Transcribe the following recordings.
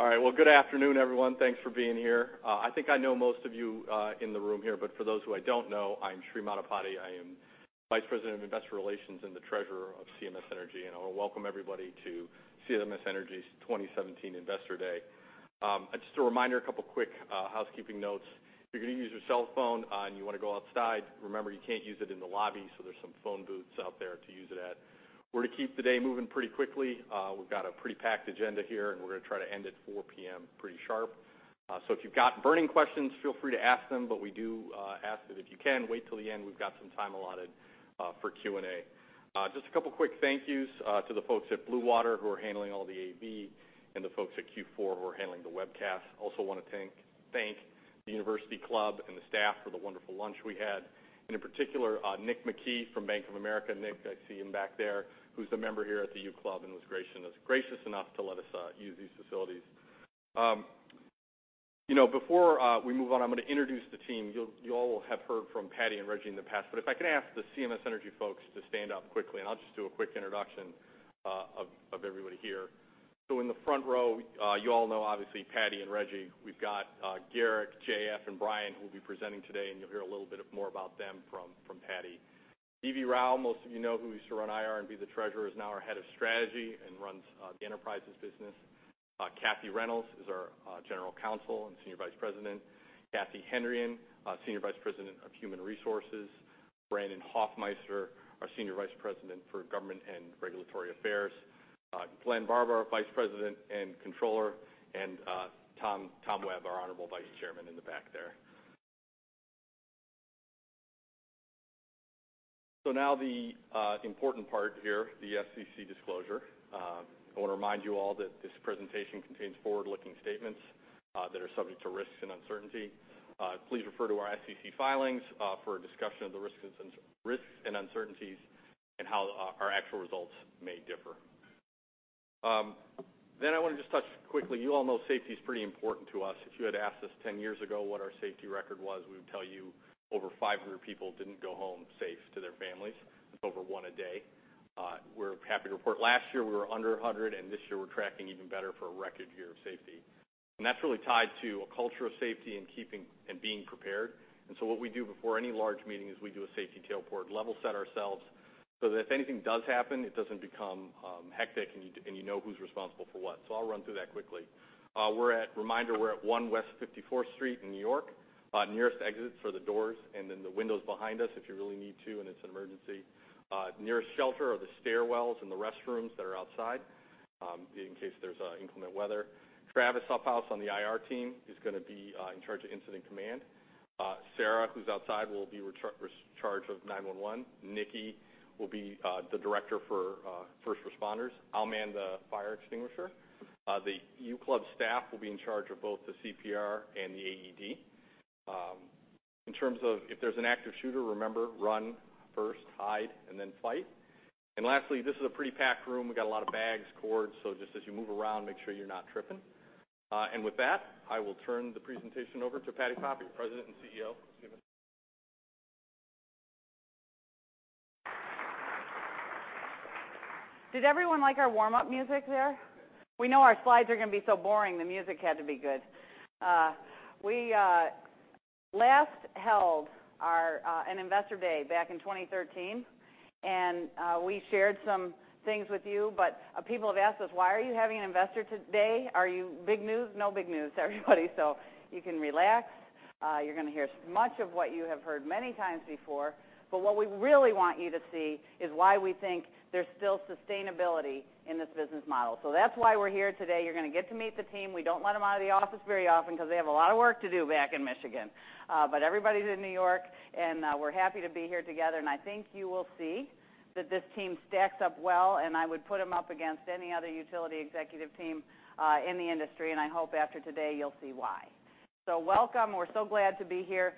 All right. Well, good afternoon, everyone. Thanks for being here. I think I know most of you in the room here, but for those who I don't know, I'm Sri Maddipati. I am Vice President of Investor Relations and the Treasurer of CMS Energy, and I want to welcome everybody to CMS Energy's 2017 Investor Day. Just a reminder, a couple of quick housekeeping notes. If you're going to use your cell phone and you want to go outside, remember, you can't use it in the lobby, so there's some phone booths out there to use it at. We're going to keep the day moving pretty quickly. We've got a pretty packed agenda here, and we're going to try to end at 4:00 P.M. pretty sharp. If you've got burning questions, feel free to ask them, but we do ask that if you can, wait till the end. We've got some time allotted for Q&A. Just a couple of quick thank yous to the folks at Bluewater who are handling all the AV and the folks at Q4 Inc. who are handling the webcast. Also want to thank the University Club and the staff for the wonderful lunch we had. In particular, Nick McKee from Bank of America. Nick, I see him back there, who's a member here at the U Club and was gracious enough to let us use these facilities. Before we move on, I'm going to introduce the team. You all have heard from Patti and Rejji in the past, but if I can ask the CMS Energy folks to stand up quickly, I'll just do a quick introduction of everybody here. In the front row, you all know, obviously, Patti and Rejji. We've got Garrick, JF, and Brian, who will be presenting today, and you'll hear a little bit more about them from Patti. Venkat Rao, most of you know, who used to run IR and be the Treasurer, is now our Head of Strategy and runs the Enterprises business. Catherine Reynolds is our General Counsel and Senior Vice President. Cathy Hendrian, Senior Vice President of Human Resources. Brandon Hofmeister, our Senior Vice President for Government and Regulatory Affairs. Glenn Barba, Vice President and Controller. And Tom Webb, our honorable Vice Chairman in the back there. Now the important part here, the SEC disclosure. I want to remind you all that this presentation contains forward-looking statements that are subject to risks and uncertainty. Please refer to our SEC filings for a discussion of the risks and uncertainties and how our actual results may differ. Then I want to just touch quickly. You all know safety is pretty important to us. If you had asked us 10 years ago what our safety record was, we would tell you over 500 people didn't go home safe to their families. That's over one a day. We're happy to report last year we were under 100, and this year we're tracking even better for a record year of safety. That's really tied to a culture of safety and being prepared. What we do before any large meeting is we do a safety tailgate, level set ourselves so that if anything does happen, it doesn't become hectic and you know who's responsible for what. I'll run through that quickly. Reminder, we're at 1 West 54th Street in New York. Nearest exits are the doors and then the windows behind us if you really need to and it's an emergency. Nearest shelter are the stairwells and the restrooms that are outside in case there's inclement weather. Travis Uphues on the IR team is going to be in charge of incident command. Sarah, who's outside, will be in charge of 911. Nikki will be the director for first responders. I'll man the fire extinguisher. The U Club staff will be in charge of both the CPR and the AED. In terms of if there's an active shooter, remember, run first, hide, and then fight. Lastly, this is a pretty packed room. We got a lot of bags, cords. Just as you move around, make sure you're not tripping. With that, I will turn the presentation over to Patti Poppe, President and CEO of CMS. Did everyone like our warm-up music there? We know our slides are going to be so boring, the music had to be good. We last held an Investor Day back in 2013. We shared some things with you, people have asked us, "Why are you having an Investor Day? Are you big news?" No big news, everybody. You can relax. You're going to hear much of what you have heard many times before, what we really want you to see is why we think there's still sustainability in this business model. That's why we're here today. You're going to get to meet the team. We don't let them out of the office very often because they have a lot of work to do back in Michigan. Everybody's in New York. We're happy to be here together. I think you will see that this team stacks up well. I would put them up against any other utility executive team in the industry. I hope after today you'll see why. Welcome. We're so glad to be here.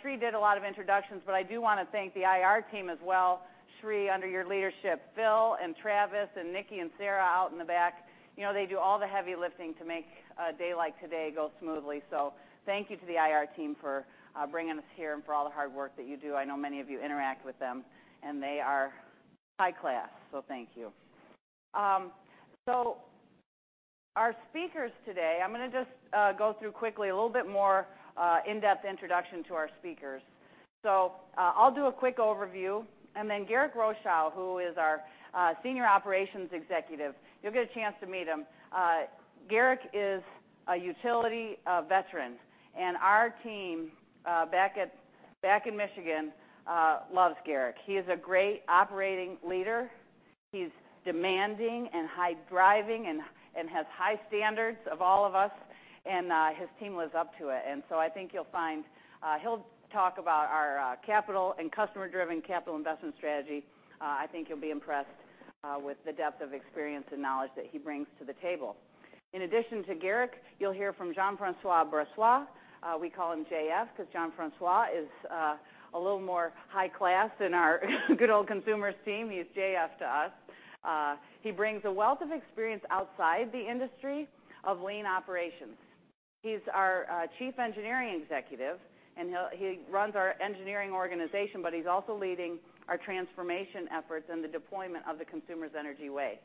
Sri did a lot of introductions, I do want to thank the IR team as well. Sri, under your leadership, Phil and Travis and Nikki and Sarah out in the back. They do all the heavy lifting to make a day like today go smoothly. Thank you to the IR team for bringing us here and for all the hard work that you do. I know many of you interact with them, they are high class, thank you. Our speakers today, I'm going to just go through quickly, a little bit more in-depth introduction to our speakers. I'll do a quick overview, then Garrick Rochow, who is our Senior Operations Executive. You'll get a chance to meet him. Garrick is a utility veteran. Our team back in Michigan loves Garrick. He is a great operating leader. He's demanding, high-driving, has high standards of all of us, his team lives up to it. I think you'll find he'll talk about our capital and customer-driven capital investment strategy. I think you'll be impressed with the depth of experience and knowledge that he brings to the table. In addition to Garrick, you'll hear from Jean-François Brossoit. We call him JF because Jean-François is a little more high class in our good old Consumers team. He's JF to us. He brings a wealth of experience outside the industry of lean operations. He's our chief engineering executive, and he runs our engineering organization, but he's also leading our transformation efforts and the deployment of the Consumers Energy Way.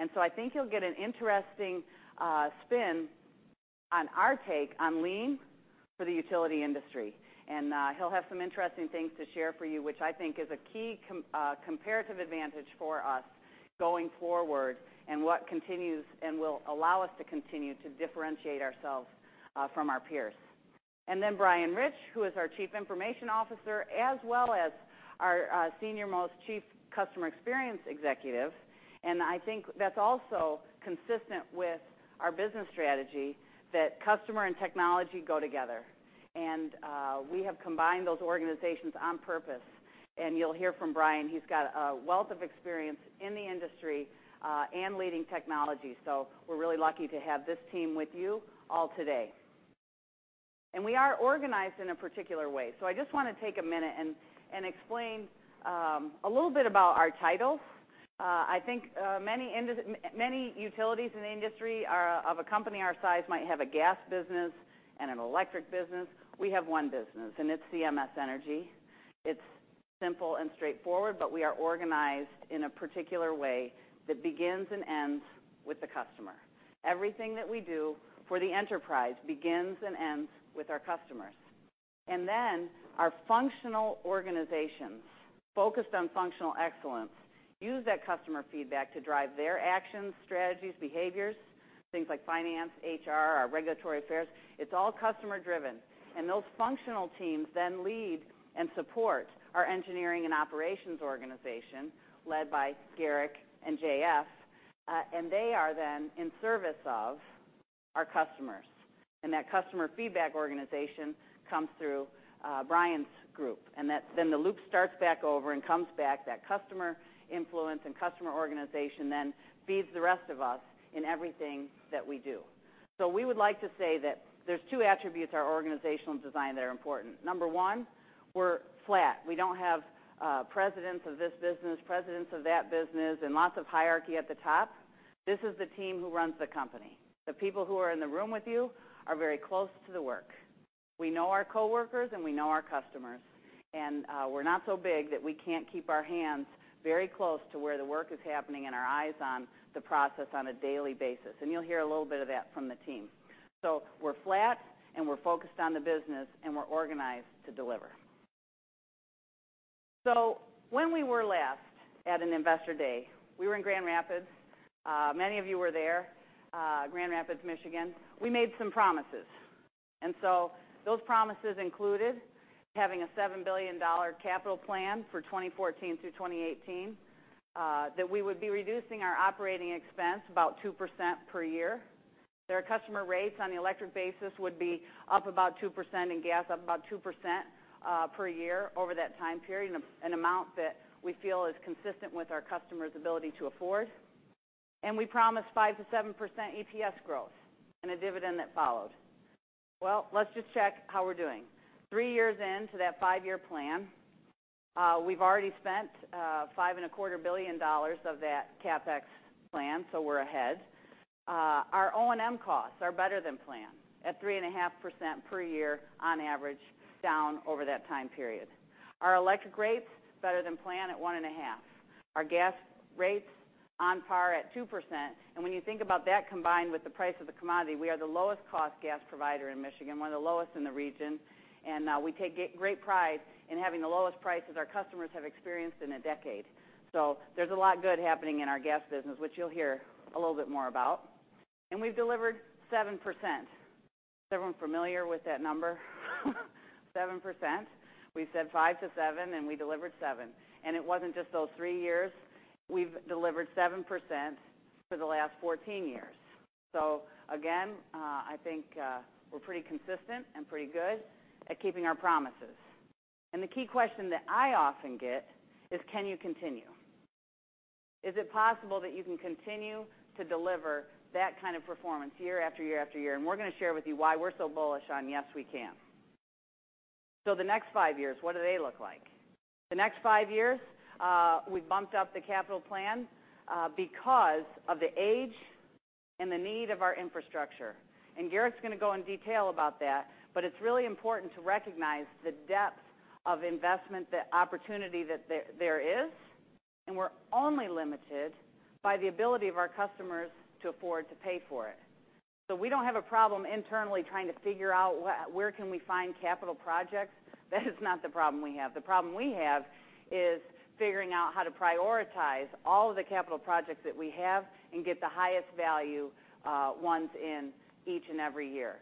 I think you'll get an interesting spin on our take on lean for the utility industry. He'll have some interesting things to share for you, which I think is a key comparative advantage for us going forward, what continues and will allow us to continue to differentiate ourselves from our peers. Brian Rich, who is our chief information officer, as well as our senior-most chief customer experience executive. I think that's also consistent with our business strategy that customer and technology go together. We have combined those organizations on purpose. You'll hear from Brian, he's got a wealth of experience in the industry and leading technology. We're really lucky to have this team with you all today. We are organized in a particular way. I just want to take a minute and explain a little bit about our titles. I think many utilities in the industry of a company our size might have a gas business and an electric business. We have one business, it's CMS Energy. It's simple and straightforward, but we are organized in a particular way that begins and ends with the customer. Everything that we do for the enterprise begins and ends with our customers. Our functional organizations, focused on functional excellence, use that customer feedback to drive their actions, strategies, behaviors, things like finance, HR, our regulatory affairs. It's all customer-driven. Those functional teams then lead and support our engineering and operations organization led by Garrick and JF, and they are then in service of our customers. That customer feedback organization comes through Brian's group. The loop starts back over and comes back, that customer influence and customer organization then feeds the rest of us in everything that we do. We would like to say that there's two attributes of our organizational design that are important. Number one, we're flat. We don't have presidents of this business, presidents of that business, and lots of hierarchy at the top. This is the team who runs the company. The people who are in the room with you are very close to the work. We know our coworkers, we know our customers. We're not so big that we can't keep our hands very close to where the work is happening and our eyes on the process on a daily basis. You'll hear a little bit of that from the team. We're flat, we're focused on the business, we're organized to deliver. When we were last at an Investor Day, we were in Grand Rapids. Many of you were there, Grand Rapids, Michigan. We made some promises. Those promises included having a $7 billion capital plan for 2014 through 2018, that we would be reducing our operating expense about 2% per year, that our customer rates on the electric basis would be up about 2% and gas up about 2% per year over that time period, an amount that we feel is consistent with our customers' ability to afford. We promised 5%-7% EPS growth and a dividend that followed. Well, let's just check how we're doing. Three years into that five-year plan, we've already spent $5.25 billion of that CapEx plan, we're ahead. Our O&M costs are better than planned at 3.5% per year on average down over that time period. Our electric rates, better than planned at 1.5%. Our gas rates on par at 2%. When you think about that combined with the price of the commodity, we are the lowest cost gas provider in Michigan, one of the lowest in the region. We take great pride in having the lowest prices our customers have experienced in a decade. There's a lot good happening in our gas business, which you'll hear a little bit more about. We've delivered 7%. Is everyone familiar with that number? 7%. We said 5%-7%, we delivered 7%. It wasn't just those three years. We've delivered 7% for the last 14 years. Again, I think we're pretty consistent and pretty good at keeping our promises. The key question that I often get is can you continue? Is it possible that you can continue to deliver that kind of performance year after year after year? We're going to share with you why we're so bullish on yes, we can. The next five years, what do they look like? The next five years, we've bumped up the capital plan because of the age and the need of our infrastructure. Garrick's going to go in detail about that, it's really important to recognize the depth of investment, the opportunity that there is, we're only limited by the ability of our customers to afford to pay for it. We don't have a problem internally trying to figure out where can we find capital projects. That is not the problem we have. The problem we have is figuring out how to prioritize all of the capital projects that we have and get the highest value ones in each and every year.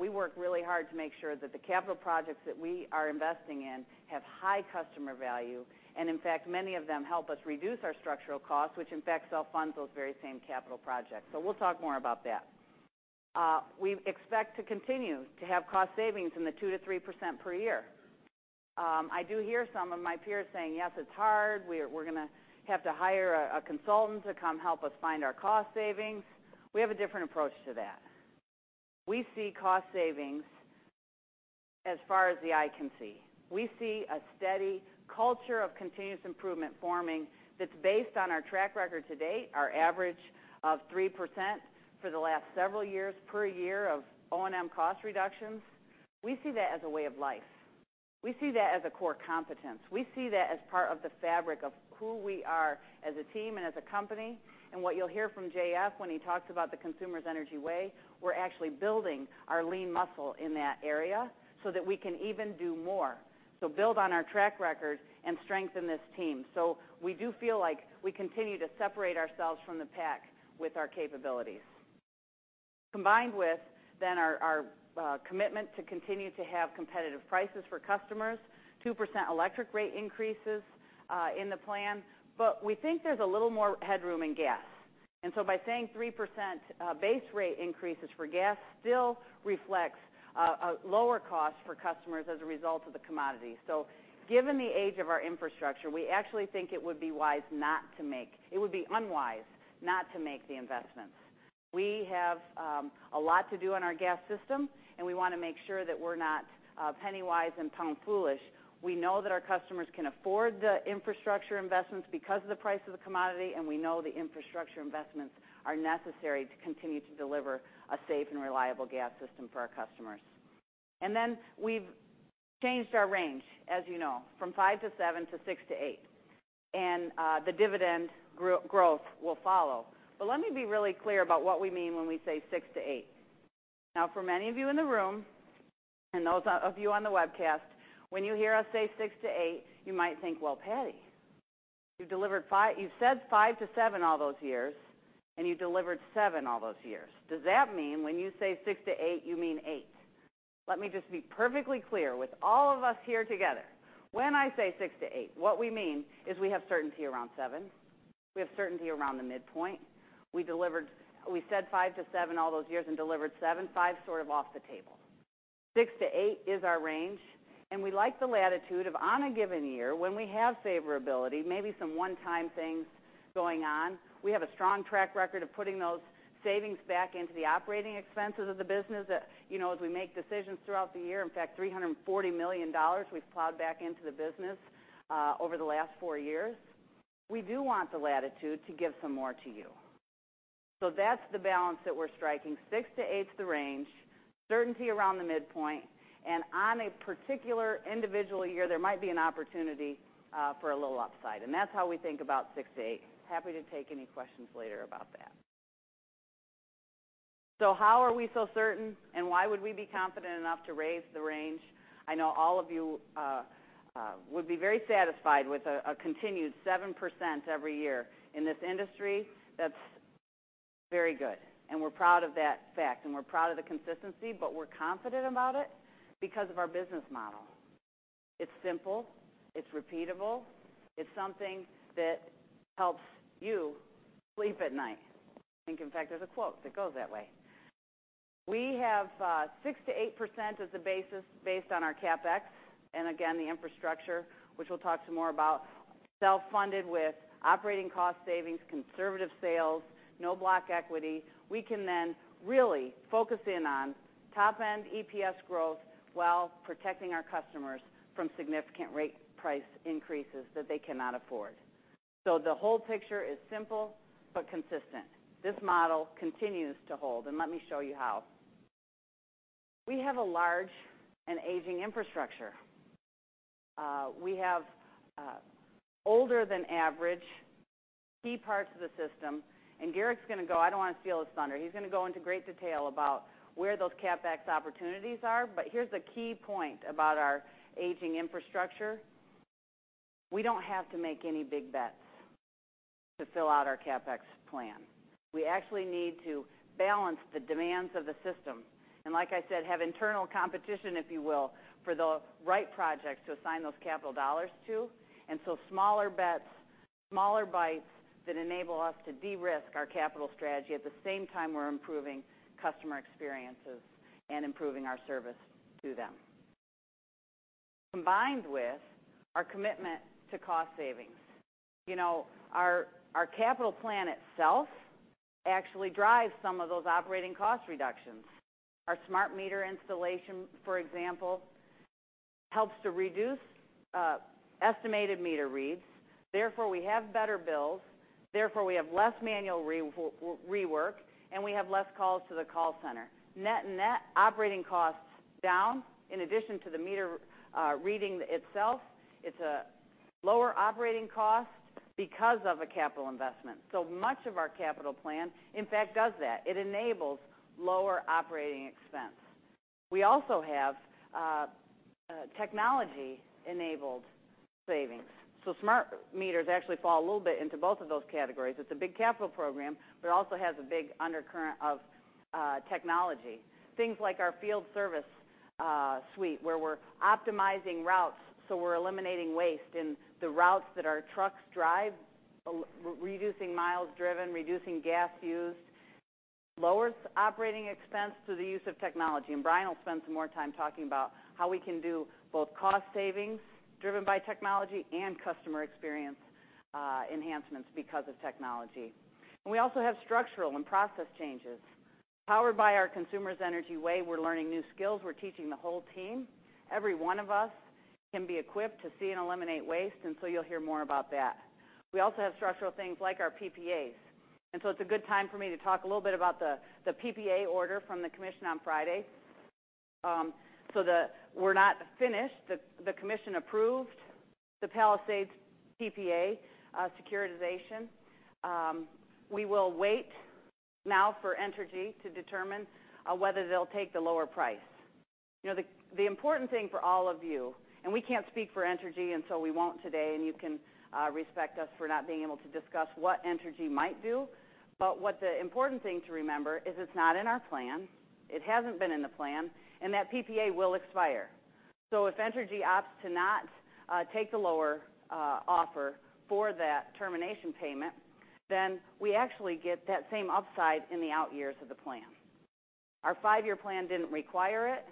We work really hard to make sure that the capital projects that we are investing in have high customer value, and in fact, many of them help us reduce our structural cost, which in fact self-funds those very same capital projects. We'll talk more about that. We expect to continue to have cost savings in the 2%-3% per year. I do hear some of my peers saying, "Yes, it's hard. We're going to have to hire a consultant to come help us find our cost savings." We have a different approach to that. We see cost savings as far as the eye can see. We see a steady culture of continuous improvement forming that's based on our track record to date, our average of 3% for the last several years per year of O&M cost reductions. We see that as a way of life. We see that as a core competence. We see that as part of the fabric of who we are as a team and as a company. What you'll hear from JF when he talks about the Consumers Energy Way, we're actually building our lean muscle in that area so that we can even do more. Build on our track record and strengthen this team. We do feel like we continue to separate ourselves from the pack with our capabilities. Combined with then our commitment to continue to have competitive prices for customers, 2% electric rate increases in the plan. We think there's a little more headroom in gas. By saying 3% base rate increases for gas still reflects a lower cost for customers as a result of the commodity. Given the age of our infrastructure, we actually think it would be unwise not to make the investments. We have a lot to do on our gas system, and we want to make sure that we're not penny-wise and pound-foolish. We know that our customers can afford the infrastructure investments because of the price of the commodity, and we know the infrastructure investments are necessary to continue to deliver a safe and reliable gas system for our customers. We've changed our range, as you know, from 5%-7% to 6%-8%. The dividend growth will follow. Let me be really clear about what we mean when we say 6%-8%. For many of you in the room, and those of you on the webcast, when you hear us say 6%-8%, you might think, "Well, Patti, you've said 5%-7% all those years, and you delivered 7% all those years. Does that mean when you say 6%-8%, you mean 8%?" Let me just be perfectly clear with all of us here together. When I say 6%-8%, what we mean is we have certainty around 7%. We have certainty around the midpoint. We said 5%-7% all those years and delivered 7%. 5%'s sort of off the table. 6%-8% is our range, and we like the latitude of on a given year when we have favorability, maybe some one-time things going on. We have a strong track record of putting those savings back into the operating expenses of the business as we make decisions throughout the year. In fact, $340 million we've plowed back into the business over the last four years. We do want the latitude to give some more to you. That's the balance that we're striking. 6%-8%'s the range, certainty around the midpoint, and on a particular individual year, there might be an opportunity for a little upside. That's how we think about 6%-8%. Happy to take any questions later about that. How are we so certain, and why would we be confident enough to raise the range? I know all of you would be very satisfied with a continued 7% every year. In this industry, that's very good. We're proud of that fact, and we're proud of the consistency, but we're confident about it because of our business model. It's simple. It's repeatable. It's something that helps you sleep at night. I think, in fact, there's a quote that goes that way. We have 6%-8% as the basis based on our CapEx, and again, the infrastructure, which we'll talk some more about, self-funded with operating cost savings, conservative sales, no block equity. We can then really focus in on top-end EPS growth while protecting our customers from significant rate price increases that they cannot afford. The whole picture is simple but consistent. This model continues to hold, let me show you how. We have a large and aging infrastructure. We have older than average key parts of the system. Garrick's going to go, I don't want to steal his thunder. He's going to go into great detail about where those CapEx opportunities are. Here's the key point about our aging infrastructure. We don't have to make any big bets to fill out our CapEx plan. We actually need to balance the demands of the system, and like I said, have internal competition, if you will, for the right projects to assign those capital dollars to. Smaller bets, smaller bites that enable us to de-risk our capital strategy. At the same time, we're improving customer experiences and improving our service to them. Combined with our commitment to cost savings. Our capital plan itself actually drives some of those operating cost reductions. Our smart meter installation, for example, helps to reduce estimated meter reads. Therefore, we have better bills. Therefore, we have less manual rework, we have less calls to the call center. Net operating costs down. In addition to the meter reading itself, it's a lower operating cost because of a capital investment. Much of our capital plan, in fact, does that. It enables lower operating expense. We also have technology-enabled savings. Smart meters actually fall a little bit into both of those categories. It's a big capital program, but it also has a big undercurrent of technology. Things like our field service suite, where we're optimizing routes, we're eliminating waste in the routes that our trucks drive, reducing miles driven, reducing gas used, lowers operating expense through the use of technology. Brian will spend some more time talking about how we can do both cost savings driven by technology and customer experience enhancements because of technology. We also have structural and process changes. Powered by our Consumers Energy Way, we're learning new skills. We're teaching the whole team. Every one of us can be equipped to see and eliminate waste, you'll hear more about that. We also have structural things like our PPAs. It's a good time for me to talk a little bit about the PPA order from the commission on Friday. We're not finished. The commission approved the Palisades PPA securitization. We will wait now for Entergy to determine whether they'll take the lower price. The important thing for all of you, we can't speak for Entergy, so we won't today, you can respect us for not being able to discuss what Entergy might do. What the important thing to remember is it's not in our plan, it hasn't been in the plan, that PPA will expire. If Entergy opts to not take the lower offer for that termination payment, we actually get that same upside in the out years of the plan. Our 5-year plan didn't require it,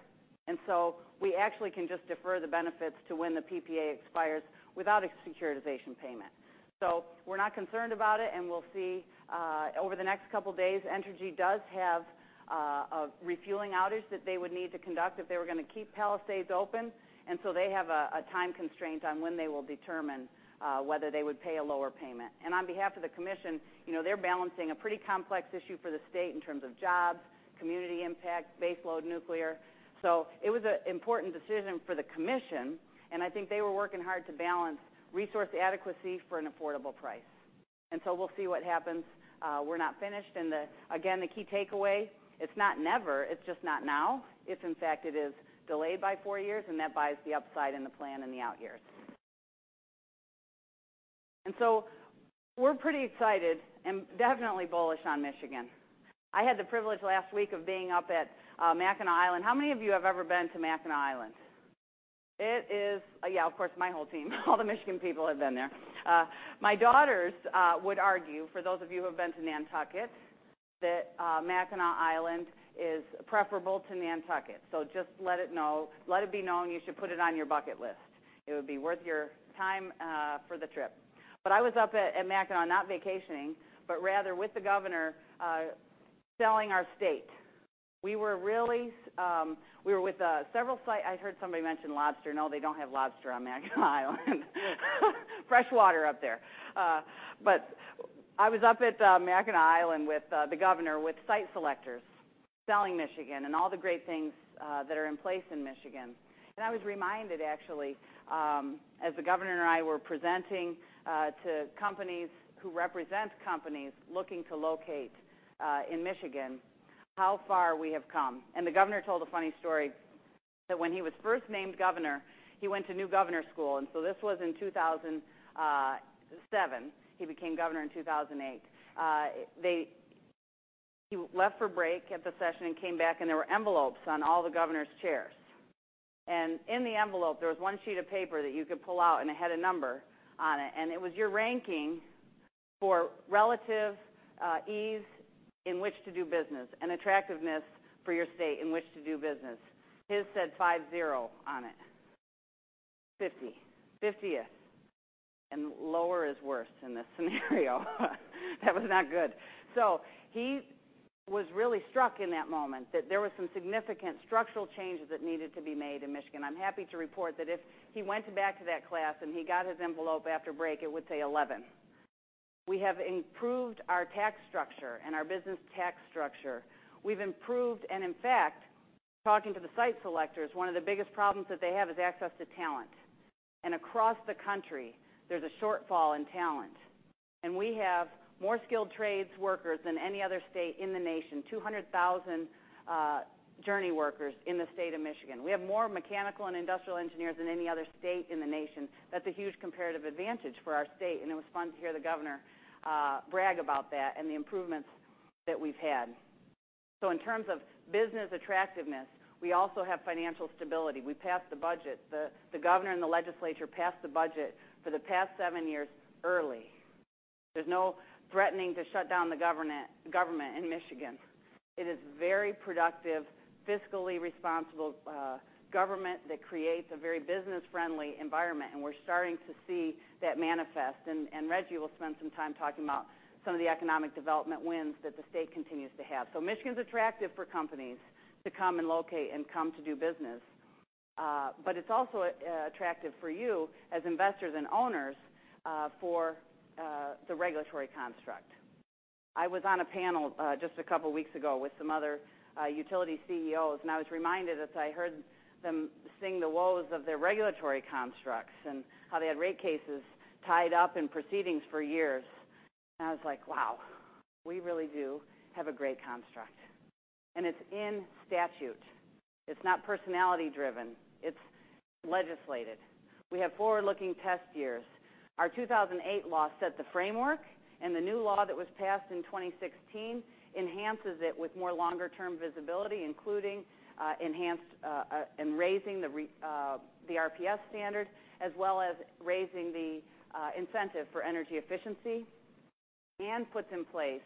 we actually can just defer the benefits to when the PPA expires without a securitization payment. We're not concerned about it, we'll see over the next couple of days. Entergy does have a refueling outage that they would need to conduct if they were going to keep Palisades open. They have a time constraint on when they will determine whether they would pay a lower payment. On behalf of the commission, they're balancing a pretty complex issue for the state in terms of jobs, community impact, baseload nuclear. It was an important decision for the commission, and I think they were working hard to balance resource adequacy for an affordable price. We'll see what happens. We're not finished, and again, the key takeaway, it's not never, it's just not now. It's in fact, it is delayed by four years, and that buys the upside in the plan in the out years. We're pretty excited and definitely bullish on Michigan. I had the privilege last week of being up at Mackinac Island. How many of you have ever been to Mackinac Island? Yeah, of course, my whole team, all the Michigan people have been there. My daughters would argue, for those of you who have been to Nantucket, that Mackinac Island is preferable to Nantucket. Just let it be known you should put it on your bucket list. It would be worth your time for the trip. I was up at Mackinac, not vacationing, but rather with the governor, selling our state. I heard somebody mention lobster. No, they don't have lobster on Mackinac Island. Fresh water up there. I was up at Mackinac Island with the governor with site selectors selling Michigan and all the great things that are in place in Michigan. I was reminded, actually, as the governor and I were presenting to companies who represent companies looking to locate in Michigan, how far we have come. The governor told a funny story that when he was first named governor, he went to new governor school. This was in 2007. He became governor in 2008. He left for break at the session and came back, and there were envelopes on all the governors' chairs. In the envelope, there was one sheet of paper that you could pull out, and it had a number on it, and it was your ranking for relative ease in which to do business and attractiveness for your state in which to do business. His said 5-0 on it. 50. 50th. Lower is worse in this scenario. That was not good. He was really struck in that moment that there were some significant structural changes that needed to be made in Michigan. I'm happy to report that if he went back to that class and he got his envelope after break, it would say 11. We have improved our tax structure and our business tax structure. We've improved, and in fact, talking to the site selectors, one of the biggest problems that they have is access to talent. Across the country, there's a shortfall in talent. We have more skilled trades workers than any other state in the nation, 200,000 journey workers in the state of Michigan. We have more mechanical and industrial engineers than any other state in the nation. That's a huge comparative advantage for our state, and it was fun to hear the governor brag about that and the improvements that we've had. In terms of business attractiveness, we also have financial stability. We passed the budget. The governor and the legislature passed the budget for the past 7 years early. There's no threatening to shut down the government in Michigan. It is very productive, fiscally responsible government that creates a very business-friendly environment, and we're starting to see that manifest. Rejji will spend some time talking about some of the economic development wins that the state continues to have. Michigan's attractive for companies to come and locate and come to do business. It's also attractive for you as investors and owners for the regulatory construct. I was on a panel just a couple of weeks ago with some other utility CEOs, I was reminded as I heard them sing the woes of their regulatory constructs and how they had rate cases tied up in proceedings for years. I was like, "Wow, we really do have a great construct." It's in statute. It's not personality-driven. It's legislated. We have forward-looking test years. Our 2008 law set the framework, and the new law that was passed in 2016 enhances it with more longer-term visibility, including enhanced and raising the RPS standard, as well as raising the incentive for energy efficiency and puts in place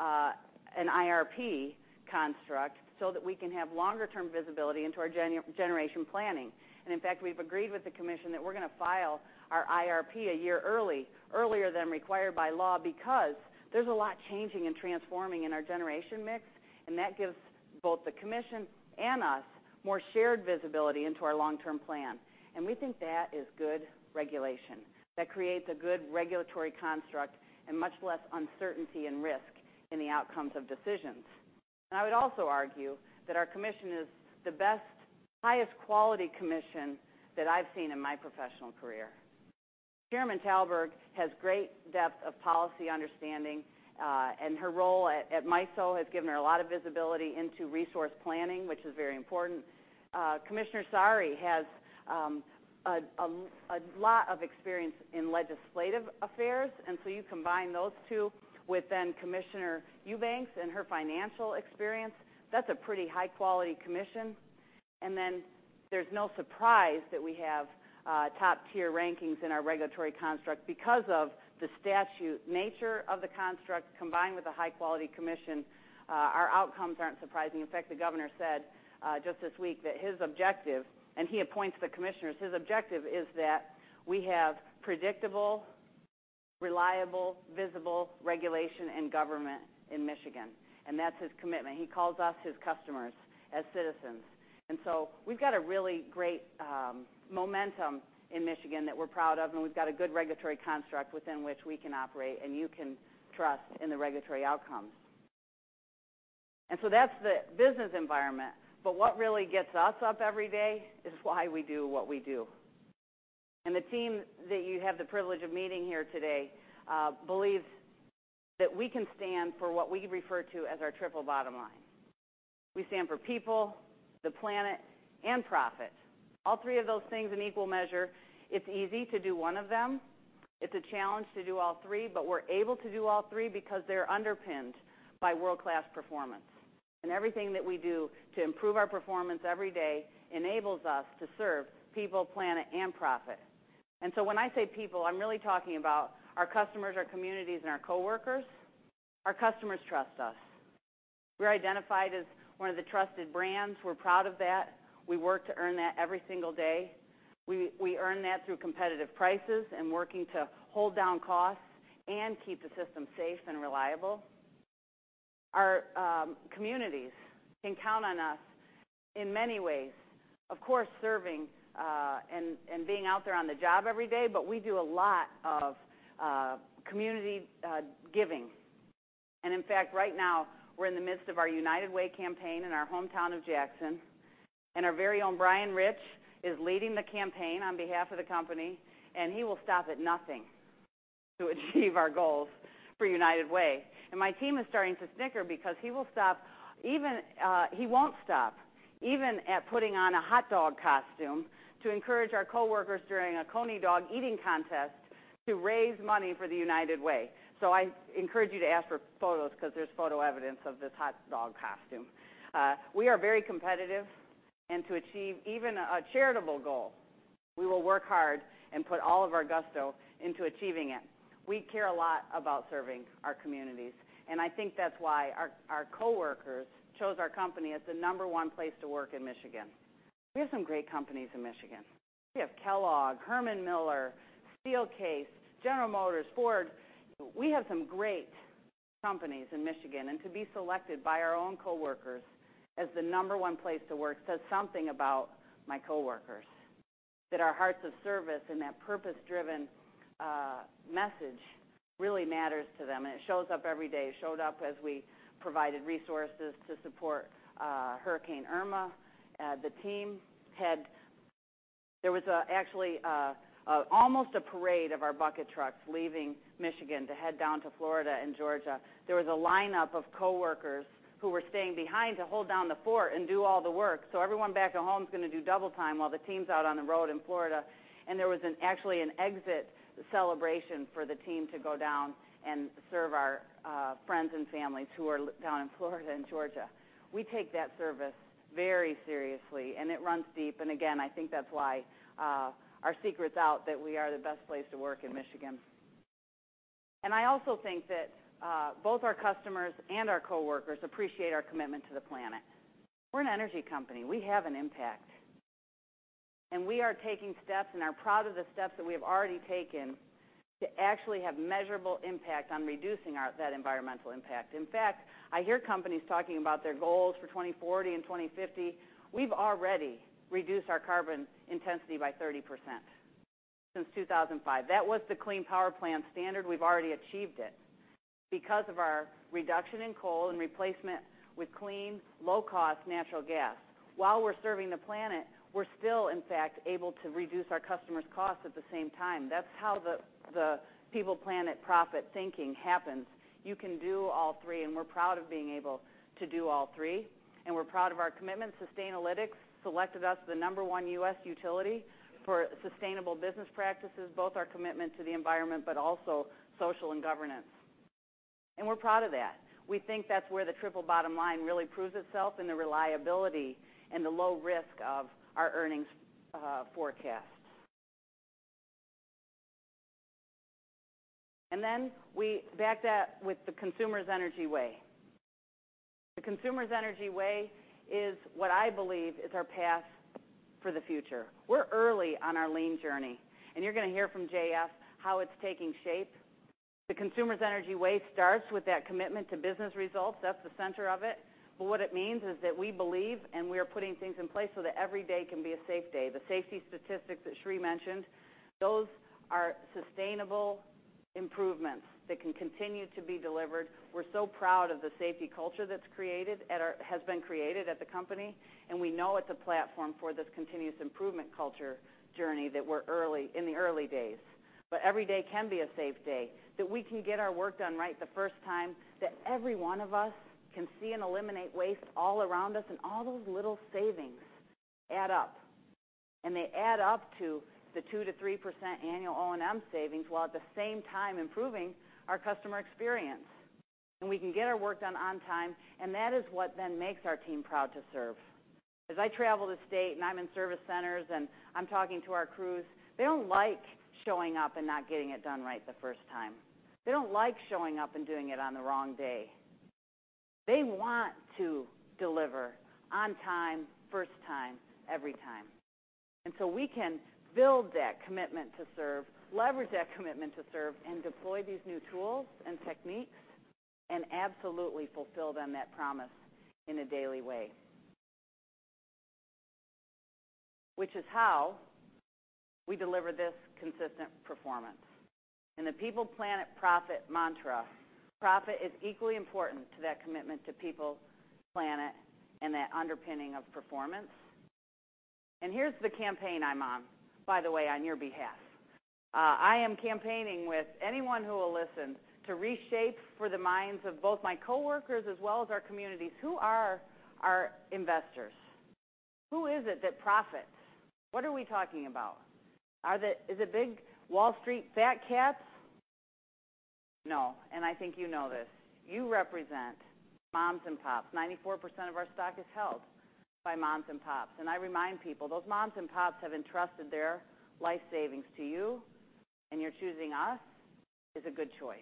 an IRP construct so that we can have longer-term visibility into our generation planning. In fact, we've agreed with the commission that we're going to file our IRP a year early, earlier than required by law, because there's a lot changing and transforming in our generation mix, and that gives both the commission and us more shared visibility into our long-term plan. We think that is good regulation that creates a good regulatory construct and much less uncertainty and risk in the outcomes of decisions. I would also argue that our commission is the best, highest quality commission that I've seen in my professional career. Chairman Talberg has great depth of policy understanding, and her role at MISO has given her a lot of visibility into resource planning, which is very important. Commissioner Saari has a lot of experience in legislative affairs, you combine those two with then Commissioner Eubanks and her financial experience, that's a pretty high-quality commission. There's no surprise that we have top-tier rankings in our regulatory construct because of the statute nature of the construct combined with a high-quality commission, our outcomes aren't surprising. In fact, the governor said just this week that his objective, and he appoints the commissioners, his objective is that we have predictable, reliable, visible regulation and government in Michigan, and that's his commitment. He calls us his customers as citizens. We've got a really great momentum in Michigan that we're proud of, and we've got a good regulatory construct within which we can operate and you can trust in the regulatory outcomes. That's the business environment. What really gets us up every day is why we do what we do. The team that you have the privilege of meeting here today believes that we can stand for what we refer to as our triple bottom line. We stand for people, the planet, and profit. All three of those things in equal measure. It's easy to do one of them. It's a challenge to do all three, but we're able to do all three because they're underpinned by world-class performance. Everything that we do to improve our performance every day enables us to serve people, planet, and profit. When I say people, I'm really talking about our customers, our communities, and our coworkers. Our customers trust us. We're identified as one of the trusted brands. We're proud of that. We work to earn that every single day. We earn that through competitive prices and working to hold down costs and keep the system safe and reliable. Our communities can count on us in many ways, of course, serving and being out there on the job every day, but we do a lot of community giving. In fact, right now we're in the midst of our United Way campaign in our hometown of Jackson, and our very own Brian Rich is leading the campaign on behalf of the company, and he will stop at nothing to achieve our goals for United Way. My team is starting to snicker because he won't stop even at putting on a hot dog costume to encourage our coworkers during a Coney Dog eating contest to raise money for the United Way. I encourage you to ask for photos because there's photo evidence of this hot dog costume. We are very competitive, and to achieve even a charitable goal, we will work hard and put all of our gusto into achieving it. We care a lot about serving our communities, I think that's why our coworkers chose our company as the number 1 place to work in Michigan. We have some great companies in Michigan. We have Kellogg, Herman Miller, Steelcase, General Motors, Ford. We have some great companies in Michigan, to be selected by our own coworkers as the number 1 place to work says something about my coworkers. That our hearts of service and that purpose-driven message really matters to them, and it shows up every day. It showed up as we provided resources to support Hurricane Irma. There was actually almost a parade of our bucket trucks leaving Michigan to head down to Florida and Georgia. There was a lineup of coworkers who were staying behind to hold down the fort and do all the work, everyone back at home is going to do double time while the team's out on the road in Florida. There was actually an exit celebration for the team to go down and serve our friends and families who are down in Florida and Georgia. We take that service very seriously, it runs deep. Again, I think that's why our secret's out that we are the best place to work in Michigan. I also think that both our customers and our coworkers appreciate our commitment to the planet. We're an energy company. We have an impact, and we are taking steps and are proud of the steps that we have already taken to actually have measurable impact on reducing that environmental impact. In fact, I hear companies talking about their goals for 2040 and 2050. We've already reduced our carbon intensity by 30% since 2005. That was the Clean Power Plan standard. We've already achieved it because of our reduction in coal and replacement with clean, low-cost natural gas. While we're serving the planet, we're still, in fact, able to reduce our customers' costs at the same time. That's how the people, planet, profit thinking happens. You can do all three, and we're proud of being able to do all three, and we're proud of our commitment. Sustainalytics selected us the number 1 U.S. utility for sustainable business practices, both our commitment to the environment but also social and governance. We're proud of that. We think that's where the triple bottom line really proves itself in the reliability and the low risk of our earnings forecast. We back that with the Consumers Energy Way. The Consumers Energy Way is what I believe is our path for the future. We're early on our lean journey, and you're going to hear from JF how it's taking shape. The Consumers Energy Way starts with that commitment to business results. That's the center of it. What it means is that we believe, and we are putting things in place so that every day can be a safe day. The safety statistics that Sri mentioned, those are sustainable improvements that can continue to be delivered. We're so proud of the safety culture that has been created at the company, and we know it's a platform for this continuous improvement culture journey that we're in the early days. Every day can be a safe day, that we can get our work done right the first time, that every one of us can see and eliminate waste all around us, and all those little savings add up. They add up to the 2%-3% annual O&M savings, while at the same time improving our customer experience. We can get our work done on time, and that is what then makes our team proud to serve. As I travel the state and I'm in service centers and I'm talking to our crews, they don't like showing up and not getting it done right the first time. They don't like showing up and doing it on the wrong day. They want to deliver on time, first time, every time. We can build that commitment to serve, leverage that commitment to serve, and deploy these new tools and techniques, and absolutely fulfill on that promise in a daily way. Which is how we deliver this consistent performance. In the people, planet, profit mantra, profit is equally important to that commitment to people, planet, and that underpinning of performance. Here's the campaign I'm on, by the way, on your behalf. I am campaigning with anyone who will listen to reshape for the minds of both my coworkers as well as our communities, who are our investors? Who is it that profits? What are we talking about? Is it big Wall Street fat cats? No, and I think you know this. You represent moms and pops. 94% of our stock is held by moms and pops. I remind people, those moms and pops have entrusted their life savings to you, and your choosing us is a good choice.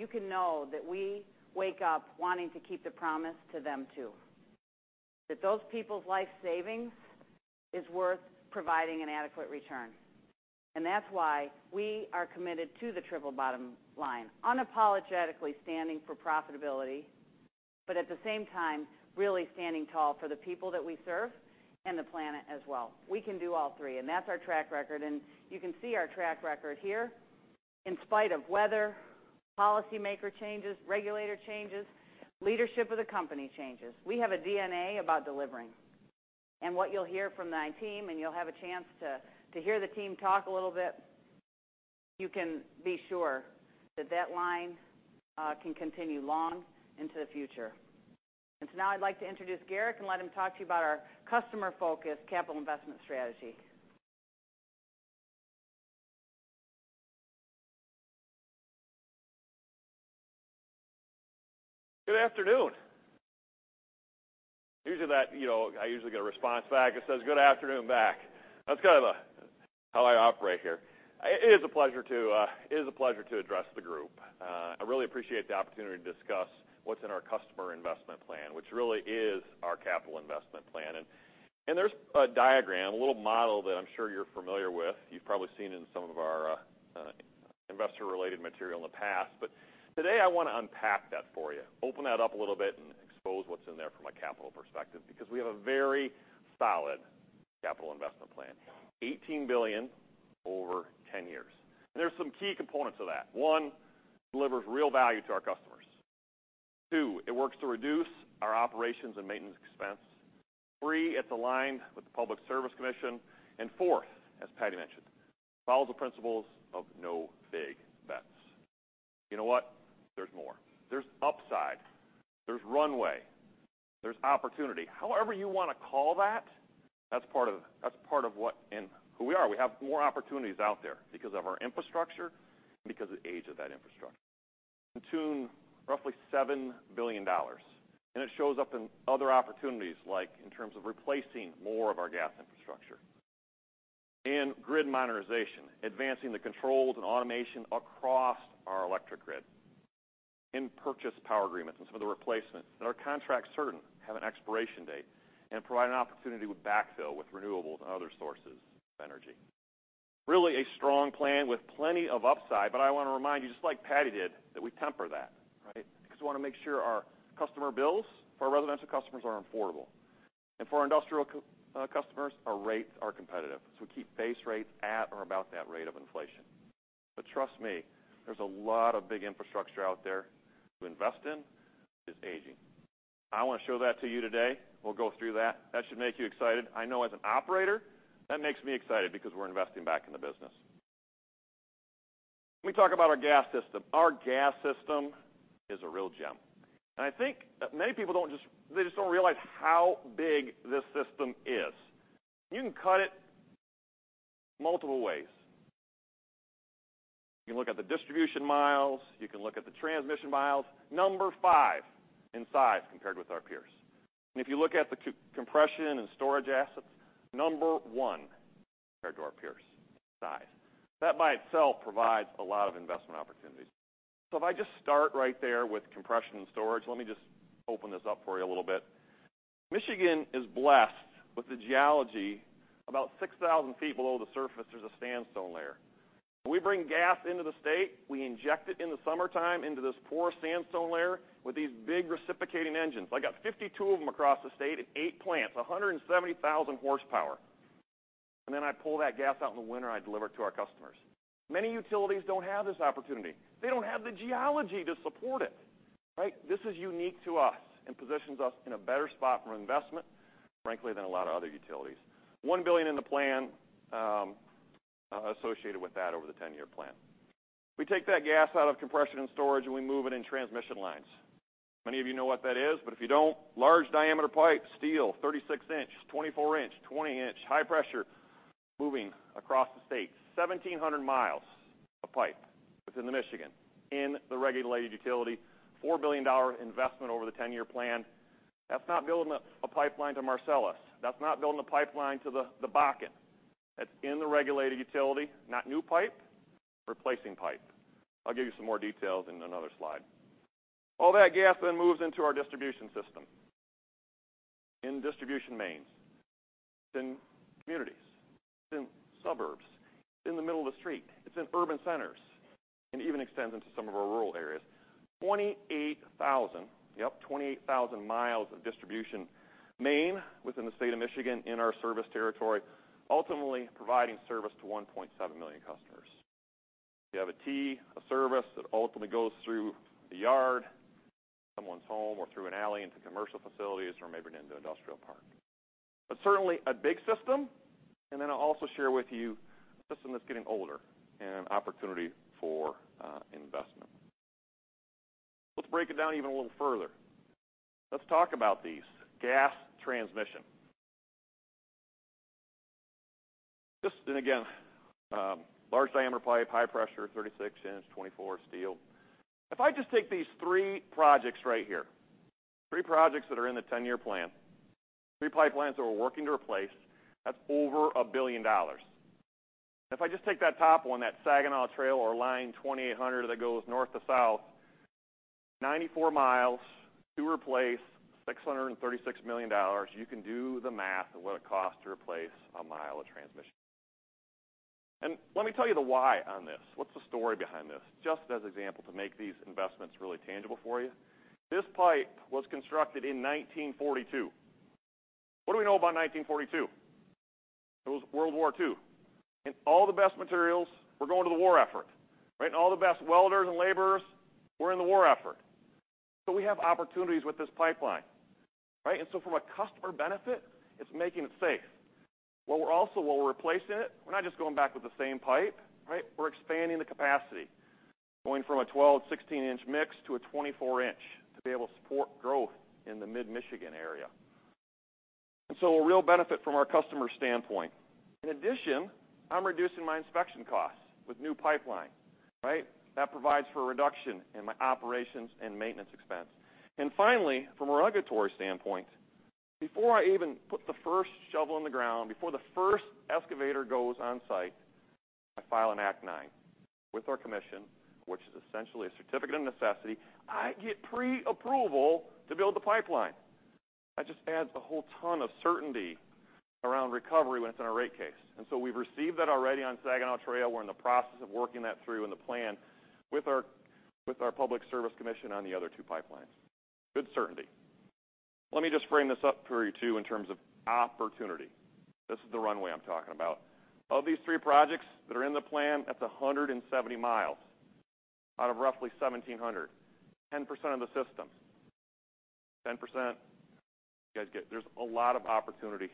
You can know that we wake up wanting to keep the promise to them, too. That those people's life savings is worth providing an adequate return. That's why we are committed to the triple bottom line, unapologetically standing for profitability, at the same time, really standing tall for the people that we serve and the planet as well. We can do all three, that's our track record. You can see our track record here. In spite of weather, policy maker changes, regulator changes, leadership of the company changes. We have a DNA about delivering. What you'll hear from my team, and you'll have a chance to hear the team talk a little bit, you can be sure that that line can continue long into the future. Now I'd like to introduce Garrick and let him talk to you about our customer-focused capital investment strategy. Good afternoon. Usually that, I usually get a response back that says, "Good afternoon," back. That's kind of how I operate here. It is a pleasure to address the group. I really appreciate the opportunity to discuss what's in our customer investment plan, which really is our capital investment plan. There's a diagram, a little model that I'm sure you're familiar with. You've probably seen in some of our investor-related material in the past. Today I want to unpack that for you, open that up a little bit and expose what's in there from a capital perspective, because we have a very solid capital investment plan. $18 billion over 10 years. There's some key components of that. One, delivers real value to our customers. Two, it works to reduce our operations and maintenance expense. Three, it's aligned with the Public Service Commission. Fourth, as Patti mentioned, follows the principles of no big bets. You know what? There's more. There's upside, there's runway, there's opportunity. However you want to call that's part of what and who we are. We have more opportunities out there because of our infrastructure and because of the age of that infrastructure. In tune, roughly $7 billion. It shows up in other opportunities, like in terms of replacing more of our gas infrastructure and grid modernization, advancing the controls and automation across our electric grid. In purchase power agreements and some of the replacements that are contract certain have an expiration date and provide an opportunity with backfill with renewables and other sources of energy. Really a strong plan with plenty of upside. I want to remind you, just like Patti did, that we temper that, right? We want to make sure our customer bills for our residential customers are affordable. For our industrial customers, our rates are competitive. We keep base rates at or about that rate of inflation. Trust me, there's a lot of big infrastructure out there to invest in, which is aging. I want to show that to you today. We'll go through that. That should make you excited. I know as an operator, that makes me excited because we're investing back in the business. Let me talk about our gas system. Our gas system is a real gem. I think many people, they just don't realize how big this system is. You can cut it multiple ways. You can look at the distribution miles, you can look at the transmission miles. Number five in size compared with our peers. If you look at the compression and storage assets, number one compared to our peers in size. That by itself provides a lot of investment opportunities. If I just start right there with compression and storage, let me just open this up for you a little bit. Michigan is blessed with the geology. About 6,000 feet below the surface, there's a sandstone layer. We bring gas into the state. We inject it in the summertime into this porous sandstone layer with these big reciprocating engines. I got 52 of them across the state at eight plants, 170,000 horsepower. Then I pull that gas out in the winter, I deliver it to our customers. Many utilities don't have this opportunity. They don't have the geology to support it, right? This is unique to us and positions us in a better spot for investment, frankly, than a lot of other utilities. $1 billion in the plan associated with that over the 10-year plan. We take that gas out of compression and storage, and we move it in transmission lines. Many of you know what that is, but if you don't, large diameter pipe, steel, 36-inch, 24-inch, 20-inch, high pressure, moving across the state. 1,700 miles of pipe within Michigan in the regulated utility, $4 billion investment over the 10-year plan. That's not building a pipeline to Marcellus. That's not building a pipeline to the Bakken. That's in the regulated utility, not new pipe, replacing pipe. I'll give you some more details in another slide. All that gas then moves into our distribution system, in distribution mains, it's in communities, it's in suburbs, it's in the middle of the street, it's in urban centers, and even extends into some of our rural areas. 28,000 miles of distribution main within the state of Michigan in our service territory, ultimately providing service to 1.7 million customers. You have a T, a service that ultimately goes through the yard to someone's home or through an alley into commercial facilities or maybe into an industrial park. It's certainly a big system, and then I'll also share with you a system that's getting older and an opportunity for investment. Let's break it down even a little further. Let's talk about these. Gas transmission. Just, and again large diameter pipe, high pressure, 36-inch, 24 steel. If I just take these three projects right here, three projects that are in the 10-year plan, three pipelines that we're working to replace, that's over $1 billion. If I just take that top one, that Saginaw Trail or line 2800 that goes north to south, 94 miles to replace, $636 million. You can do the math of what it costs to replace a mile of transmission. Let me tell you the why on this. What's the story behind this? Just as example to make these investments really tangible for you. This pipe was constructed in 1942. What do we know about 1942? It was World War II, and all the best materials were going to the war effort, right? All the best welders and laborers were in the war effort. We have opportunities with this pipeline, right? From a customer benefit, it's making it safe. While we're replacing it, we're not just going back with the same pipe, right? We're expanding the capacity, going from a 12/16 inch mix to a 24 inch to be able to support growth in the Mid-Michigan area. A real benefit from our customer standpoint. In addition, I'm reducing my inspection costs with new pipeline, right? That provides for a reduction in my operations and maintenance expense. Finally, from a regulatory standpoint, before I even put the first shovel in the ground, before the first excavator goes on-site, I file an Act 9 with our commission, which is essentially a certificate of necessity. I get pre-approval to build the pipeline. That just adds a whole ton of certainty around recovery when it's in our rate case. We've received that already on Saginaw Trail. We're in the process of working that through in the plan with our Public Service Commission on the other two pipelines. Good certainty. Let me just frame this up for you, too, in terms of opportunity. This is the runway I'm talking about. Of these three projects that are in the plan, that's 170 miles out of roughly 1,700. 10% of the system. 10%. You guys get there's a lot of opportunity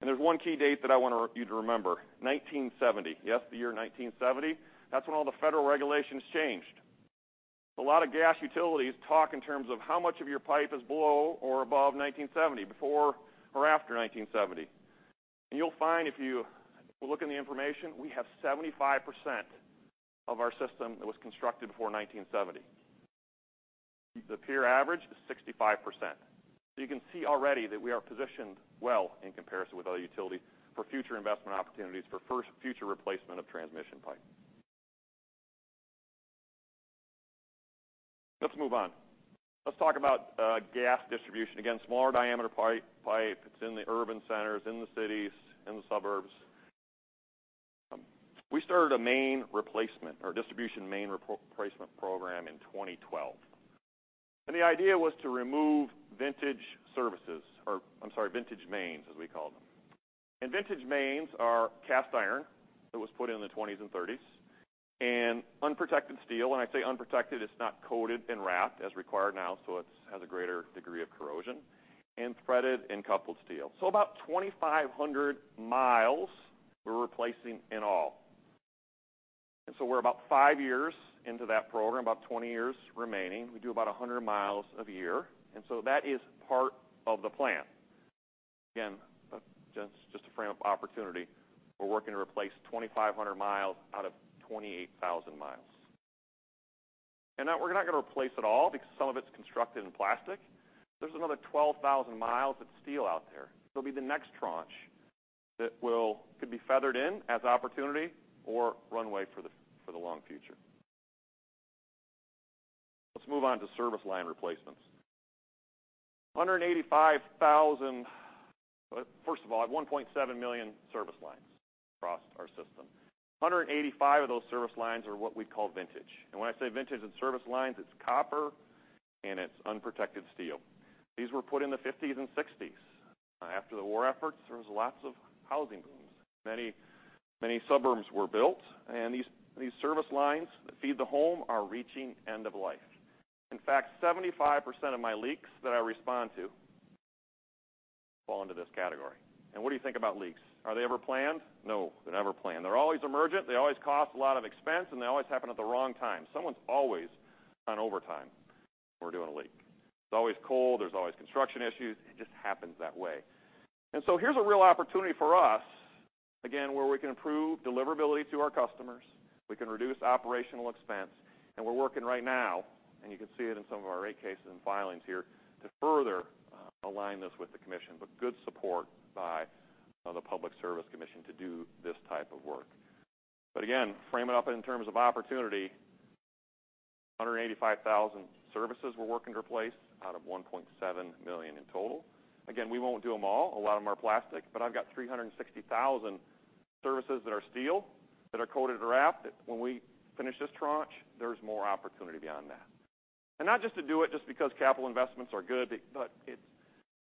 here. There's one key date that I want you to remember, 1970. Yes, the year 1970. That's when all the federal regulations changed. A lot of gas utilities talk in terms of how much of your pipe is below or above 1970, before or after 1970. You'll find if you look in the information, we have 75% of our system that was constructed before 1970. The peer average is 65%. You can see already that we are positioned well in comparison with other utilities for future investment opportunities for future replacement of transmission pipe. Let's move on. Let's talk about gas distribution. Again, smaller diameter pipe. It's in the urban centers, in the cities, in the suburbs. We started a main replacement or distribution main replacement program in 2012. The idea was to remove vintage services, or I'm sorry, vintage mains, as we call them. Vintage mains are cast iron that was put in the '20s and '30s, and unprotected steel. When I say unprotected, it's not coated and wrapped as required now, so it has a greater degree of corrosion. Threaded and coupled steel. About 2,500 miles we're replacing in all. We're about five years into that program, about 20 years remaining. We do about 100 miles a year, that is part of the plan. Again, just to frame up opportunity, we're working to replace 2,500 miles out of 28,000 miles. That we're not going to replace it all because some of it's constructed in plastic. There's another 12,000 miles of steel out there that'll be the next tranche that could be feathered in as opportunity or runway for the long future. Let's move on to service line replacements. 185,000. First of all, I have 1.7 million service lines across our system. 185 of those service lines are what we call vintage. When I say vintage in service lines, it's copper and it's unprotected steel. These were put in the '50s and '60s. After the war efforts, there was lots of housing booms. Many suburbs were built, these service lines that feed the home are reaching end of life. In fact, 75% of my leaks that I respond to fall into this category. What do you think about leaks? Are they ever planned? No, they're never planned. They're always emergent, they always cost a lot of expense, they always happen at the wrong time. Someone's always on overtime when we're doing a leak. It's always cold, there's always construction issues. It just happens that way. Here's a real opportunity for us, again, where we can improve deliverability to our customers, we can reduce operational expense, we're working right now, and you can see it in some of our rate cases and filings here, to further align this with the commission, but good support by the Public Service Commission to do this type of work. Again, frame it up in terms of opportunity, 185,000 services we're working to replace out of 1.7 million in total. Again, we won't do them all. A lot of them are plastic, but I've got 360,000 services that are steel, that are coated or wrapped, that when we finish this tranche, there's more opportunity beyond that. Not just to do it just because capital investments are good, but it's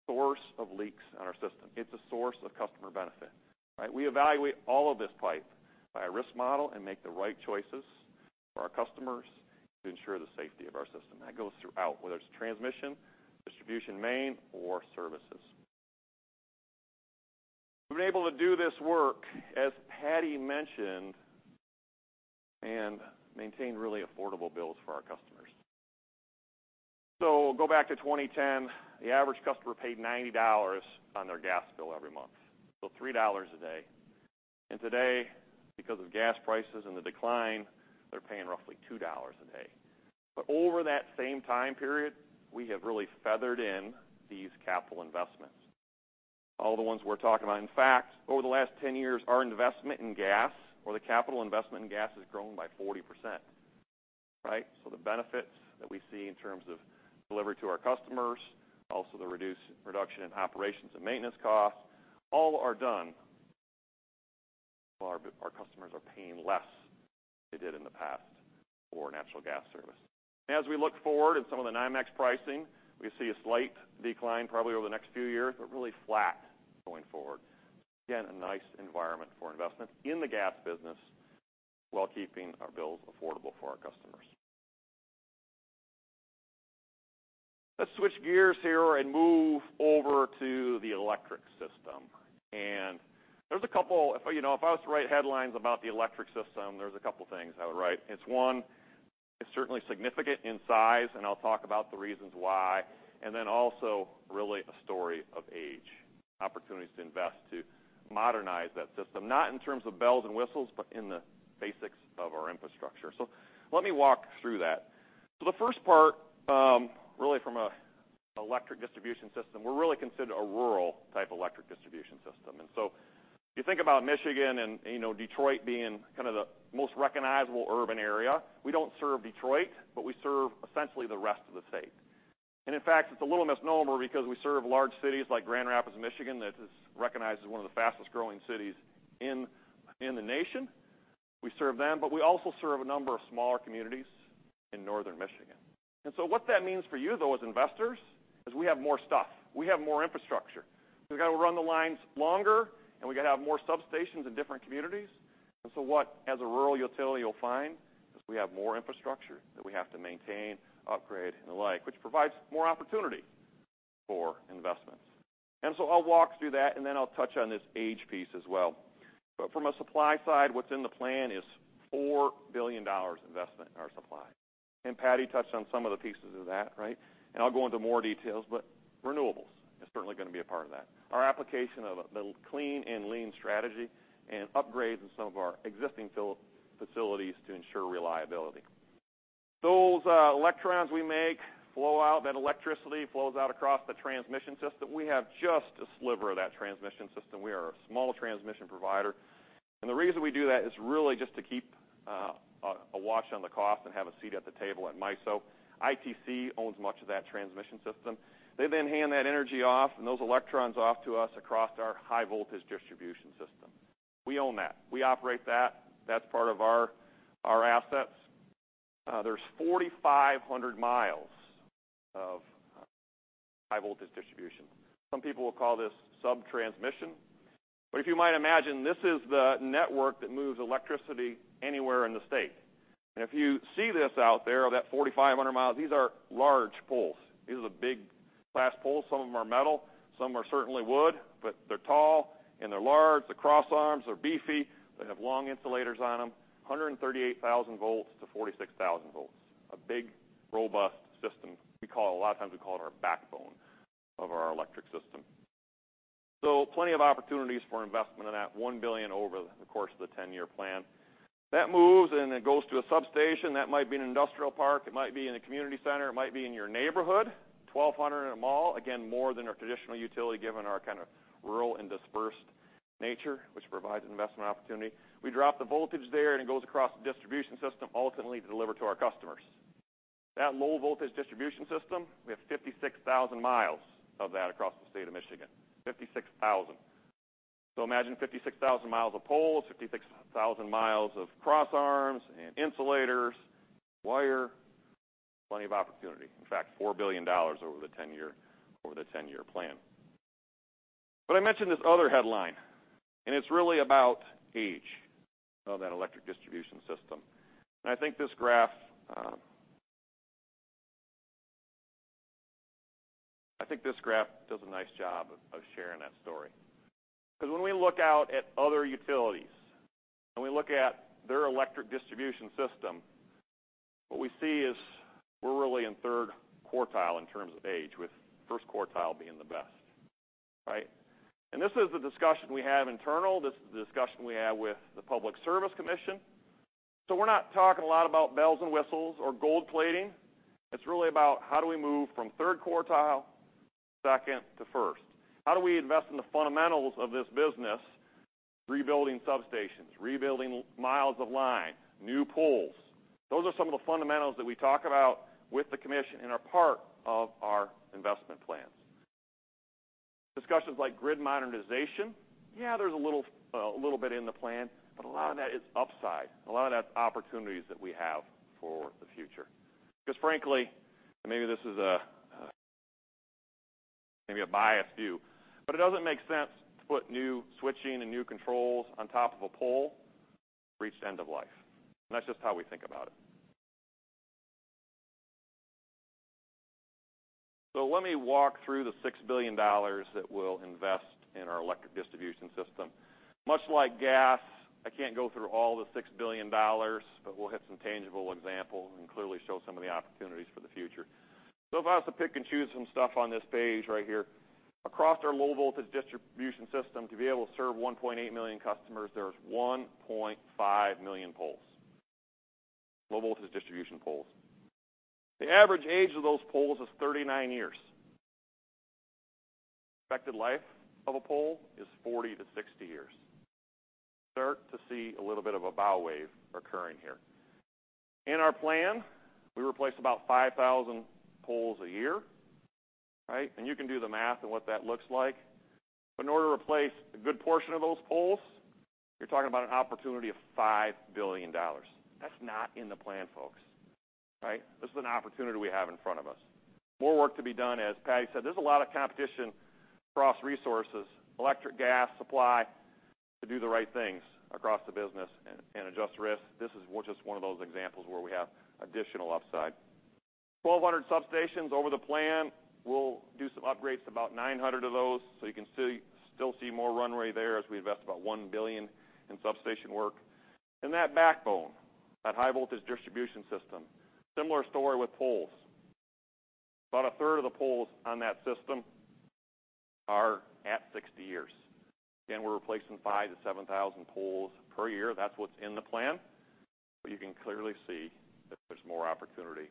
source of leaks on our system. It's a source of customer benefit, right? We evaluate all of this pipe by a risk model and make the right choices for our customers to ensure the safety of our system. That goes throughout, whether it's transmission, distribution main, or services. We've been able to do this work, as Patti mentioned, and maintain really affordable bills for our customers. Go back to 2010. The average customer paid $90 on their gas bill every month, so $3 a day. Today, because of gas prices and the decline, they're paying roughly $2 a day. Over that same time period, we have really feathered in these capital investments, all the ones we're talking about. In fact, over the last 10 years, our investment in gas or the capital investment in gas has grown by 40%, right? The benefits that we see in terms of delivery to our customers, also the reduction in operations and maintenance costs, all are done while our customers are paying less than they did in the past for natural gas service. As we look forward at some of the NYMEX pricing, we see a slight decline probably over the next few years, but really flat going forward. A nice environment for investment in the gas business while keeping our bills affordable for our customers. Let's switch gears here and move over to the electric system. There's a couple, if I was to write headlines about the electric system, there's a couple things I would write. It's one, it's certainly significant in size, and I'll talk about the reasons why, also really a story of age, opportunities to invest to modernize that system, not in terms of bells and whistles, but in the basics of our infrastructure. Let me walk through that. The first part, really from an electric distribution system, we're really considered a rural type electric distribution system. You think about Michigan and Detroit being kind of the most recognizable urban area. We don't serve Detroit, but we serve essentially the rest of the state. In fact, it's a little misnomer because we serve large cities like Grand Rapids, Michigan, that is recognized as one of the fastest-growing cities in the nation. We serve them, but we also serve a number of smaller communities in Northern Michigan. What that means for you, though, as investors, is we have more stuff. We have more infrastructure. We got to run the lines longer, we got to have more substations in different communities. What, as a rural utility, you'll find is we have more infrastructure that we have to maintain, upgrade, and the like, which provides more opportunity for investments. I'll walk through that and then I'll touch on this age piece as well. From a supply side, what's in the plan is $4 billion investment in our supply. Patti touched on some of the pieces of that, right? I'll go into more details, but renewables is certainly going to be a part of that. Our application of the clean and lean strategy and upgrades in some of our existing facilities to ensure reliability. Those electrons we make flow out, that electricity flows out across the transmission system. We have just a sliver of that transmission system. We are a small transmission provider. The reason we do that is really just to keep a watch on the cost and have a seat at the table at MISO. ITC owns much of that transmission system. They then hand that energy off and those electrons off to us across our high voltage distribution system. We own that. We operate that. That's part of our assets. There's 4,500 miles of high voltage distribution. Some people will call this sub-transmission. If you might imagine, this is the network that moves electricity anywhere in the state. If you see this out there, that 4,500 miles, these are large poles. These are the big class poles. Some of them are metal, some are certainly wood, but they're tall and they're large. The cross arms are beefy. They have long insulators on them, 138,000 volts to 46,000 volts. A big, robust system. A lot of times we call it our backbone of our electric system. Plenty of opportunities for investment in that. $1 billion over the course of the 10-year plan. That moves and it goes to a substation. That might be an industrial park, it might be in a community center, it might be in your neighborhood. 1,200 in them all. More than our traditional utility, given our kind of rural and dispersed nature, which provides an investment opportunity. We drop the voltage there, and it goes across the distribution system, ultimately to deliver to our customers. That low-voltage distribution system, we have 56,000 miles of that across the state of Michigan. 56,000. Imagine 56,000 miles of poles, 56,000 miles of crossarms and insulators, wire. Plenty of opportunity. In fact, $4 billion over the 10-year plan. I mentioned this other headline, and it's really about age of that electric distribution system. I think this graph does a nice job of sharing that story. When we look out at other utilities, and we look at their electric distribution system, what we see is we're really in third quartile in terms of age, with first quartile being the best. Right? This is the discussion we have internal. This is the discussion we have with the Michigan Public Service Commission. We're not talking a lot about bells and whistles or gold plating. It's really about how do we move from third quartile, second to first. How do we invest in the fundamentals of this business, rebuilding substations, rebuilding miles of line, new poles? Those are some of the fundamentals that we talk about with the commission and are part of our investment plans. Discussions like grid modernization, yeah, there's a little bit in the plan, but a lot of that is upside. A lot of that's opportunities that we have for the future. Frankly, and maybe this is a biased view, but it doesn't make sense to put new switching and new controls on top of a pole that's reached end of life. That's just how we think about it. Let me walk through the $6 billion that we'll invest in our electric distribution system. Much like gas, I can't go through all the $6 billion, but we'll hit some tangible examples and clearly show some of the opportunities for the future. If I was to pick and choose some stuff on this page right here, across our low-voltage distribution system to be able to serve 1.8 million customers, there's 1.5 million poles. Low-voltage distribution poles. The average age of those poles is 39 years. Expected life of a pole is 40 to 60 years. Start to see a little bit of a bow wave occurring here. In our plan, we replace about 5,000 poles a year. Right? You can do the math on what that looks like. In order to replace a good portion of those poles, you're talking about an opportunity of $5 billion. That's not in the plan, folks. Right? This is an opportunity we have in front of us. More work to be done. As Patti said, there's a lot of competition across resources, electric, gas supply, to do the right things across the business and adjust risk. This is just one of those examples where we have additional upside. 1,200 substations over the plan. We'll do some upgrades to about 900 of those. You can still see more runway there as we invest about $1 billion in substation work. That backbone, that high-voltage distribution system, similar story with poles. About a third of the poles on that system are at 60 years. Again, we're replacing 5,000 to 7,000 poles per year. That's what's in the plan. You can clearly see that there's more opportunity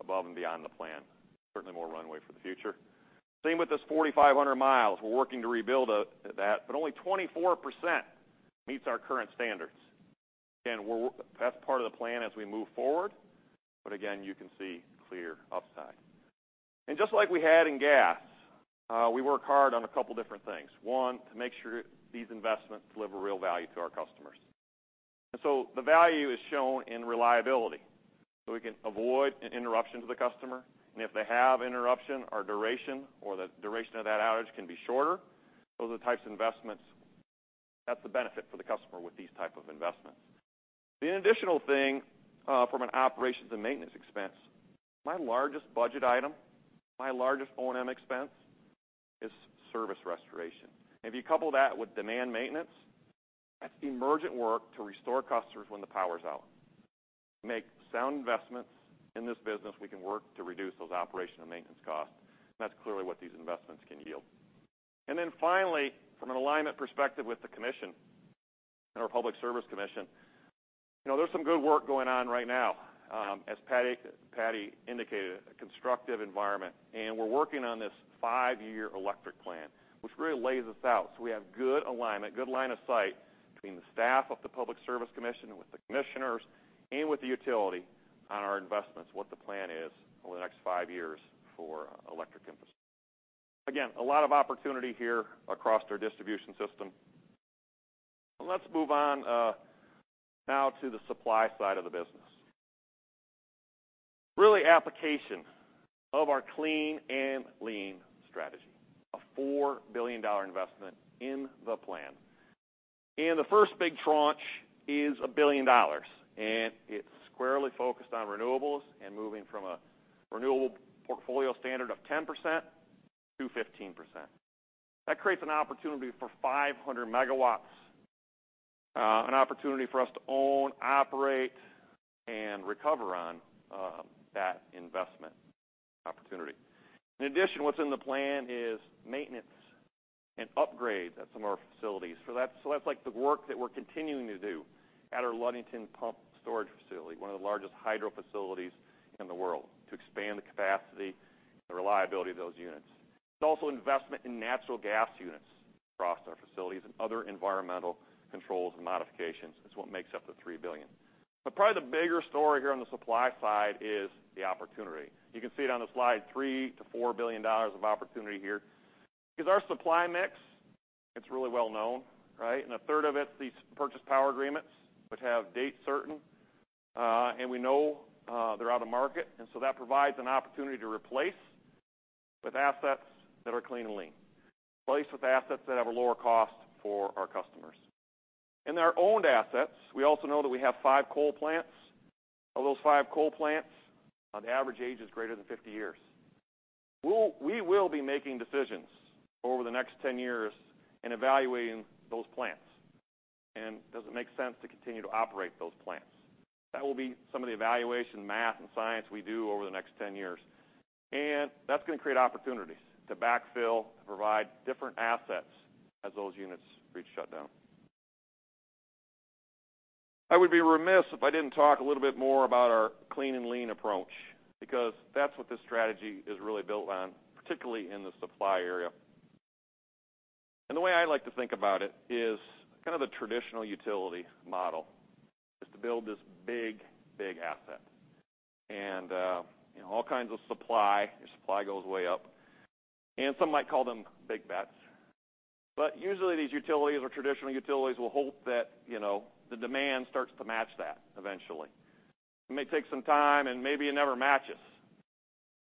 above and beyond the plan. Certainly more runway for the future. Same with this 4,500 miles. We're working to rebuild that, but only 24% meets our current standards. Again, that's part of the plan as we move forward. Again, you can see clear upside. Just like we had in gas, we work hard on a couple different things. One, to make sure these investments deliver real value to our customers. The value is shown in reliability. We can avoid an interruption to the customer, and if they have interruption, our duration or the duration of that outage can be shorter. Those are the types of investments. That's the benefit for the customer with these type of investments. The additional thing from an operations and maintenance expense, my largest budget item, my largest O&M expense, is service restoration. If you couple that with demand maintenance, that's emergent work to restore customers when the power's out. Make sound investments in this business, we can work to reduce those operation and maintenance costs. That's clearly what these investments can yield. Then finally, from an alignment perspective with the commission and our Michigan Public Service Commission, there's some good work going on right now. As Patti indicated, a constructive environment. We're working on this five-year electric plan, which really lays this out so we have good alignment, good line of sight between the staff of the Michigan Public Service Commission, with the commissioners, and with the utility on our investments, what the plan is over the next five years for electric infrastructure. Again, a lot of opportunity here across our distribution system. Let's move on now to the supply side of the business. Really application of our clean and lean strategy. A $4 billion investment in the plan. The first big tranche is $1 billion, and it's squarely focused on renewables and moving from a renewable portfolio standard of 10%-15%. That creates an opportunity for 500 megawatts, an opportunity for us to own, operate, and recover on that investment opportunity. In addition, what's in the plan is maintenance and upgrades at some of our facilities. That's like the work that we're continuing to do at our Ludington Pumped Storage Facility, one of the largest hydro facilities in the world, to expand the capacity and the reliability of those units. It's also investment in natural gas units across our facilities and other environmental controls and modifications. That's what makes up the $3 billion. Probably the bigger story here on the supply side is the opportunity. You can see it on the slide, $3 billion-$4 billion of opportunity here. Our supply mix, it's really well-known, right? A third of it's these purchase power agreements, which have date certain. We know they're out of market, that provides an opportunity to replace with assets that are clean and lean. Replace with assets that have a lower cost for our customers. In our owned assets, we also know that we have five coal plants. Of those five coal plants, the average age is greater than 50 years. We will be making decisions over the next 10 years in evaluating those plants, and does it make sense to continue to operate those plants? That will be some of the evaluation, math, and science we do over the next 10 years. That's going to create opportunities to backfill, to provide different assets as those units reach shutdown. I would be remiss if I didn't talk a little bit more about our clean and lean approach, because that's what this strategy is really built on, particularly in the supply area. The way I like to think about it is kind of the traditional utility model, is to build this big, big asset. All kinds of supply, your supply goes way up, and some might call them big bets. Usually these utilities or traditional utilities will hope that the demand starts to match that eventually. It may take some time, and maybe it never matches,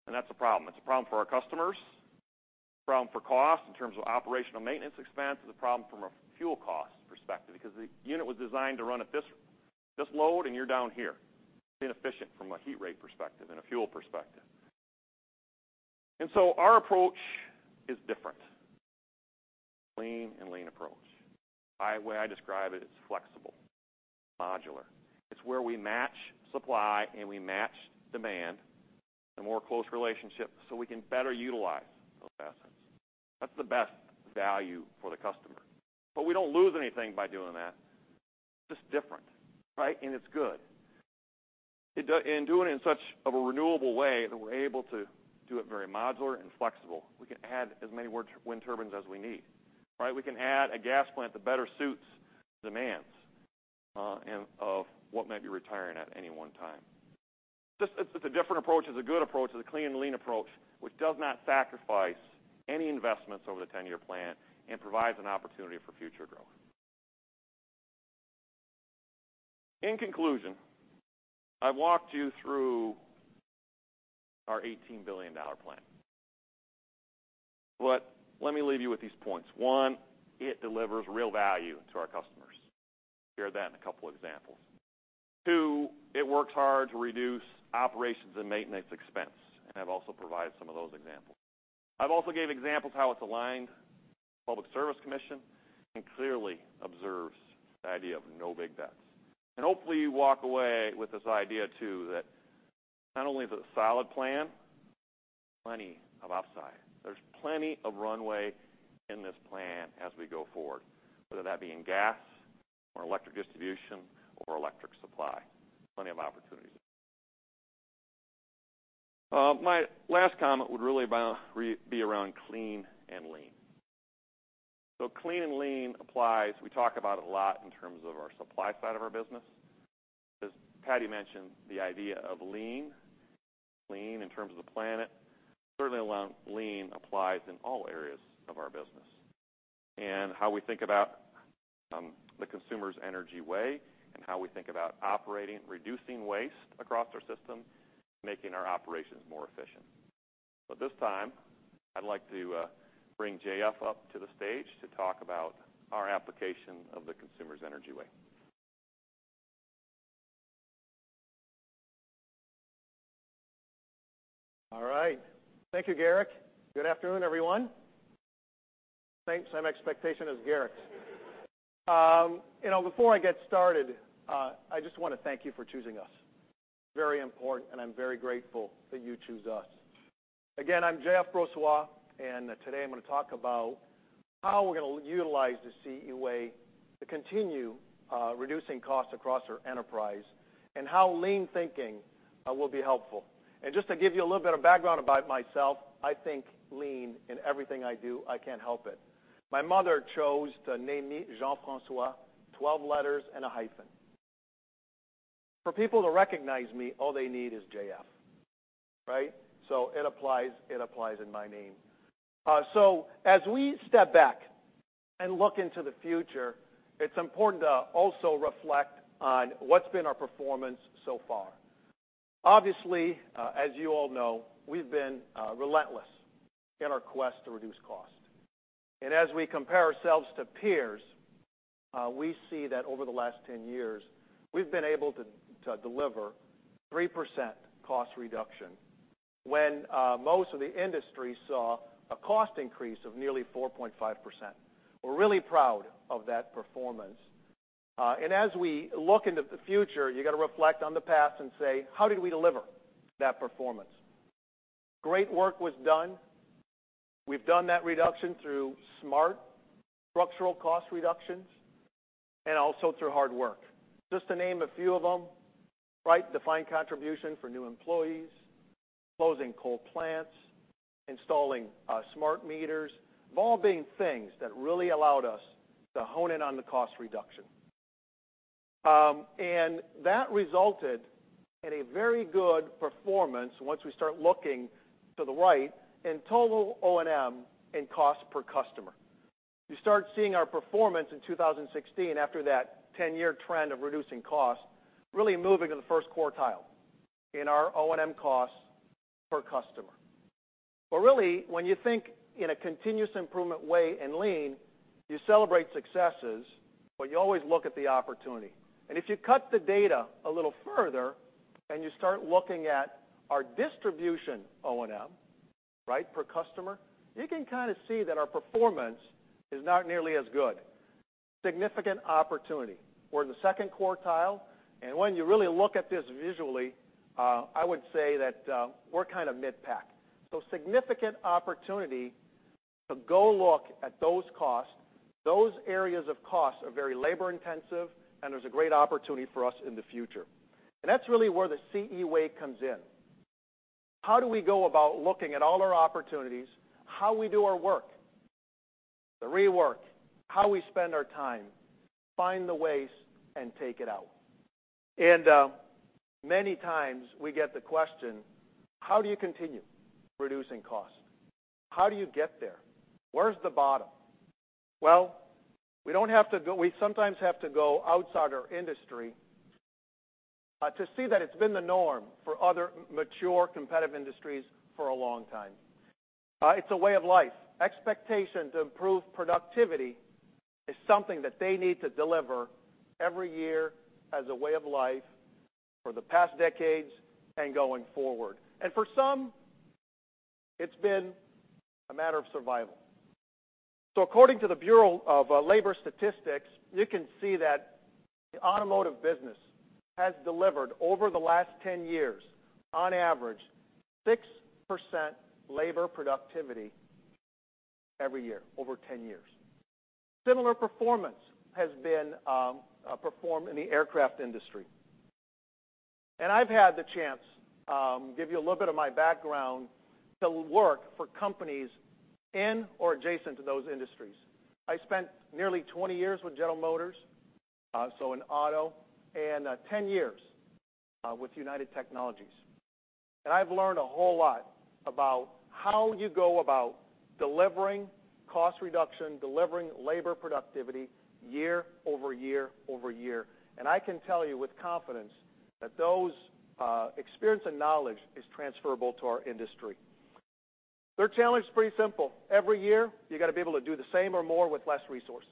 and that's a problem. It's a problem for our customers, a problem for cost in terms of operational maintenance expense. It's a problem from a fuel cost perspective because the unit was designed to run at this load, and you're down here, inefficient from a heat rate perspective and a fuel perspective. Our approach is different. Clean and lean approach. The way I describe it's flexible, modular. It's where we match supply and we match demand in a more close relationship so we can better utilize those assets. That's the best value for the customer. We don't lose anything by doing that. Different, right? It's good. In doing it in such of a renewable way that we're able to do it very modular and flexible. We can add as many wind turbines as we need, right? We can add a gas plant that better suits demands of what might be retiring at any one time. It's a different approach. It's a good approach. It's a clean and lean approach, which does not sacrifice any investments over the 10-year plan and provides an opportunity for future growth. In conclusion, I've walked you through our $18 billion plan. Let me leave you with these points. One, it delivers real value to our customers. You hear that in a couple examples. Two, it works hard to reduce operations and maintenance expense, and I've also provided some of those examples. I've also gave examples how it's aligned with the Public Service Commission and clearly observes the idea of no big bets. Hopefully you walk away with this idea, too, that not only is it a solid plan, plenty of upside. There's plenty of runway in this plan as we go forward, whether that be in gas or electric distribution or electric supply. Plenty of opportunities. My last comment would really be around clean and lean. Clean and lean applies, we talk about it a lot in terms of our supply side of our business. As Patti mentioned, the idea of lean in terms of the planet, certainly lean applies in all areas of our business, and how we think about the Consumers Energy Way and how we think about operating, reducing waste across our system, making our operations more efficient. At this time, I'd like to bring JF up to the stage to talk about our application of the Consumers Energy Way. All right. Thank you, Garrick. Good afternoon, everyone. Same expectation as Garrick's. Before I get started, I just want to thank you for choosing us. Very important. I'm very grateful that you choose us. Again, I'm J.F. Brossoit. Today I'm going to talk about how we're going to utilize the CE Way to continue reducing costs across our enterprise and how lean thinking will be helpful. Just to give you a little bit of background about myself, I think lean in everything I do. I can't help it. My mother chose to name me Jean-François, 12 letters and a hyphen. For people to recognize me, all they need is J.F., right? It applies in my name. As we step back and look into the future, it's important to also reflect on what's been our performance so far. Obviously, as you all know, we've been relentless in our quest to reduce cost. As we compare ourselves to peers, we see that over the last 10 years, we've been able to deliver 3% cost reduction when most of the industry saw a cost increase of nearly 4.5%. We're really proud of that performance. As we look into the future, you got to reflect on the past and say, "How did we deliver that performance?" Great work was done. We've done that reduction through smart structural cost reductions and also through hard work. Just to name a few of them, defined contribution for new employees, closing coal plants, installing smart meters, have all been things that really allowed us to hone in on the cost reduction. That resulted in a very good performance, once we start looking to the right, in total O&M and cost per customer. You start seeing our performance in 2016, after that 10-year trend of reducing cost, really moving to the first quartile in our O&M cost per customer. Really, when you think in a continuous improvement way in lean, you celebrate successes, but you always look at the opportunity. If you cut the data a little further, and you start looking at our distribution O&M per customer, you can kind of see that our performance is not nearly as good. Significant opportunity. We're in the second quartile, and when you really look at this visually, I would say that we're kind of mid-pack. Significant opportunity to go look at those costs. Those areas of cost are very labor-intensive, and there's a great opportunity for us in the future. That's really where the CE Way comes in. How do we go about looking at all our opportunities? How we do our work, the rework, how we spend our time, find the waste and take it out. Many times we get the question: How do you continue reducing cost? How do you get there? Where's the bottom? Well, we sometimes have to go outside our industry to see that it's been the norm for other mature, competitive industries for a long time. It's a way of life. Expectation to improve productivity is something that they need to deliver every year as a way of life for the past decades and going forward. For some, it's been a matter of survival. According to the Bureau of Labor Statistics, you can see that the automotive business has delivered over the last 10 years, on average, 6% labor productivity every year, over 10 years. Similar performance performed in the aircraft industry. I've had the chance, give you a little bit of my background, to work for companies in or adjacent to those industries. I spent nearly 20 years with General Motors, so in auto, and 10 years with United Technologies. I've learned a whole lot about how you go about delivering cost reduction, delivering labor productivity year over year over year. I can tell you with confidence that those experience and knowledge is transferable to our industry. Their challenge is pretty simple. Every year, you've got to be able to do the same or more with less resources.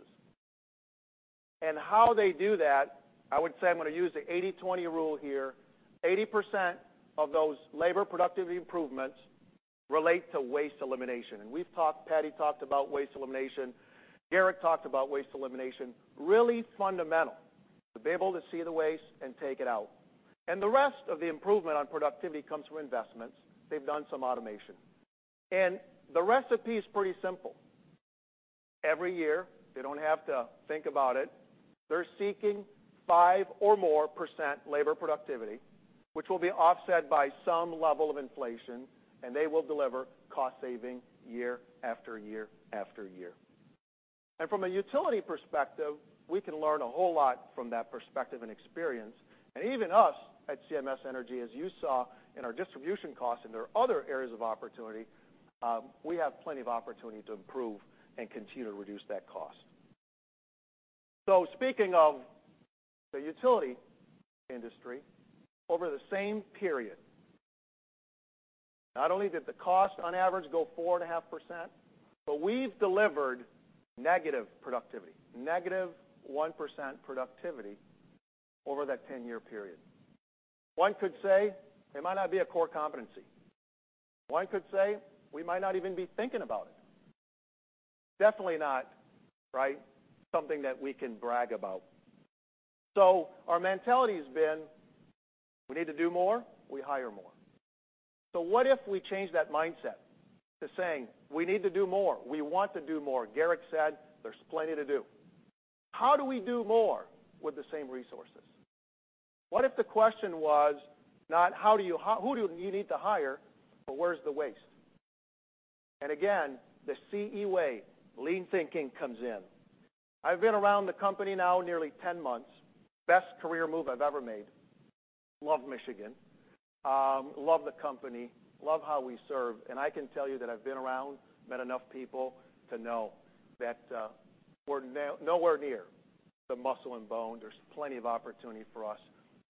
How they do that, I would say I'm going to use the 80/20 rule here. 80% of those labor productivity improvements relate to waste elimination. We've talked, Patti talked about waste elimination. Garrick talked about waste elimination. Really fundamental to be able to see the waste and take it out. The rest of the improvement on productivity comes from investments. They've done some automation. The recipe is pretty simple. Every year, they don't have to think about it. They're seeking 5% or more labor productivity, which will be offset by some level of inflation, and they will deliver cost saving year after year after year. From a utility perspective, we can learn a whole lot from that perspective and experience. Even us at CMS Energy, as you saw in our distribution costs, and there are other areas of opportunity, we have plenty of opportunity to improve and continue to reduce that cost. Speaking of the utility industry, over the same period, not only did the cost on average go 4.5%, but we've delivered negative productivity, negative 1% productivity over that 10-year period. One could say it might not be a core competency. One could say we might not even be thinking about it. Definitely not something that we can brag about. Our mentality has been, we need to do more, we hire more. What if we change that mindset to saying, we need to do more. We want to do more. Garrick said there's plenty to do. How do we do more with the same resources? What if the question was not who do you need to hire, but where's the waste? Again, the CE Way, lean thinking comes in. I've been around the company now nearly 10 months. Best career move I've ever made. Love Michigan, love the company, love how we serve, I can tell you that I've been around, met enough people to know that we're nowhere near the muscle and bone. There's plenty of opportunity for us,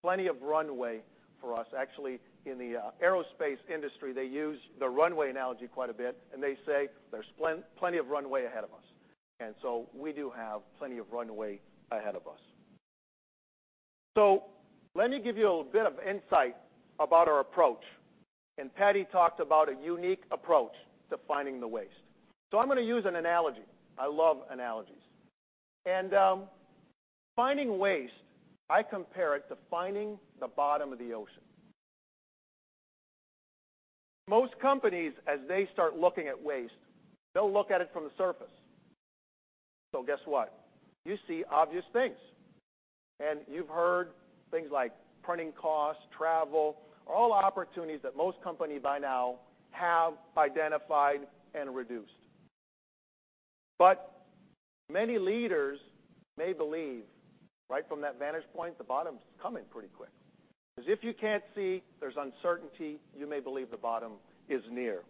plenty of runway for us. Actually, in the aerospace industry, they use the runway analogy quite a bit, and they say there's plenty of runway ahead of us. We do have plenty of runway ahead of us. Let me give you a bit of insight about our approach, Patti talked about a unique approach to finding the waste. I'm going to use an analogy. I love analogies. Finding waste, I compare it to finding the bottom of the ocean. Most companies, as they start looking at waste, they'll look at it from the surface. Guess what? You see obvious things. You've heard things like printing costs, travel, all opportunities that most companies by now have identified and reduced. Many leaders may believe right from that vantage point, the bottom's coming pretty quick. If you can't see, there's uncertainty, you may believe the bottom is near.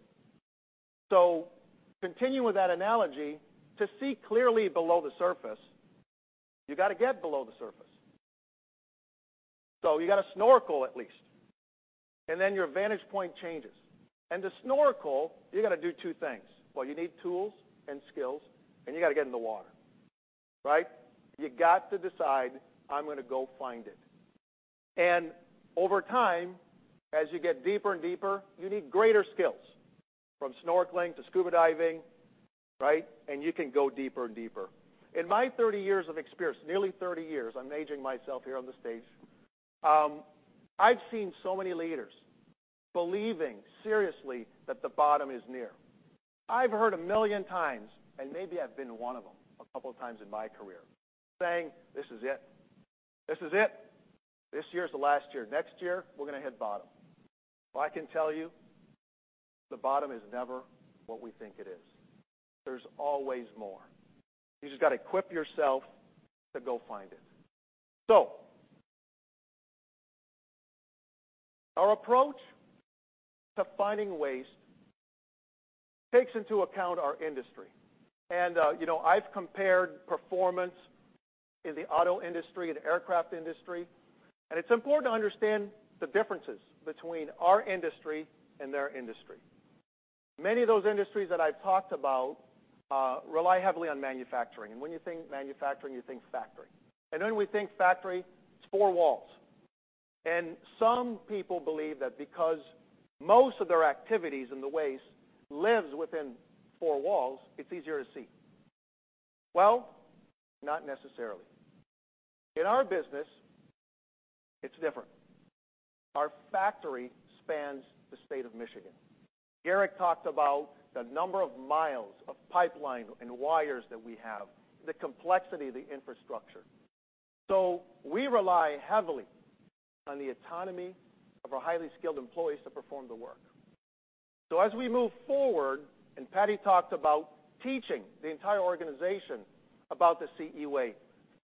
Continue with that analogy. To see clearly below the surface, you got to get below the surface. You got to snorkel at least, and then your vantage point changes. To snorkel, you got to do two things. Well, you need tools and skills, and you got to get in the water, right? You got to decide, I'm going to go find it. Over time, as you get deeper and deeper, you need greater skills, from snorkeling to scuba diving, right? You can go deeper and deeper. In my 30 years of experience, nearly 30 years, I'm aging myself here on the stage, I've seen so many leaders believing seriously that the bottom is near. I've heard a million times, and maybe I've been one of them a couple of times in my career, saying, "This is it. This is it. This year's the last year. Next year, we're going to hit bottom." Well, I can tell you, the bottom is never what we think it is. There's always more. You just got to equip yourself to go find it. Our approach to finding waste takes into account our industry. I've compared performance in the auto industry and aircraft industry, and it's important to understand the differences between our industry and their industry. Many of those industries that I've talked about rely heavily on manufacturing, and when you think manufacturing, you think factory. When we think factory, it's four walls. Some people believe that because most of their activities in the waste lives within four walls, it's easier to see. Well, not necessarily. In our business, it's different. Our factory spans the state of Michigan. Garrick talked about the number of miles of pipeline and wires that we have, the complexity of the infrastructure. We rely heavily on the autonomy of our highly skilled employees to perform the work. As we move forward, and Patti talked about teaching the entire organization about the CE Way,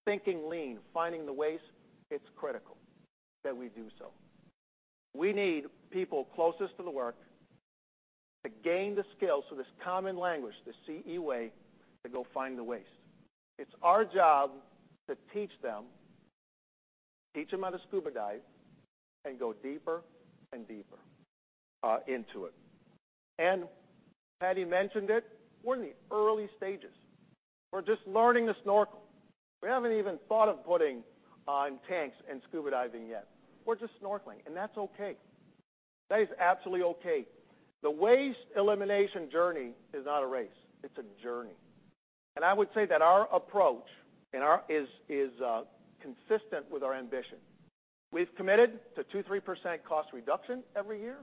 thinking lean, finding the waste, it's critical that we do so. We need people closest to the work to gain the skills. This common language, the CE Way, to go find the waste. It's our job to teach them how to scuba dive and go deeper and deeper into it. Patti mentioned it, we're in the early stages. We're just learning to snorkel. We haven't even thought of putting on tanks and scuba diving yet. We're just snorkeling, and that's okay. That is absolutely okay. The waste elimination journey is not a race. It's a journey. I would say that our approach is consistent with our ambition. We've committed to 2%, 3% cost reduction every year,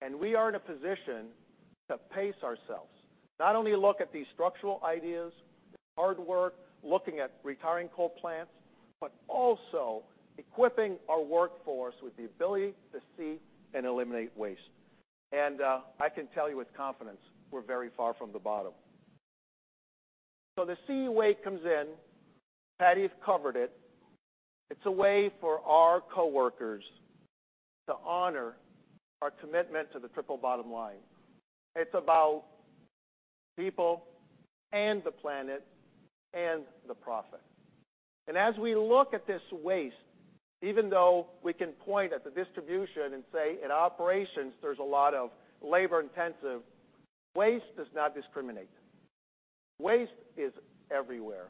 and we are in a position to pace ourselves. Not only look at these structural ideas, hard work, looking at retiring coal plants, but also equipping our workforce with the ability to see and eliminate waste. I can tell you with confidence, we're very far from the bottom. The CE Way comes in. Patti's covered it. It's a way for our coworkers to honor our commitment to the triple bottom line. It's about people and the planet and the profit. As we look at this waste, even though we can point at the distribution and say in operations, there's a lot of labor-intensive. Waste does not discriminate. Waste is everywhere.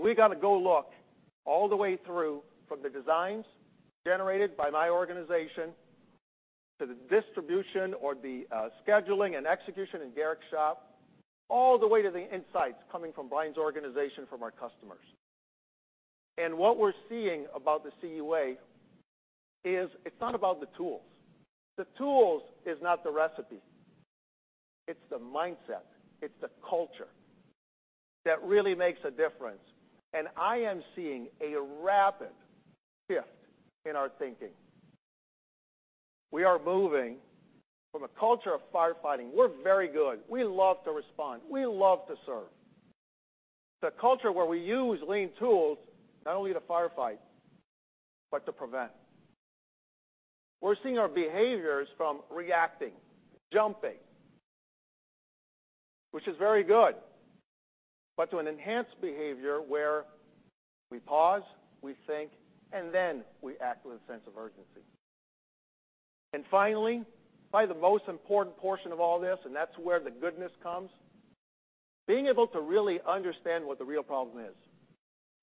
We got to go look all the way through, from the designs generated by my organization to the distribution or the scheduling and execution in Garrick's shop, all the way to the insights coming from Brian's organization, from our customers. What we're seeing about the CE Way is it's not about the tools. The tools is not the recipe. It's the mindset. It's the culture that really makes a difference. I am seeing a rapid shift in our thinking. We are moving from a culture of firefighting. We're very good. We love to respond. We love to serve. It's a culture where we use lean tools not only to firefight, but to prevent. We're seeing our behaviors from reacting, jumping, which is very good, but to an enhanced behavior where we pause, we think, then we act with a sense of urgency. Finally, probably the most important portion of all this, and that's where the goodness comes, being able to really understand what the real problem is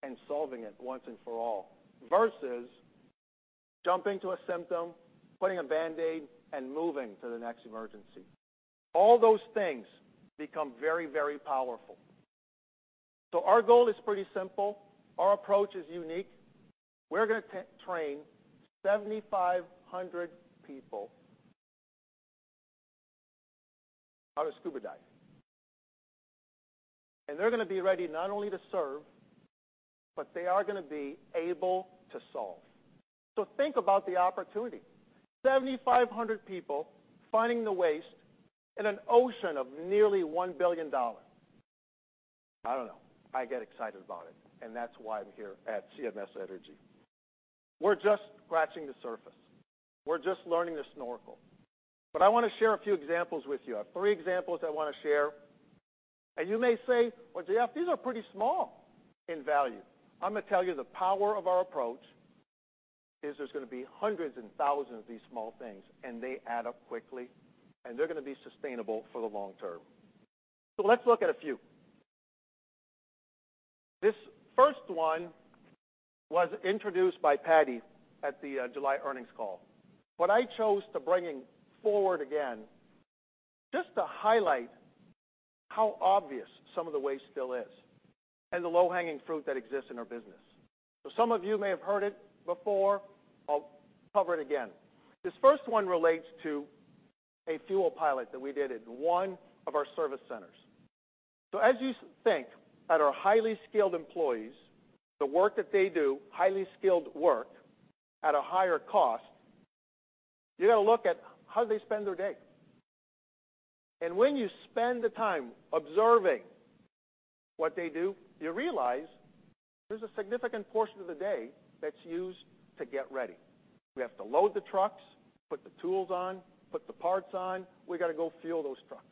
and solving it once and for all, versus jumping to a symptom, putting a Band-Aid, and moving to the next emergency. All those things become very powerful. Our goal is pretty simple. Our approach is unique. We're going to train 7,500 people how to scuba dive. They're going to be ready not only to serve, but they are going to be able to solve. Think about the opportunity. 7,500 people finding the waste in an ocean of nearly $1 billion. I don't know. I get excited about it, that's why I'm here at CMS Energy. We're just scratching the surface. We're just learning to snorkel. I want to share a few examples with you. I have three examples I want to share. You may say, "Well, Jean F, these are pretty small in value." I'm going to tell you the power of our approach is there's going to be hundreds and thousands of these small things, and they add up quickly, and they're going to be sustainable for the long term. Let's look at a few. This first one was introduced by Patti at the July earnings call. What I chose to bring forward again, just to highlight how obvious some of the waste still is, and the low-hanging fruit that exists in our business. Some of you may have heard it before. I'll cover it again. This first one relates to a fuel pilot that we did at one of our service centers. As you think at our highly skilled employees, the work that they do, highly skilled work at a higher cost, you got to look at how they spend their day. When you spend the time observing what they do, you realize there's a significant portion of the day that's used to get ready. We have to load the trucks, put the tools on, put the parts on. We got to go fuel those trucks.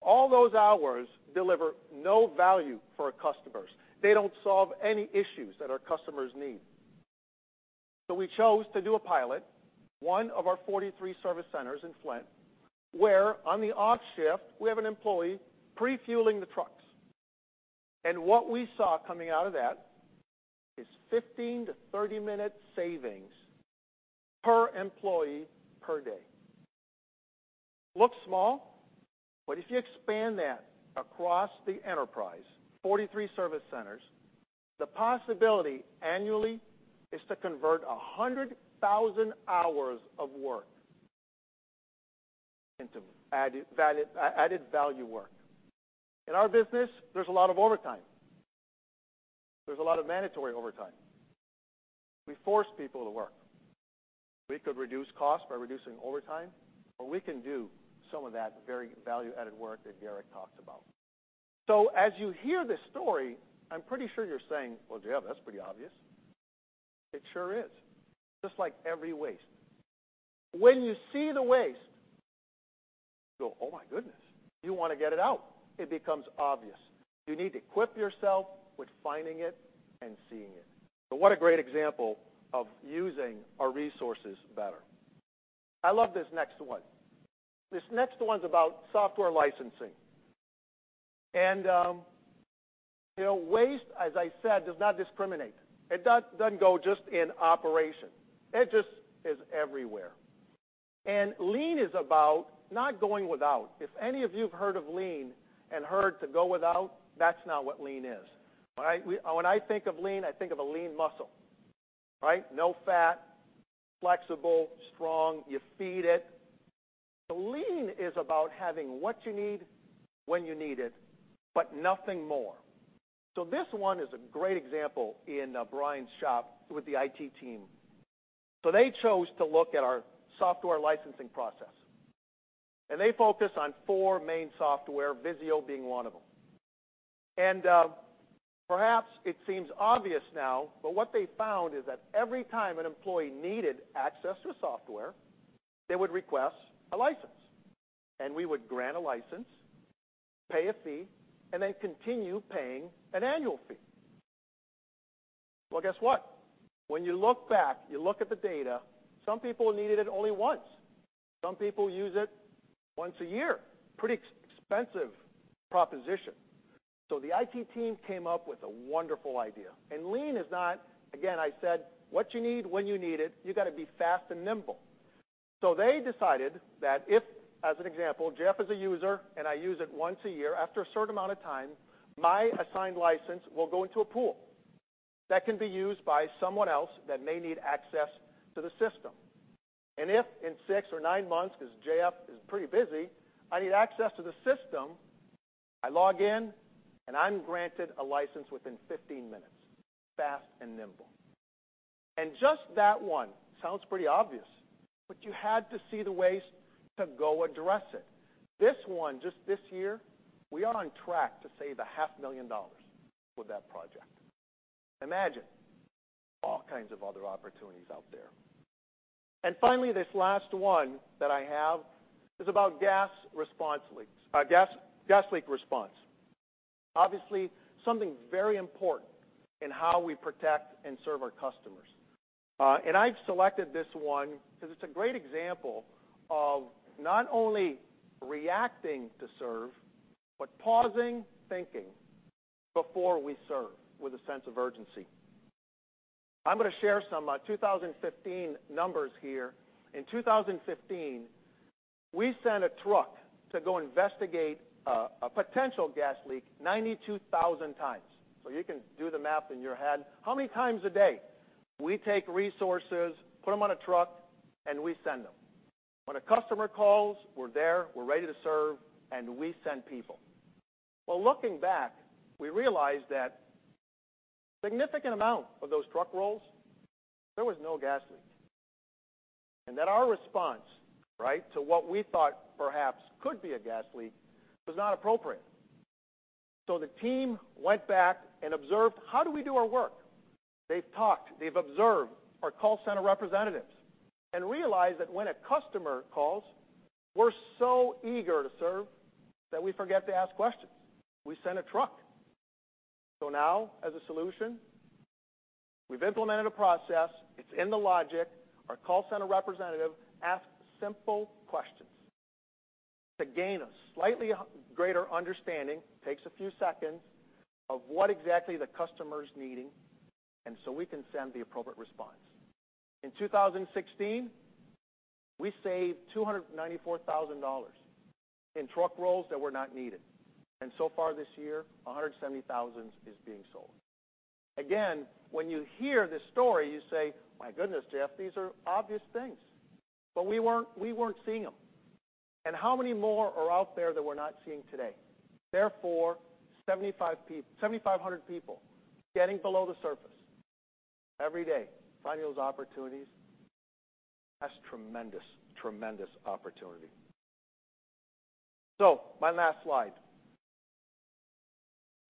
All those hours deliver no value for our customers. They don't solve any issues that our customers need. We chose to do a pilot, one of our 43 service centers in Flint, where on the off shift, we have an employee pre-fueling the trucks. What we saw coming out of that is 15 to 30-minute savings per employee per day. Looks small, but if you expand that across the enterprise, 43 service centers, the possibility annually is to convert 100,000 hours of work into added value work. In our business, there's a lot of overtime. There's a lot of mandatory overtime. We force people to work. We could reduce costs by reducing overtime, or we can do some of that very value-added work that Garrick talked about. As you hear this story, I'm pretty sure you're saying, "Well, Jeff, that's pretty obvious." It sure is. Just like every waste. When you see the waste, you go, "Oh, my goodness." You want to get it out. It becomes obvious. You need to equip yourself with finding it and seeing it. What a great example of using our resources better. I love this next one. This next one's about software licensing. Waste, as I said, does not discriminate. It doesn't go just in operation. It just is everywhere. Lean is about not going without. If any of you've heard of lean and heard to go without, that's not what lean is. All right? When I think of lean, I think of a lean muscle, right? No fat, flexible, strong, you feed it. Lean is about having what you need when you need it, but nothing more. This one is a great example in Brian's shop with the IT team. They chose to look at our software licensing process, and they focused on four main software, Visio being one of them. Perhaps it seems obvious now, but what they found is that every time an employee needed access to software, they would request a license, and we would grant a license, pay a fee, and then continue paying an annual fee. Well, guess what? When you look back, you look at the data, some people needed it only once. Some people use it once a year. Pretty expensive proposition. The IT team came up with a wonderful idea. Lean is not, again, I said, what you need when you need it. You got to be fast and nimble. They decided that if, as an example, Jeff is a user, and I use it once a year, after a certain amount of time, my assigned license will go into a pool that can be used by someone else that may need access to the system. If in six or nine months, because JF is pretty busy, I need access to the system, I log in, and I'm granted a license within 15 minutes. Fast and nimble. Just that one sounds pretty obvious, but you had to see the waste to go address it. This one, just this year, we are on track to save a half million dollars with that project. Imagine all kinds of other opportunities out there. Finally, this last one that I have is about gas leak response. Obviously, something very important in how we protect and serve our customers. I've selected this one because it's a great example of not only reacting to serve, but pausing, thinking before we serve with a sense of urgency. I'm going to share some 2015 numbers here. In 2015, we sent a truck to go investigate a potential gas leak 92,000 times. You can do the math in your head. How many times a day we take resources, put them on a truck, and we send them. When a customer calls, we're there, we're ready to serve, and we send people. Well, looking back, we realized that significant amount of those truck rolls, there was no gas leak, and that our response to what we thought perhaps could be a gas leak was not appropriate. The team went back and observed, how do we do our work? They've talked, they've observed our call center representatives and realized that when a customer calls, we're so eager to serve that we forget to ask questions. We send a truck. Now, as a solution, we've implemented a process. It's in the logic. Our call center representative asks simple questions to gain a slightly greater understanding, takes a few seconds, of what exactly the customer's needing, and so we can send the appropriate response. In 2016, we saved $294,000 in truck rolls that were not needed, and so far this year, $170,000 is being saved. Again, when you hear this story, you say, "My goodness, Jeff, these are obvious things." We weren't seeing them. How many more are out there that we're not seeing today? Therefore, 7,500 people getting below the surface every day, finding those opportunities. That's tremendous opportunity. My last slide.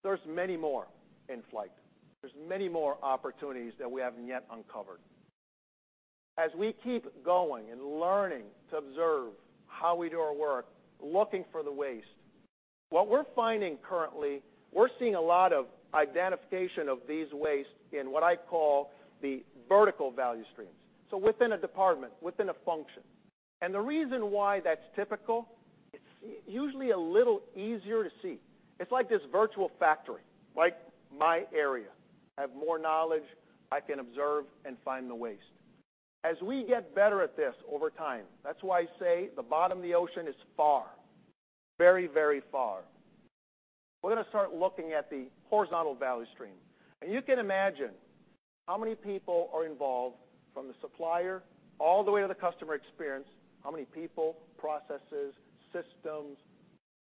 There's many more in flight. There's many more opportunities that we haven't yet uncovered. As we keep going and learning to observe how we do our work, looking for the waste, what we're finding currently, we're seeing a lot of identification of these waste in what I call the vertical value streams. Within a department, within a function. The reason why that's typical, it's usually a little easier to see. It's like this virtual factory, like my area. I have more knowledge. I can observe and find the waste. As we get better at this over time, that's why I say the bottom of the ocean is far. Very far. We're going to start looking at the horizontal value stream. You can imagine how many people are involved from the supplier all the way to the customer experience, how many people, processes, systems,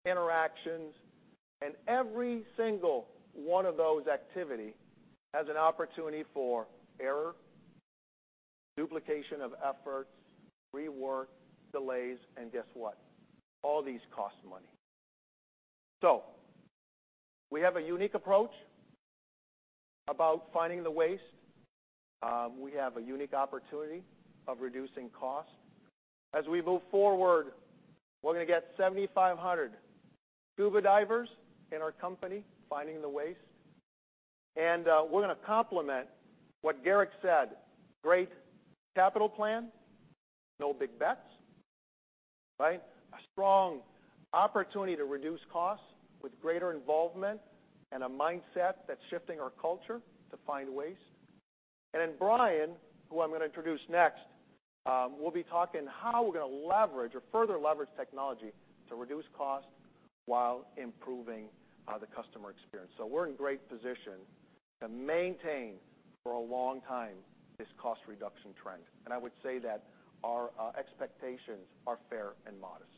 interactions, and every single one of those activity has an opportunity for error, duplication of efforts, rework, delays, and guess what? All these cost money. We have a unique approach about finding the waste. We have a unique opportunity of reducing cost. As we move forward, we're going to get 7,500 scuba divers in our company finding the waste, and we're going to complement what Garrick said, great capital plan, no big bets, right? A strong opportunity to reduce costs with greater involvement and a mindset that's shifting our culture to find waste. Brian, who I'm going to introduce next, will be talking how we're going to leverage or further leverage technology to reduce cost while improving the customer experience. We're in great position to maintain for a long time this cost reduction trend. I would say that our expectations are fair and modest.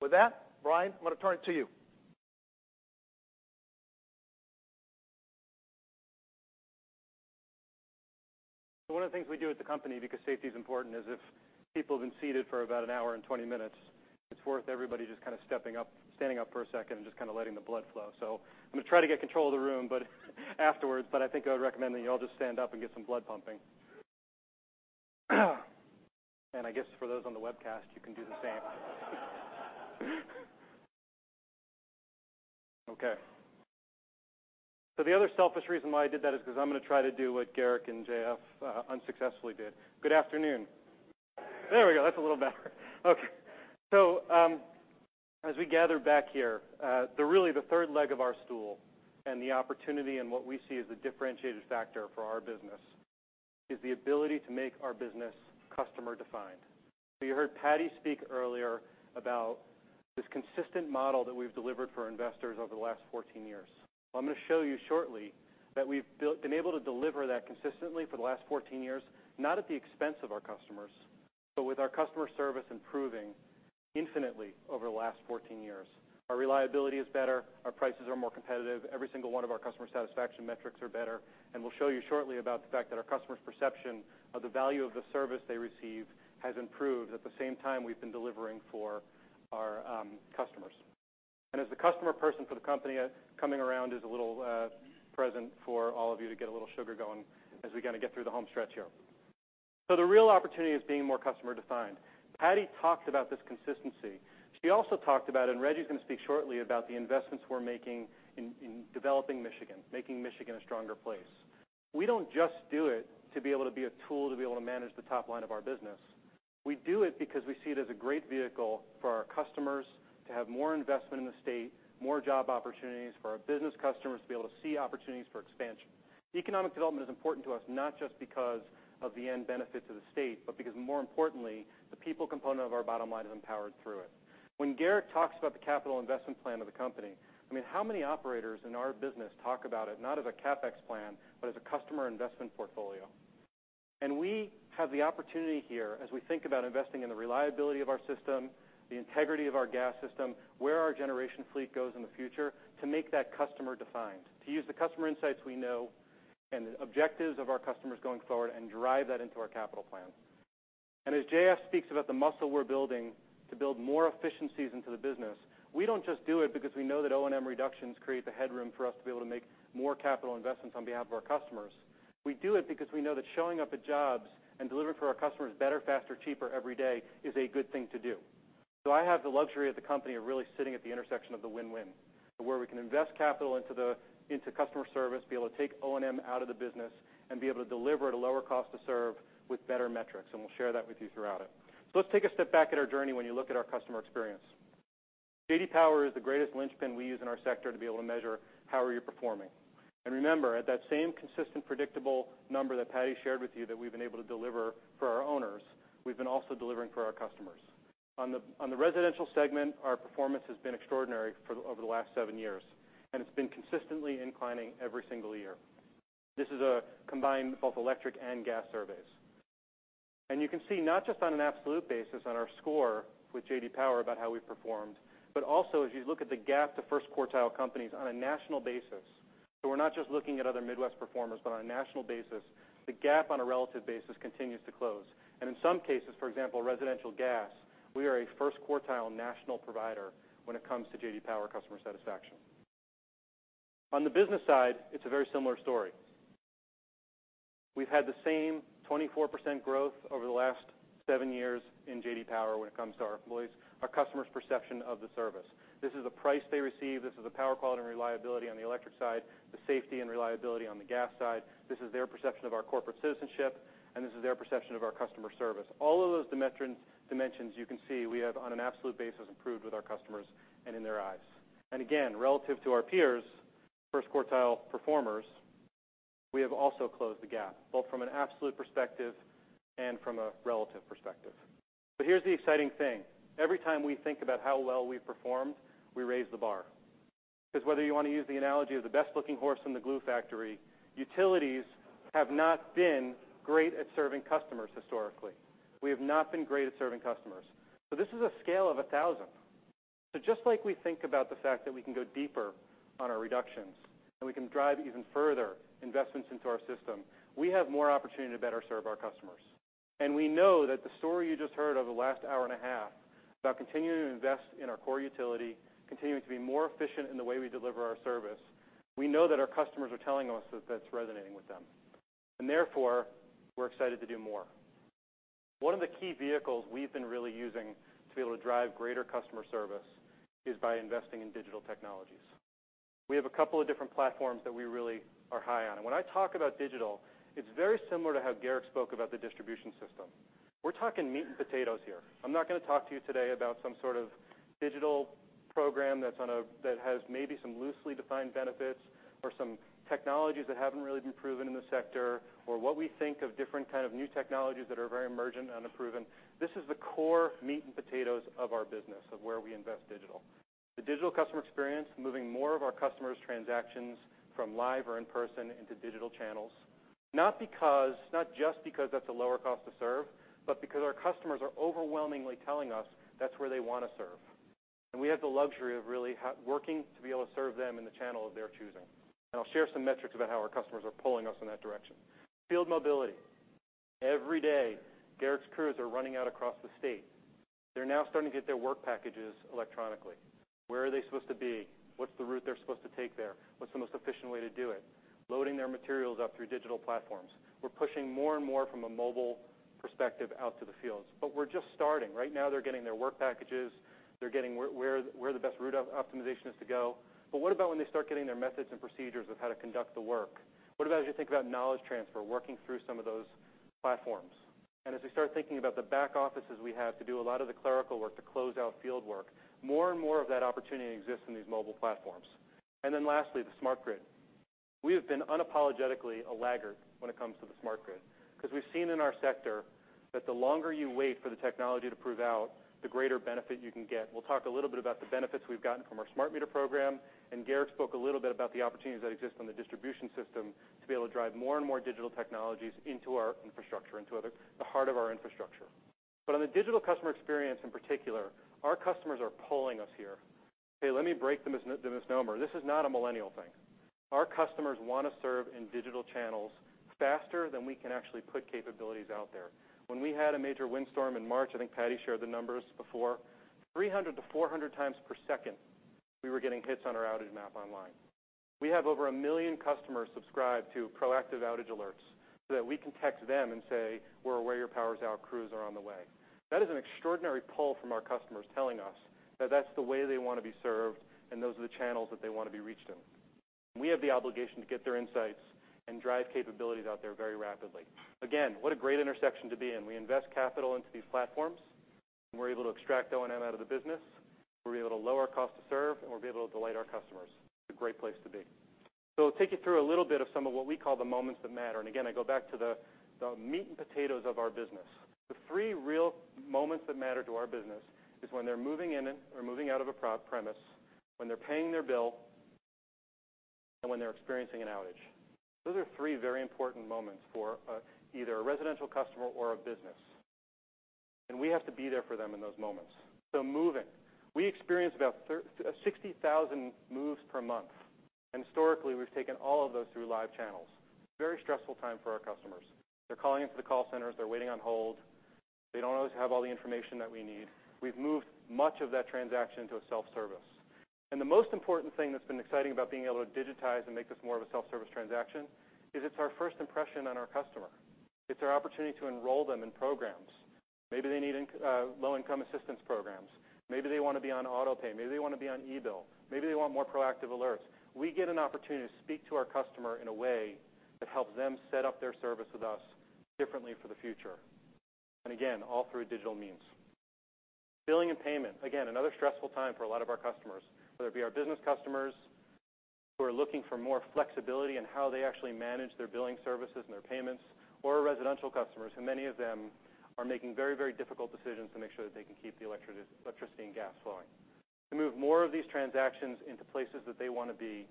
With that, Brian, I'm going to turn it to you. One of the things we do at the company, because safety is important, is if people have been seated for about an hour and 20 minutes, it's worth everybody just kind of standing up for a second and just kind of letting the blood flow. I'm going to try to get control of the room, but afterwards, but I think I would recommend that you all just stand up and get some blood pumping. I guess for those on the webcast, you can do the same. Okay. The other selfish reason why I did that is because I'm going to try to do what Garrick and J.F. unsuccessfully did. Good afternoon. There we go. That's a little better. Okay. As we gather back here, really the third leg of our stool and the opportunity and what we see as the differentiated factor for our business is the ability to make our business customer-defined. You heard Patti speak earlier about this consistent model that we've delivered for investors over the last 14 years. I'm going to show you shortly that we've been able to deliver that consistently for the last 14 years, not at the expense of our customers, but with our customer service improving infinitely over the last 14 years. Our reliability is better, our prices are more competitive. Every single one of our customer satisfaction metrics are better, and we'll show you shortly about the fact that our customers' perception of the value of the service they receive has improved at the same time we've been delivering for our customers. As the customer person for the company, coming around is a little present for all of you to get a little sugar going as we kind of get through the home stretch here. The real opportunity is being more customer-defined. Patti talked about this consistency. She also talked about, Rejji's going to speak shortly about the investments we're making in developing Michigan, making Michigan a stronger place. We don't just do it to be able to be a tool to be able to manage the top line of our business. We do it because we see it as a great vehicle for our customers to have more investment in the state, more job opportunities for our business customers to be able to see opportunities for expansion. Economic development is important to us, not just because of the end benefit to the state, but because more importantly, the people component of our bottom line is empowered through it. When Garrick talks about the capital investment plan of the company, I mean, how many operators in our business talk about it, not as a CapEx plan, but as a customer investment portfolio? We have the opportunity here as we think about investing in the reliability of our system, the integrity of our gas system, where our generation fleet goes in the future to make that customer-defined, to use the customer insights we know and the objectives of our customers going forward and drive that into our capital plan. As J.F. speaks about the muscle we're building to build more efficiencies into the business, we don't just do it because we know that O&M reductions create the headroom for us to be able to make more capital investments on behalf of our customers. We do it because we know that showing up at jobs and delivering for our customers better, faster, cheaper every day is a good thing to do. I have the luxury of the company of really sitting at the intersection of the win-win, where we can invest capital into customer service, be able to take O&M out of the business, and be able to deliver at a lower cost to serve with better metrics, and we'll share that with you throughout it. Let's take a step back at our journey when you look at our customer experience. J.D. Power is the greatest linchpin we use in our sector to be able to measure how are you performing. Remember, at that same consistent, predictable number that Patti shared with you that we've been able to deliver for our owners, we've been also delivering for our customers. On the residential segment, our performance has been extraordinary over the last seven years, and it's been consistently inclining every single year. This is a combined both electric and gas surveys. You can see not just on an absolute basis on our score with J.D. Power about how we've performed, but also as you look at the gap to first quartile companies on a national basis. We're not just looking at other Midwest performers, but on a national basis, the gap on a relative basis continues to close. In some cases, for example, residential gas, we are a first quartile national provider when it comes to J.D. Power customer satisfaction. On the business side, it's a very similar story. We've had the same 24% growth over the last seven years in J.D. Power when it comes to our employees, our customers' perception of the service. This is the price they receive. This is the power quality and reliability on the electric side, the safety and reliability on the gas side. This is their perception of our corporate citizenship, and this is their perception of our customer service. All of those dimensions you can see we have on an absolute basis improved with our customers and in their eyes. Again, relative to our peers, first quartile performers, we have also closed the gap, both from an absolute perspective and from a relative perspective. Here's the exciting thing. Every time we think about how well we've performed, we raise the bar. Whether you want to use the analogy of the best-looking horse in the glue factory, utilities have not been great at serving customers historically. We have not been great at serving customers. This is a scale of 1,000. Just like we think about the fact that we can go deeper on our reductions and we can drive even further investments into our system, we have more opportunity to better serve our customers. We know that the story you just heard over the last hour and a half about continuing to invest in our core utility, continuing to be more efficient in the way we deliver our service, we know that our customers are telling us that that's resonating with them. Therefore, we're excited to do more. One of the key vehicles we've been really using to be able to drive greater customer service is by investing in digital technologies. We have a couple of different platforms that we really are high on. When I talk about digital, it's very similar to how Garrick spoke about the distribution system. We're talking meat and potatoes here. I'm not going to talk to you today about some sort of digital program that has maybe some loosely defined benefits or some technologies that haven't really been proven in the sector, or what we think of different kind of new technologies that are very emergent and unproven. This is the core meat and potatoes of our business, of where we invest digital. The digital customer experience, moving more of our customers' transactions from live or in person into digital channels. Not just because that's a lower cost to serve, because our customers are overwhelmingly telling us that's where they want to serve. We have the luxury of really working to be able to serve them in the channel of their choosing. I'll share some metrics about how our customers are pulling us in that direction. Field mobility. Every day, Garrick's crews are running out across the state. They're now starting to get their work packages electronically. Where are they supposed to be? What's the route they're supposed to take there? What's the most efficient way to do it? Loading their materials up through digital platforms. We're pushing more and more from a mobile perspective out to the fields. We're just starting. Right now, they're getting their work packages. They're getting where the best route optimization is to go. What about when they start getting their methods and procedures of how to conduct the work? What about as you think about knowledge transfer, working through some of those platforms? As we start thinking about the back offices we have to do a lot of the clerical work to close out field work, more and more of that opportunity exists in these mobile platforms. Lastly, the smart grid. We have been unapologetically a laggard when it comes to the smart grid because we've seen in our sector that the longer you wait for the technology to prove out, the greater benefit you can get. We'll talk a little bit about the benefits we've gotten from our smart meter program. Garrick spoke a little bit about the opportunities that exist on the distribution system to be able to drive more and more digital technologies into our infrastructure, into the heart of our infrastructure. On the digital customer experience in particular, our customers are pulling us here. Okay, let me break the misnomer. This is not a millennial thing. Our customers want to serve in digital channels faster than we can actually put capabilities out there. When we had a major windstorm in March, I think Patti shared the numbers before, 300 to 400 times per second. We were getting hits on our outage map online. We have over 1 million customers subscribed to proactive outage alerts so that we can text them and say, "We're aware your power's out, crews are on the way." That is an extraordinary pull from our customers telling us that that's the way they want to be served, and those are the channels that they want to be reached in. We have the obligation to get their insights and drive capabilities out there very rapidly. Again, what a great intersection to be in. We invest capital into these platforms, and we're able to extract O&M out of the business. We're able to lower our cost to serve, and we're able to delight our customers. It's a great place to be. Take you through a little bit of some of what we call the moments that matter. Again, I go back to the meat and potatoes of our business. The three real moments that matter to our business is when they're moving in or moving out of a premise, when they're paying their bill, and when they're experiencing an outage. Those are three very important moments for either a residential customer or a business, and we have to be there for them in those moments. Moving. We experience about 60,000 moves per month. Historically, we've taken all of those through live channels. Very stressful time for our customers. They're calling into the call centers. They're waiting on hold. They don't always have all the information that we need. We've moved much of that transaction to a self-service. The most important thing that's been exciting about being able to digitize and make this more of a self-service transaction is it's our first impression on our customer. It's our opportunity to enroll them in programs. Maybe they need low-income assistance programs. Maybe they want to be on auto pay. Maybe they want to be on e-bill. Maybe they want more proactive alerts. We get an opportunity to speak to our customer in a way that helps them set up their service with us differently for the future. Again, all through digital means. Billing and payment, again, another stressful time for a lot of our customers, whether it be our business customers who are looking for more flexibility in how they actually manage their billing services and their payments, or our residential customers, who many of them are making very difficult decisions to make sure that they can keep the electricity and gas flowing. To move more of these transactions into places that they want to be,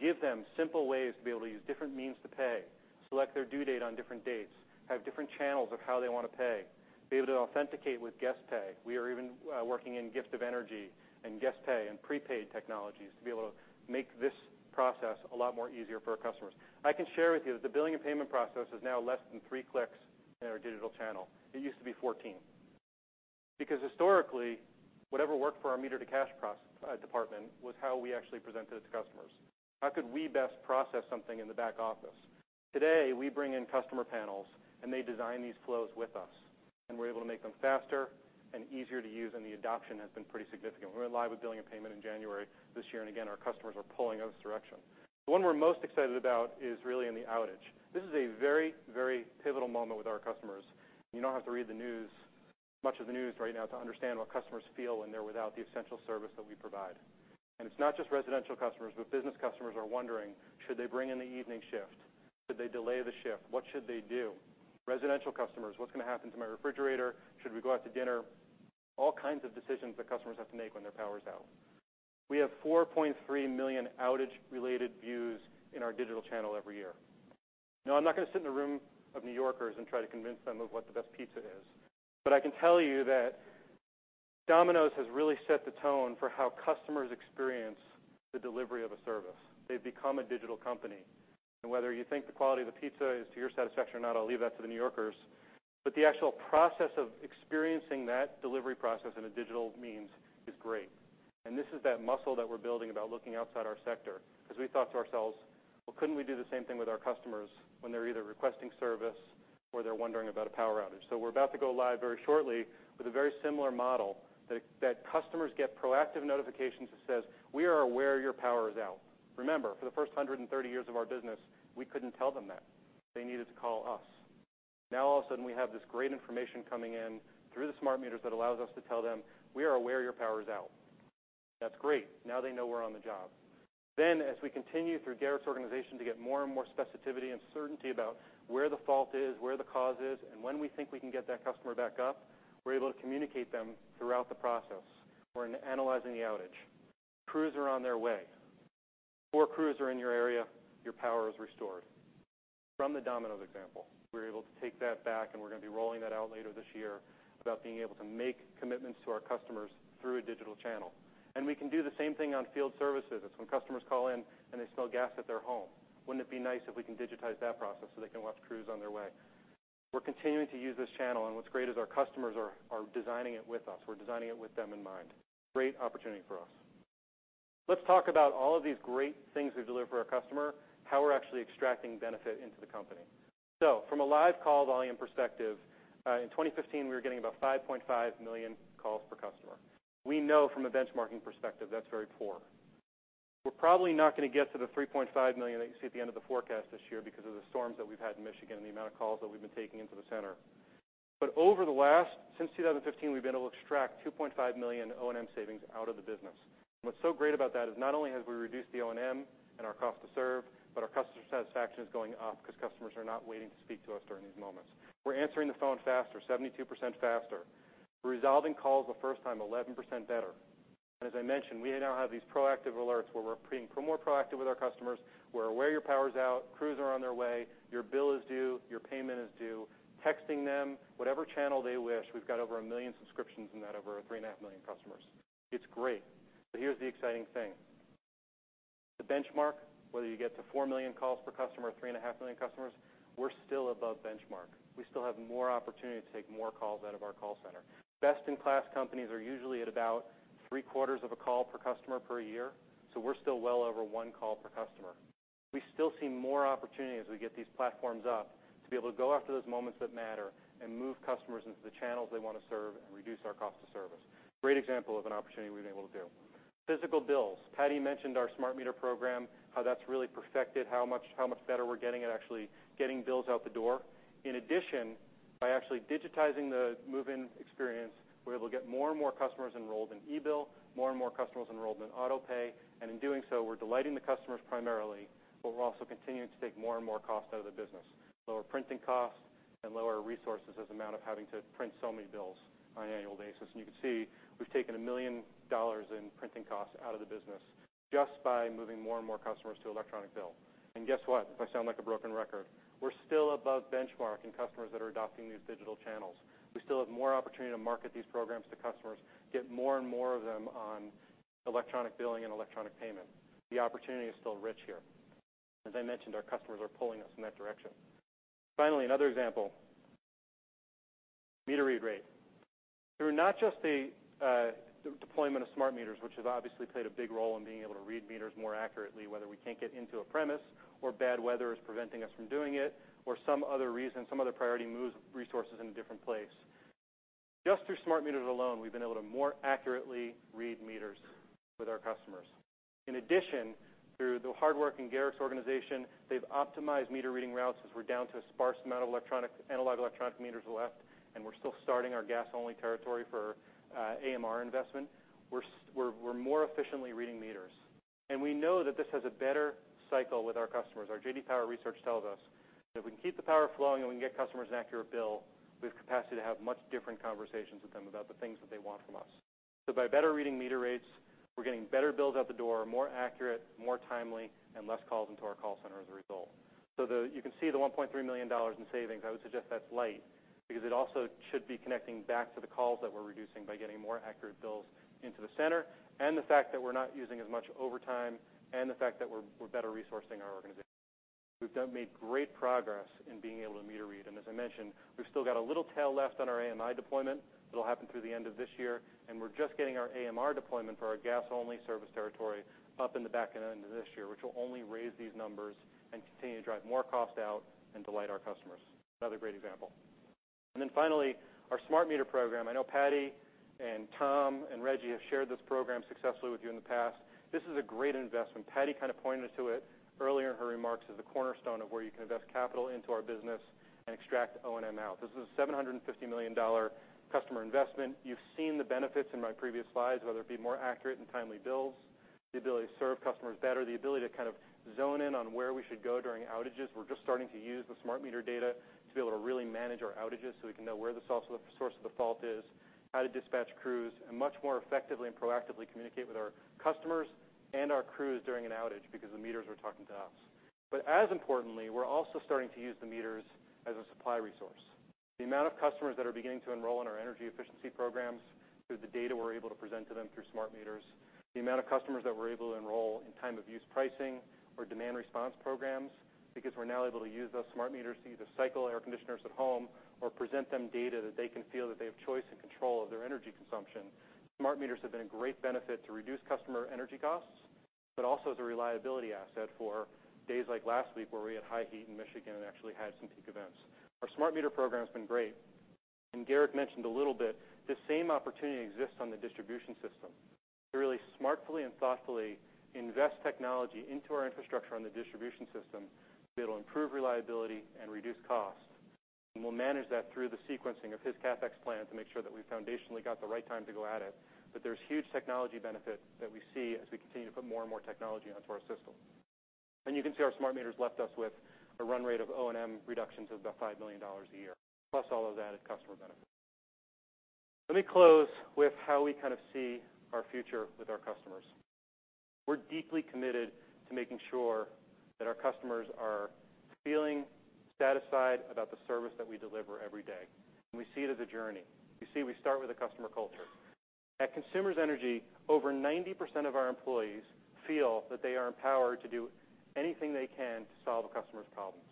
give them simple ways to be able to use different means to pay, select their due date on different dates, have different channels of how they want to pay, be able to authenticate with guest pay. We are even working in gift of energy and guest pay and prepaid technologies to be able to make this process a lot more easier for our customers. I can share with you that the billing and payment process is now less than three clicks in our digital channel. It used to be 14. Because historically, whatever worked for our meter-to-cash department was how we actually presented it to customers. How could we best process something in the back office? Today, we bring in customer panels, and they design these flows with us, and we're able to make them faster and easier to use, and the adoption has been pretty significant. We went live with billing and payment in January this year, and again, our customers are pulling in this direction. The one we're most excited about is really in the outage. This is a very pivotal moment with our customers. You don't have to read much of the news right now to understand what customers feel when they're without the essential service that we provide. It's not just residential customers, but business customers are wondering, should they bring in the evening shift? Should they delay the shift? What should they do? Residential customers, what's going to happen to my refrigerator? Should we go out to dinner? All kinds of decisions that customers have to make when their power's out. We have 4.3 million outage-related views in our digital channel every year. Now, I'm not going to sit in a room of New Yorkers and try to convince them of what the best pizza is, but I can tell you that Domino's has really set the tone for how customers experience the delivery of a service. They've become a digital company. Whether you think the quality of the pizza is to your satisfaction or not, I'll leave that to the New Yorkers, but the actual process of experiencing that delivery process in a digital means is great. This is that muscle that we're building about looking outside our sector because we thought to ourselves, "Well, couldn't we do the same thing with our customers when they're either requesting service or they're wondering about a power outage?" We're about to go live very shortly with a very similar model that customers get proactive notifications that says, "We are aware your power is out." Remember, for the first 130 years of our business, we couldn't tell them that. They needed to call us. Now all of a sudden, we have this great information coming in through the smart meters that allows us to tell them, "We are aware your power is out." That's great. Now they know we're on the job. As we continue through Garrick's organization to get more and more specificity and certainty about where the fault is, where the cause is, and when we think we can get that customer back up, we're able to communicate them throughout the process. We're analyzing the outage. Crews are on their way. Four crews are in your area. Your power is restored. From the Domino's example, we're able to take that back, and we're going to be rolling that out later this year about being able to make commitments to our customers through a digital channel. We can do the same thing on field services. It's when customers call in, and they smell gas at their home. Wouldn't it be nice if we can digitize that process so they can watch crews on their way? We're continuing to use this channel, and what's great is our customers are designing it with us. We're designing it with them in mind. Great opportunity for us. Let's talk about all of these great things we deliver for our customer, how we're actually extracting benefit into the company. From a live call volume perspective, in 2015, we were getting about 5.5 million calls per customer. We know from a benchmarking perspective, that's very poor. We're probably not going to get to the 3.5 million that you see at the end of the forecast this year because of the storms that we've had in Michigan and the amount of calls that we've been taking into the center. Over the last, since 2015, we've been able to extract $2.5 million O&M savings out of the business. What's so great about that is not only have we reduced the O&M and our cost to serve, but our customer satisfaction is going up because customers are not waiting to speak to us during these moments. We're answering the phone faster, 72% faster. Resolving calls the first time, 11% better. As I mentioned, we now have these proactive alerts where we're being more proactive with our customers. We're aware your power's out. Crews are on their way. Your bill is due. Your payment is due. Texting them whatever channel they wish. We've got over 1 million subscriptions in that over 3.5 million customers. It's great. Here's the exciting thing. The benchmark, whether you get to 4 million calls per customer or 3.5 million customers, we're still above benchmark. We still have more opportunity to take more calls out of our call center. Best-in-class companies are usually at about three-quarters of a call per customer per year, so we're still well over one call per customer. We still see more opportunity as we get these platforms up to be able to go after those moments that matter and move customers into the channels they want to serve and reduce our cost to serve. Great example of an opportunity we've been able to do. Physical bills. Patti mentioned our smart meter program, how that's really perfected how much better we're getting at actually getting bills out the door. By actually digitizing the move-in experience, we're able to get more and more customers enrolled in e-bill, more and more customers enrolled in auto-pay, and in doing so, we're delighting the customers primarily, but we're also continuing to take more and more cost out of the business. Lower printing costs and lower resources as amount of having to print so many bills on an annual basis. You can see we've taken $1 million in printing costs out of the business just by moving more and more customers to electronic bill. Guess what? If I sound like a broken record, we're still above benchmark in customers that are adopting these digital channels. We still have more opportunity to market these programs to customers, get more and more of them on electronic billing and electronic payment. The opportunity is still rich here. As I mentioned, our customers are pulling us in that direction. Finally, another example, meter read rate. Through not just the deployment of smart meters, which have obviously played a big role in being able to read meters more accurately, whether we can't get into a premise or bad weather is preventing us from doing it or some other reason, some other priority moves resources in a different place. Just through smart meters alone, we've been able to more accurately read meters with our customers. In addition, through the hard work in Garrick's organization, they've optimized meter reading routes as we're down to a sparse amount of analog electronic meters left, and we're still starting our gas-only territory for AMR investment. We're more efficiently reading meters, we know that this has a better cycle with our customers. Our J.D. Power research tells us that if we can keep the power flowing and we can get customers an accurate bill, we have capacity to have much different conversations with them about the things that they want from us. By better reading meter rates, we're getting better bills out the door, more accurate, more timely, and less calls into our call center as a result. You can see the $1.3 million in savings. I would suggest that's light because it also should be connecting back to the calls that we're reducing by getting more accurate bills into the center and the fact that we're not using as much overtime and the fact that we're better resourcing our organization. We've made great progress in being able to meter read, and as I mentioned, we've still got a little tail left on our AMI deployment. It'll happen through the end of this year, we're just getting our AMR deployment for our gas-only service territory up in the back end of this year, which will only raise these numbers and continue to drive more cost out and delight our customers. Another great example. Finally, our smart meter program. I know Patti and Tom and Rejji have shared this program successfully with you in the past. This is a great investment. Patti kind of pointed to it earlier in her remarks as the cornerstone of where you can invest capital into our business and extract O&M out. This is a $750 million customer investment. You've seen the benefits in my previous slides, whether it be more accurate and timely bills, the ability to serve customers better, the ability to kind of zone in on where we should go during outages. We're just starting to use the smart meter data to be able to really manage our outages so we can know where the source of the fault is, how to dispatch crews, and much more effectively and proactively communicate with our customers and our crews during an outage because the meters are talking to us. As importantly, we're also starting to use the meters as a supply resource. The amount of customers that are beginning to enroll in our energy efficiency programs through the data we're able to present to them through smart meters, the amount of customers that we're able to enroll in time of use pricing or demand response programs because we're now able to use those smart meters to either cycle air conditioners at home or present them data that they can feel that they have choice and control of their energy consumption. Smart meters have been a great benefit to reduce customer energy costs, but also as a reliability asset for days like last week where we had high heat in Michigan and actually had some peak events. Our smart meter program has been great. Garrick mentioned a little bit, the same opportunity exists on the distribution system. To really smartly and thoughtfully invest technology into our infrastructure on the distribution system that'll improve reliability and reduce cost. We'll manage that through the sequencing of his CapEx plan to make sure that we've foundationally got the right time to go at it. There's huge technology benefit that we see as we continue to put more and more technology onto our system. You can see our smart meters left us with a run rate of O&M reductions of about $5 million a year, plus all those added customer benefits. Let me close with how we kind of see our future with our customers. We're deeply committed to making sure that our customers are feeling satisfied about the service that we deliver every day, and we see it as a journey. You see, we start with a customer culture. At Consumers Energy, over 90% of our employees feel that they are empowered to do anything they can to solve a customer's problems.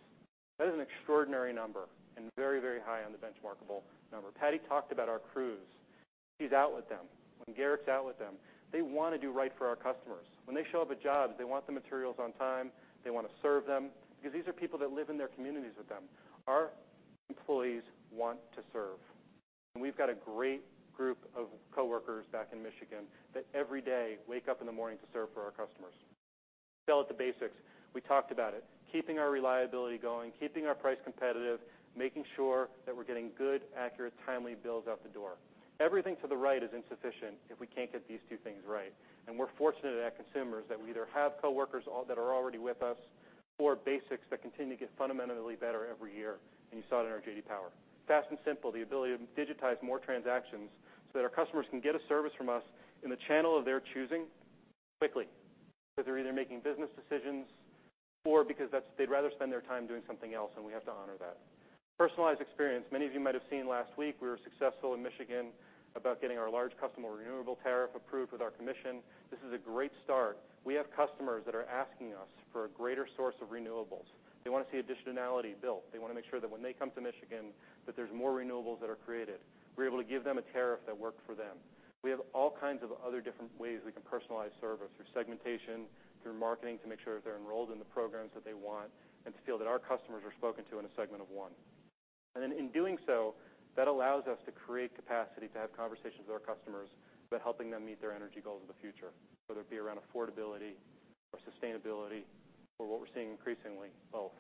That is an extraordinary number and very high on the benchmarkable number. Patti talked about our crews. She's out with them. When Garrick's out with them, they want to do right for our customers. When they show up at jobs, they want the materials on time. They want to serve them because these are people that live in their communities with them. Our employees want to serve. We've got a great group of coworkers back in Michigan that every day wake up in the morning to serve for our customers. Sell at the basics. We talked about it. Keeping our reliability going, keeping our price competitive, making sure that we're getting good, accurate, timely bills out the door. Everything to the right is insufficient if we can't get these two things right. We're fortunate at Consumers that we either have coworkers that are already with us or basics that continue to get fundamentally better every year, and you saw it in our J.D. Power. Fast and simple, the ability to digitize more transactions so that our customers can get a service from us in the channel of their choosing quickly because they're either making business decisions Or because they'd rather spend their time doing something else, and we have to honor that. Personalized experience. Many of you might have seen last week, we were successful in Michigan about getting our large customer renewable tariff approved with our commission. This is a great start. We have customers that are asking us for a greater source of renewables. They want to see additionality built. They want to make sure that when they come to Michigan, that there is more renewables that are created. We are able to give them a tariff that works for them. We have all kinds of other different ways we can personalize service, through segmentation, through marketing, to make sure that they are enrolled in the programs that they want, and to feel that our customers are spoken to in a segment of one. In doing so, that allows us to create capacity to have conversations with our customers about helping them meet their energy goals of the future, whether it be around affordability or sustainability, or what we are seeing increasingly, both.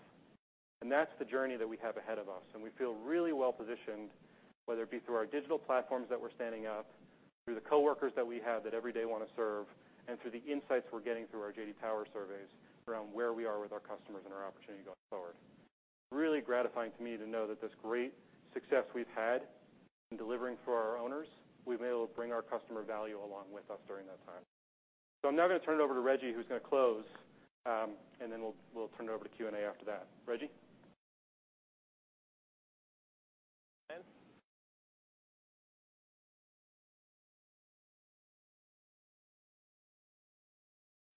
That is the journey that we have ahead of us, and we feel really well-positioned, whether it be through our digital platforms that we are standing up, through the coworkers that we have that every day want to serve, and through the insights we are getting through our J.D. Power surveys around where we are with our customers and our opportunity going forward. Really gratifying to me to know that this great success we have had in delivering for our owners, we have been able to bring our customer value along with us during that time. I am now going to turn it over to Rejji, who is going to close, and then we will turn it over to Q&A after that. Rejji?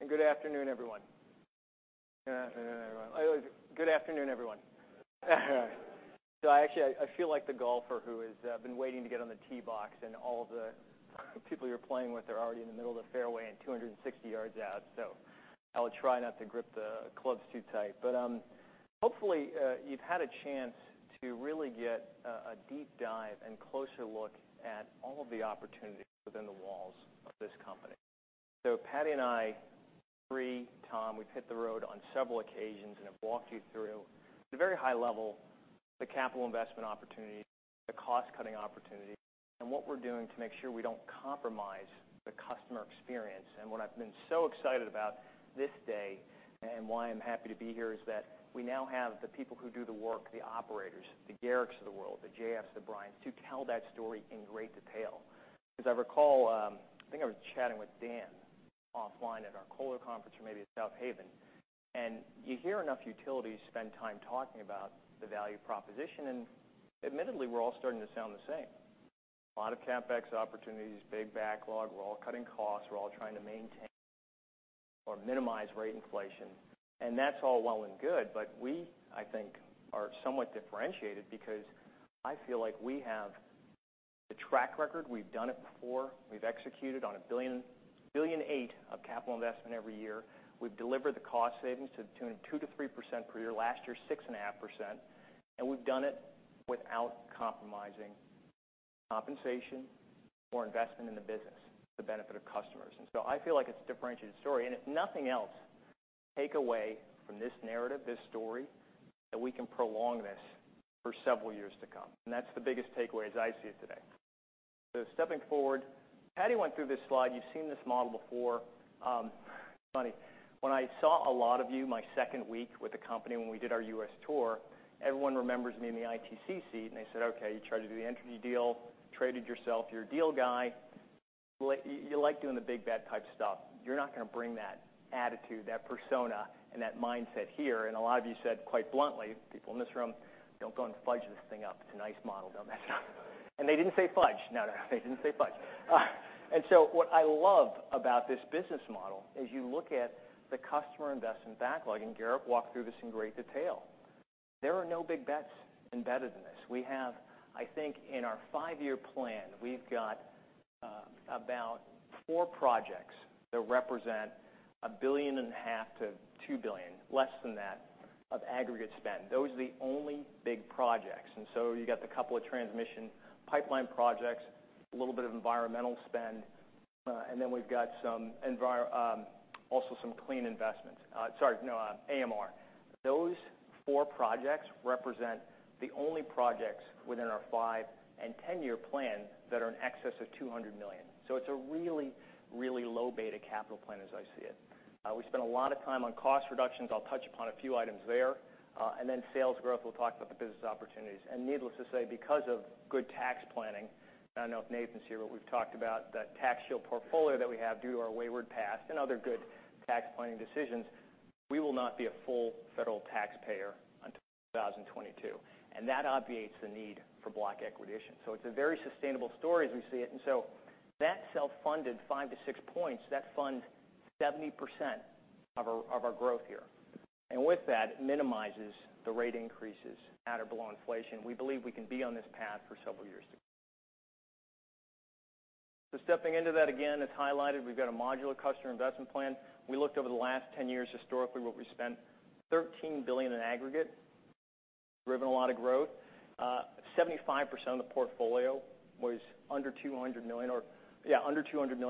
Good afternoon, everyone. Good afternoon, everyone. Actually, I feel like the golfer who has been waiting to get on the tee box, and all the people you are playing with are already in the middle of the fairway and 260 yards out. I will try not to grip the clubs too tight. Hopefully you have had a chance to really get a deep dive and closer look at all of the opportunities within the walls of this company. Patti and I, Sri, Tom, we have hit the road on several occasions and have walked you through the very high level, the capital investment opportunity, the cost-cutting opportunity, and what we are doing to make sure we do not compromise the customer experience. What I've been so excited about this day and why I'm happy to be here is that we now have the people who do the work, the operators, the Garricks of the world, the JFs, the Brians, to tell that story in great detail. Because I recall, I think I was chatting with Dan offline at our Kohler conference or maybe at South Haven, and you hear enough utilities spend time talking about the value proposition, and admittedly, we're all starting to sound the same. A lot of CapEx opportunities, big backlog. We're all cutting costs. We're all trying to maintain or minimize rate inflation. That's all well and good, but we, I think, are somewhat differentiated because I feel like we have the track record. We've done it before. We've executed on $1.8 billion of capital investment every year. We've delivered the cost savings to the tune of 2%-3% per year. Last year, 6.5%. We've done it without compromising compensation or investment in the business for the benefit of customers. I feel like it's a differentiated story. If nothing else, take away from this narrative, this story, that we can prolong this for several years to come. That's the biggest takeaway as I see it today. Stepping forward, Patti went through this slide. You've seen this model before. Funny, when I saw a lot of you my second week with the company when we did our U.S. tour, everyone remembers me in the ITC seat, and they said, "Okay, you tried to do the Entergy deal, traded yourself. You're a deal guy. You like doing the big bet type stuff. You're not going to bring that attitude, that persona, and that mindset here." A lot of you said quite bluntly, people in this room, "Don't go and fudge this thing up. It's a nice model. Don't mess it up." They didn't say fudge. No, they didn't say fudge. What I love about this business model is you look at the customer investment backlog, and Garrick walked through this in great detail. There are no big bets embedded in this. We have, I think in our five-year plan, we've got about four projects that represent $1.5 billion-$2 billion, less than that, of aggregate spend. Those are the only big projects. You got the couple of transmission pipeline projects, a little bit of environmental spend, and then we's got also some clean investments. Sorry, no, AMR. Those four projects represent the only projects within our five- and 10-year plan that are in excess of $200 million. It's a really low-beta capital plan as I see it. We spend a lot of time on cost reductions. I'll touch upon a few items there. Then sales growth, we'll talk about the business opportunities. Needless to say, because of good tax planning, I don't know if Nathan's here, but we've talked about that tax shield portfolio that we have due to our wayward past and other good tax planning decisions. We will not be a full federal taxpayer until 2022. That obviates the need for block equity issues. It's a very sustainable story as we see it, that self-funded five to six points, that funds 70% of our growth here. With that, it minimizes the rate increases at or below inflation. We believe we can be on this path for several years to come. Stepping into that again, as highlighted, we've got a modular customer investment plan. We looked over the last 10 years historically what we spent, $13 billion in aggregate, driven a lot of growth. 75% of the portfolio was under $200 million, about 25%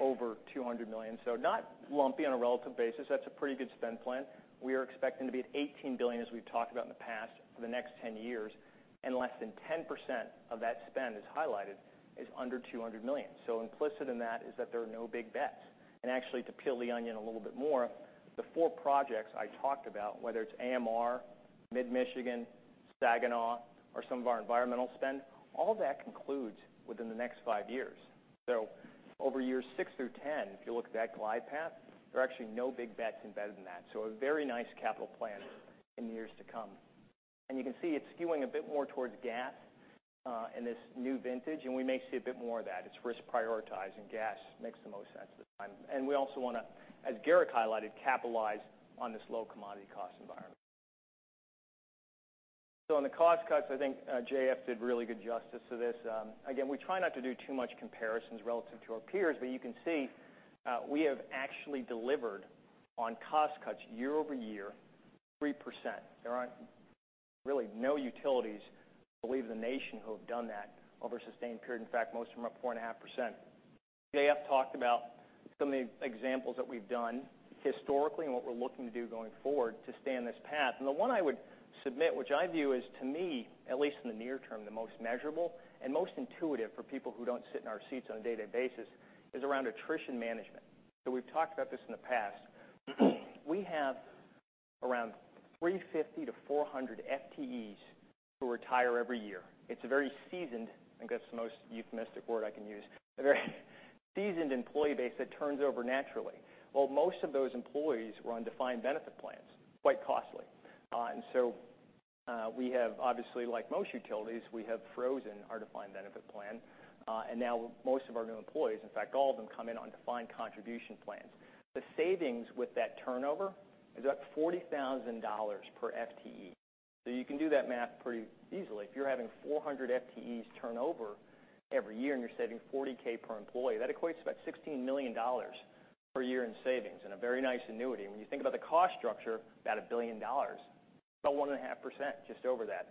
over $200 million. Not lumpy on a relative basis. That's a pretty good spend plan. We are expecting to be at $18 billion, as we've talked about in the past, for the next 10 years, and less than 10% of that spend, as highlighted, is under $200 million. Implicit in that is that there are no big bets. Actually, to peel the onion a little bit more, the four projects I talked about, whether it's AMR, Mid-Michigan, Saginaw or some of our environmental spend, all that concludes within the next five years. Over years six through 10, if you look at that glide path, there are actually no big bets embedded in that. A very nice capital plan in the years to come. You can see it's skewing a bit more towards gas, in this new vintage, and we may see a bit more of that. It's risk-prioritized, and gas makes the most sense this time. We also want to, as Garrick highlighted, capitalize on this low commodity cost environment. On the cost cuts, I think JF did really good justice to this. Again, we try not to do too much comparisons relative to our peers, you can see we have actually delivered on cost cuts year-over-year, 3%. There are really no utilities, I believe in the nation, who have done that over a sustained period. In fact, most of them are up 4.5%. JF talked about some of the examples that we've done historically and what we're looking to do going forward to stay on this path. The one I would submit, which I view as to me, at least in the near term, the most measurable and most intuitive for people who don't sit in our seats on a day-to-day basis, is around attrition management. We've talked about this in the past. We have around 350 to 400 FTEs who retire every year. It's very seasoned, I think that's the most euphemistic word I can use. A very seasoned employee base that turns over naturally. Well, most of those employees were on defined benefit plans, quite costly. We have obviously like most utilities, we have frozen our defined benefit plan. Now most of our new employees, in fact, all of them, come in on defined contribution plans. The savings with that turnover is about $40,000 per FTE. You can do that math pretty easily. If you're having 400 FTEs turnover every year and you're saving 40k per employee, that equates to about $16 million per year in savings and a very nice annuity. When you think about the cost structure, about $1 billion, about 1.5%, just over that.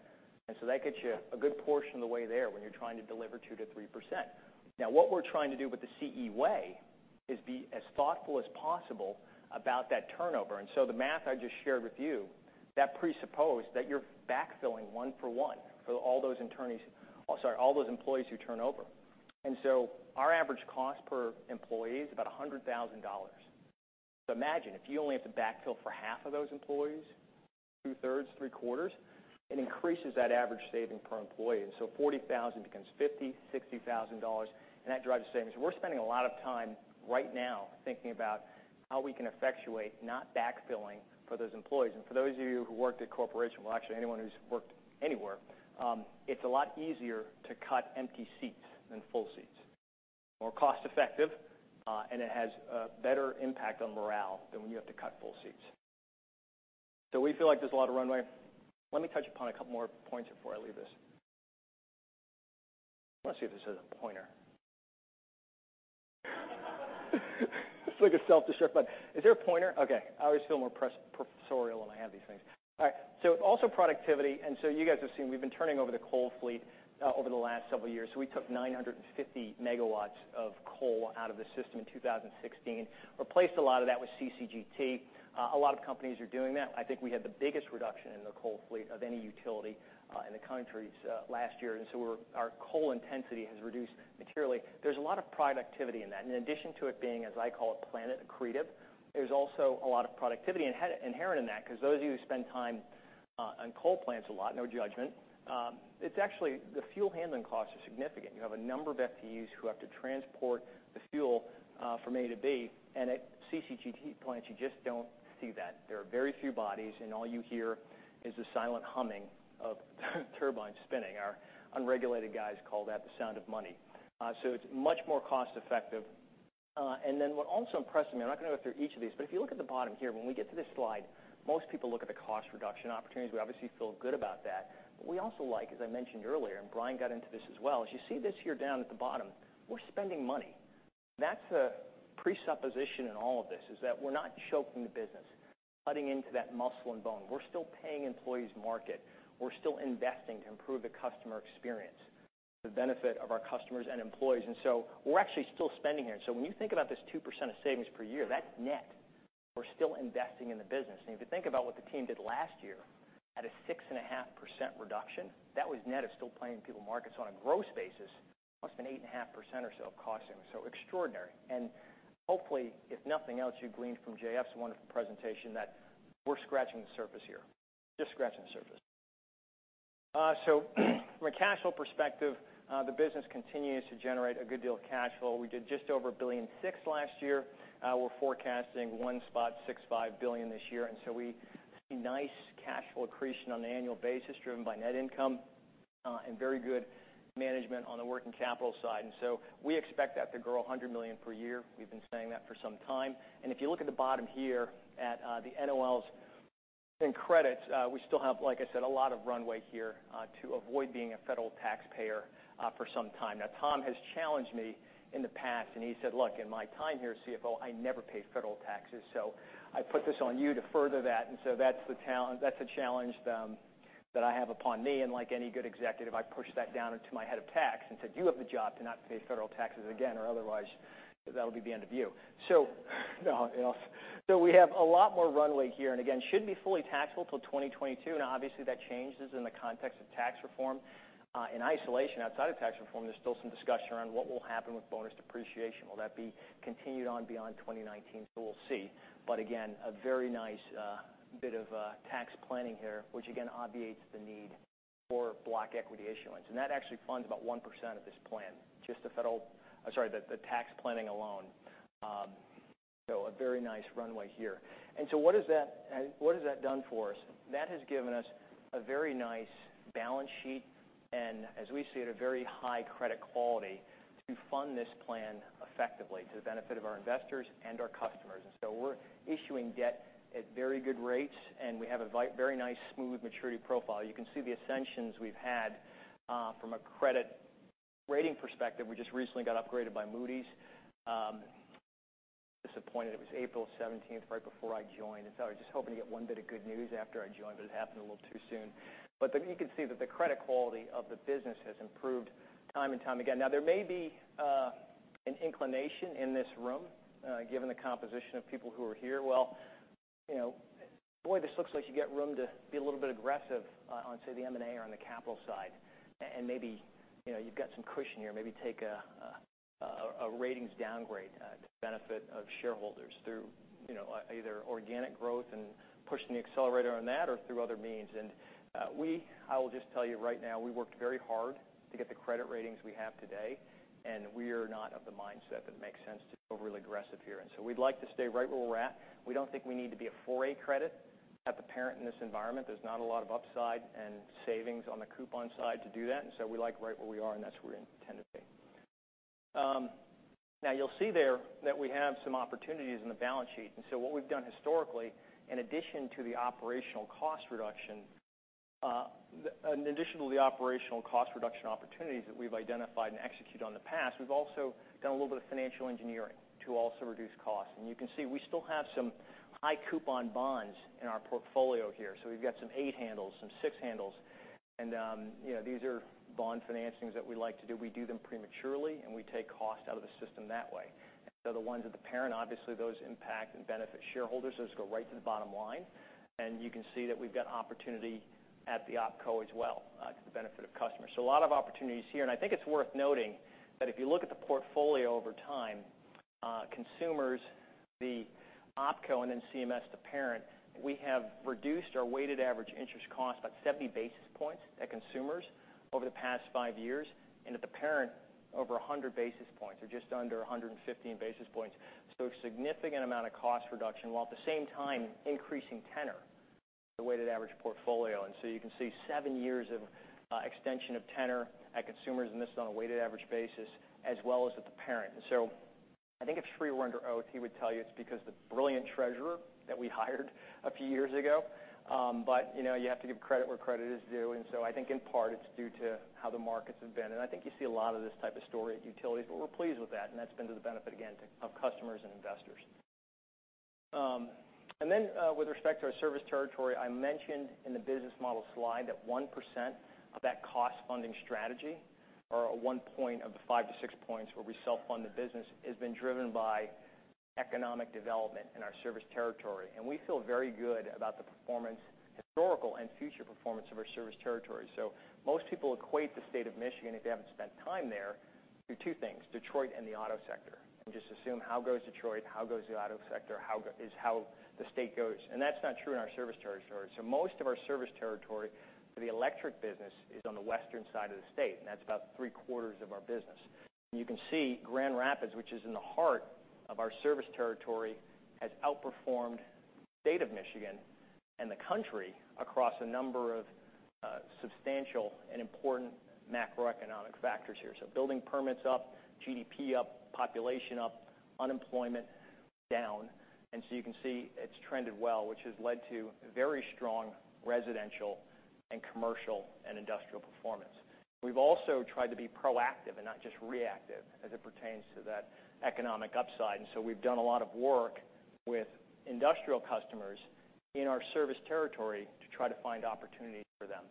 That gets you a good portion of the way there when you're trying to deliver 2%-3%. What we're trying to do with the CE Way is be as thoughtful as possible about that turnover. The math I just shared with you, that presupposed that you're backfilling one for one for all those employees who turnover. Our average cost per employee is about $100,000. Imagine if you only have to backfill for half of those employees, two-thirds, three-quarters, it increases that average saving per employee. $40,000 becomes $50,000, $60,000, and that drives savings. We're spending a lot of time right now thinking about how we can effectuate not backfilling for those employees. For those of you who worked at corporation, well, actually anyone who's worked anywhere, it's a lot easier to cut empty seats than full seats. More cost effective, and it has a better impact on morale than when you have to cut full seats. We feel like there's a lot of runway. Let me touch upon a couple more points before I leave this. Let's see if this has a pointer. It's like a self-disrupt, but is there a pointer? I always feel more professorial when I have these things. Also productivity, you guys have seen, we've been turning over the coal fleet over the last several years. We took 950 MW of coal out of the system in 2016. Replaced a lot of that with CCGT. A lot of companies are doing that. I think we had the biggest reduction in the coal fleet of any utility in the country last year, our coal intensity has reduced materially. There's a lot of productivity in that. In addition to it being, as I call it, planet accretive, there's also a lot of productivity inherent in that because those of you who spend time on coal plants a lot, no judgment, it's actually the fuel handling costs are significant. You have a number of FTEs who have to transport the fuel from A to B, and at CCGT plants, you just don't see that. There are very few bodies, and all you hear is the silent humming of turbines spinning. Our unregulated guys call that the sound of money. It's much more cost effective. What also impressed me, I'm not going to go through each of these, but if you look at the bottom here, when we get to this slide, most people look at the cost reduction opportunities. We obviously feel good about that. We also like, as I mentioned earlier, Brian got into this as well, as you see this here down at the bottom, we're spending money. That's a presupposition in all of this, is that we're not choking the business, cutting into that muscle and bone. We're still paying employees market. We're still investing to improve the customer experience, the benefit of our customers and employees. We're actually still spending here. When you think about this 2% of savings per year, that's net. We're still investing in the business. If you think about what the team did last year at a 6.5% reduction, that was net of still paying people markets on a gross basis, almost an 8.5% or so of cost savings. Extraordinary. Hopefully, if nothing else, you gleaned from JF's wonderful presentation that we're scratching the surface here. Just scratching the surface. From a cash flow perspective, the business continues to generate a good deal of cash flow. We did just over $1.6 billion last year. We're forecasting $1.65 billion this year. We see nice cash flow accretion on an annual basis driven by net income, and very good management on the working capital side. We expect that to grow $100 million per year. We've been saying that for some time. If you look at the bottom here at the NOLs and credits, we still have, like I said, a lot of runway here, to avoid being a federal taxpayer for some time. Tom has challenged me in the past. He said, "Look, in my time here as CFO, I never paid federal taxes." I put this on you to further that. That's the challenge that I have upon me. Like any good executive, I pushed that down into my head of tax and said, "You have the job to not pay federal taxes again, or otherwise, that'll be the end of you." We have a lot more runway here. Shouldn't be fully taxable till 2022. That changes in the context- Tax reform. In isolation, outside of tax reform, there's still some discussion around what will happen with bonus depreciation. Will that be continued on beyond 2019? We'll see. A very nice bit of tax planning here, which again, obviates the need for block equity issuance. That actually funds about 1% of this plan, just the tax planning alone. A very nice runway here. What has that done for us? That has given us a very nice balance sheet. As we see it, a very high credit quality to fund this plan effectively to the benefit of our investors and our customers. We're issuing debt at very good rates. We have a very nice, smooth maturity profile. You can see the ascensions we've had from a credit rating perspective. We just recently got upgraded by Moody's. Disappointed it was April 17th, right before I joined. I was just hoping to get one bit of good news after I joined, but it happened a little too soon. You can see that the credit quality of the business has improved time and time again. There may be an inclination in this room, given the composition of people who are here. This looks like you get room to be a little bit aggressive on, say, the M&A or on the capital side. Maybe you've got some cushion here, maybe take a ratings downgrade to benefit of shareholders through either organic growth and pushing the accelerator on that or through other means. I will just tell you right now, we worked very hard to get the credit ratings we have today. We are not of the mindset that it makes sense to go really aggressive here. We'd like to stay right where we're at. We don't think we need to be a 4A credit at the parent in this environment. There's not a lot of upside and savings on the coupon side to do that. We like right where we are, and that's where we intend to be. You'll see there that we have some opportunities in the balance sheet. What we've done historically, in addition to the operational cost reduction opportunities that we've identified and executed on the past, we've also done a little bit of financial engineering to also reduce costs. You can see we still have some high coupon bonds in our portfolio here. We've got some eight handles, some six handles. These are bond financings that we like to do. We do them prematurely, and we take cost out of the system that way. The ones at the parent, obviously those impact and benefit shareholders. Those go right to the bottom line. You can see that we've got opportunity at the opco as well to the benefit of customers. A lot of opportunities here. I think it's worth noting that if you look at the portfolio over time, Consumers, the opco, and then CMS, the parent, we have reduced our weighted average interest cost by 70 basis points at Consumers over the past five years, and at the parent, over 100 basis points or just under 115 basis points. A significant amount of cost reduction, while at the same time increasing tenor, the weighted average portfolio. You can see seven years of extension of tenor at Consumers, and this is on a weighted average basis, as well as at the parent. I think if Sri were under oath, he would tell you it's because the brilliant treasurer that we hired a few years ago. You have to give credit where credit is due. I think in part it's due to how the markets have been. I think you see a lot of this type of story at utilities, but we're pleased with that, and that's been to the benefit, again, of customers and investors. With respect to our service territory, I mentioned in the business model slide that 1% of that cost funding strategy or one point of the five to six points where we self-fund the business, has been driven by economic development in our service territory. We feel very good about the historical and future performance of our service territory. Most people equate the state of Michigan, if they haven't spent time there, through two things: Detroit and the auto sector, and just assume how goes Detroit, how goes the auto sector, is how the state goes. That's not true in our service territory. Most of our service territory for the electric business is on the western side of the state, and that's about three-quarters of our business. You can see Grand Rapids, which is in the heart of our service territory, has outperformed the state of Michigan and the country across a number of substantial and important macroeconomic factors here. Building permits up, GDP up, population up, unemployment down. You can see it's trended well, which has led to very strong residential and commercial and industrial performance. We've also tried to be proactive and not just reactive as it pertains to that economic upside. We've done a lot of work with industrial customers in our service territory to try to find opportunities for them.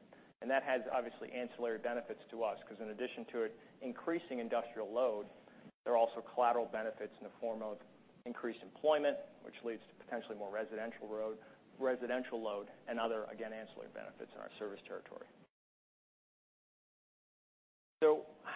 That has obviously ancillary benefits to us because in addition to it increasing industrial load, there are also collateral benefits in the form of increased employment, which leads to potentially more residential load and other, again, ancillary benefits in our service territory.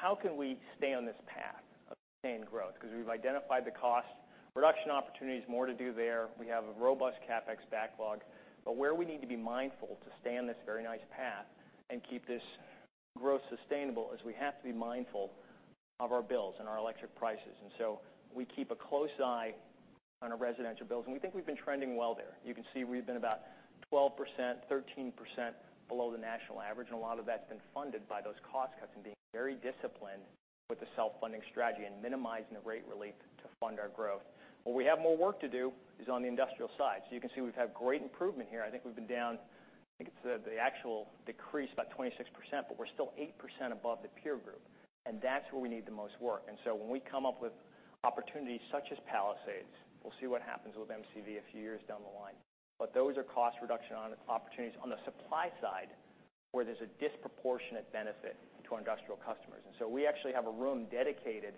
How can we stay on this path of sustained growth? Because we've identified the cost reduction opportunities, more to do there. We have a robust CapEx backlog. Where we need to be mindful to stay on this very nice path and keep this growth sustainable is we have to be mindful of our bills and our electric prices. We keep a close eye on our residential bills, and we think we've been trending well there. You can see we've been about 12%-13% below the national average, and a lot of that's been funded by those cost cuts and being very disciplined with the self-funding strategy and minimizing the rate relief to fund our growth. Where we have more work to do is on the industrial side. You can see we've had great improvement here. I think we've been down, I think it's the actual decrease by 26%, but we're still 8% above the peer group, and that's where we need the most work. When we come up with opportunities such as Palisades, we'll see what happens with MCV a few years down the line. Those are cost reduction opportunities on the supply side where there's a disproportionate benefit to our industrial customers. We actually have a room dedicated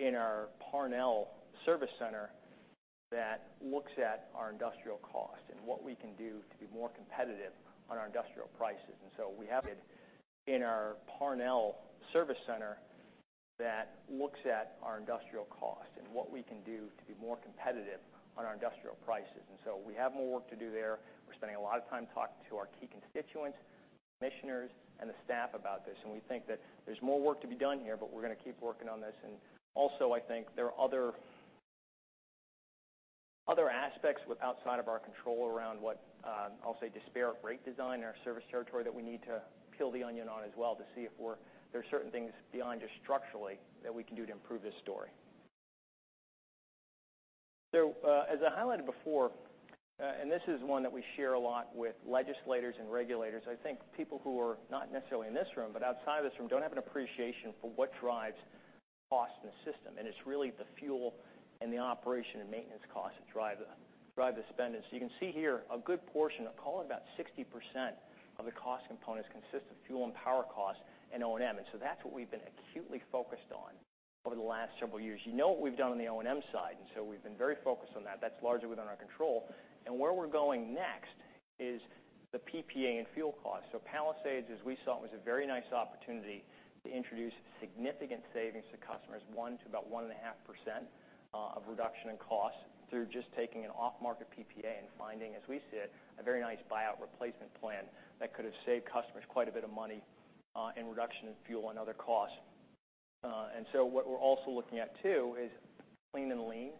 in our Parnell service center that looks at our industrial cost and what we can do to be more competitive on our industrial prices. We have it in our Parnell service center that looks at our industrial cost and what we can do to be more competitive on our industrial prices. We have more work to do there. We're spending a lot of time talking to our key constituents, commissioners, and the staff about this, and we think that there's more work to be done here, but we're going to keep working on this. Also, I think there are other aspects outside of our control around what I'll say, disparate rate design in our service territory that we need to peel the onion on as well to see if there are certain things beyond just structurally that we can do to improve this story. As I highlighted before, and this is one that we share a lot with legislators and regulators, I think people who are not necessarily in this room, but outside of this room, don't have an appreciation for what drives cost in the system. It's really the fuel and the operation and maintenance costs that drive the spend. You can see here a good portion of call it about 60% of the cost components consist of fuel and power costs and O&M. That's what we've been acutely focused on over the last several years. You know what we've done on the O&M side. We've been very focused on that. That's largely within our control. Where we're going next is the PPA and fuel costs. Palisades, as we saw it, was a very nice opportunity to introduce significant savings to customers, one, to about 1.5% of reduction in cost through just taking an off-market PPA and finding, as we see it, a very nice buyout replacement plan that could have saved customers quite a bit of money in reduction in fuel and other costs. What we're also looking at too is clean and lean,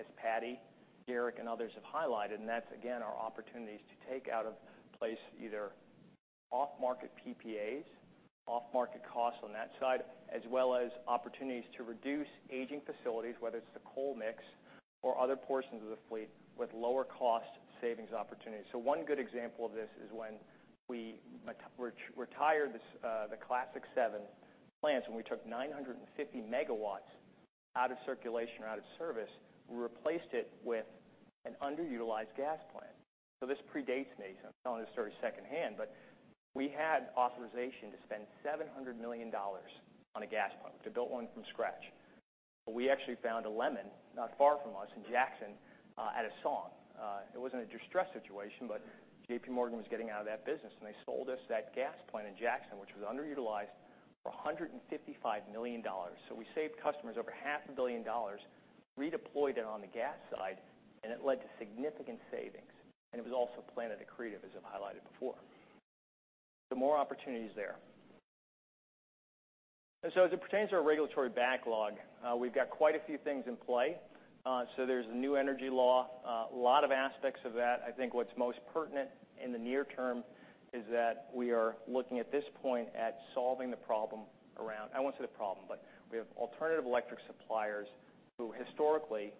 as Patti, Garrick, and others have highlighted. That's, again, our opportunities to take out of place, either off-market PPAs, off-market costs on that side, as well as opportunities to reduce aging facilities, whether it's the coal mix or other portions of the fleet with lower cost savings opportunities. One good example of this is when we retired the Classic 7 plants, when we took 950 megawatts out of circulation or out of service. We replaced it with an underutilized gas plant. This predates me, so I'm telling this story secondhand, but we had authorization to spend $700 million on a gas plant to build one from scratch. We actually found a lemon not far from us in Jackson at a song. It was in a distressed situation, but JPMorgan was getting out of that business, and they sold us that gas plant in Jackson, which was underutilized for $155 million. We saved customers over half a billion dollars, redeployed it on the gas side, and it led to significant savings. It was also planet accretive, as I've highlighted before. More opportunities there. As it pertains to our regulatory backlog, we've got quite a few things in play. There's a new energy law, a lot of aspects of that. I think what's most pertinent in the near term is that we are looking at this point at solving the problem around, I won't say the problem, but we have alternative electric suppliers who historically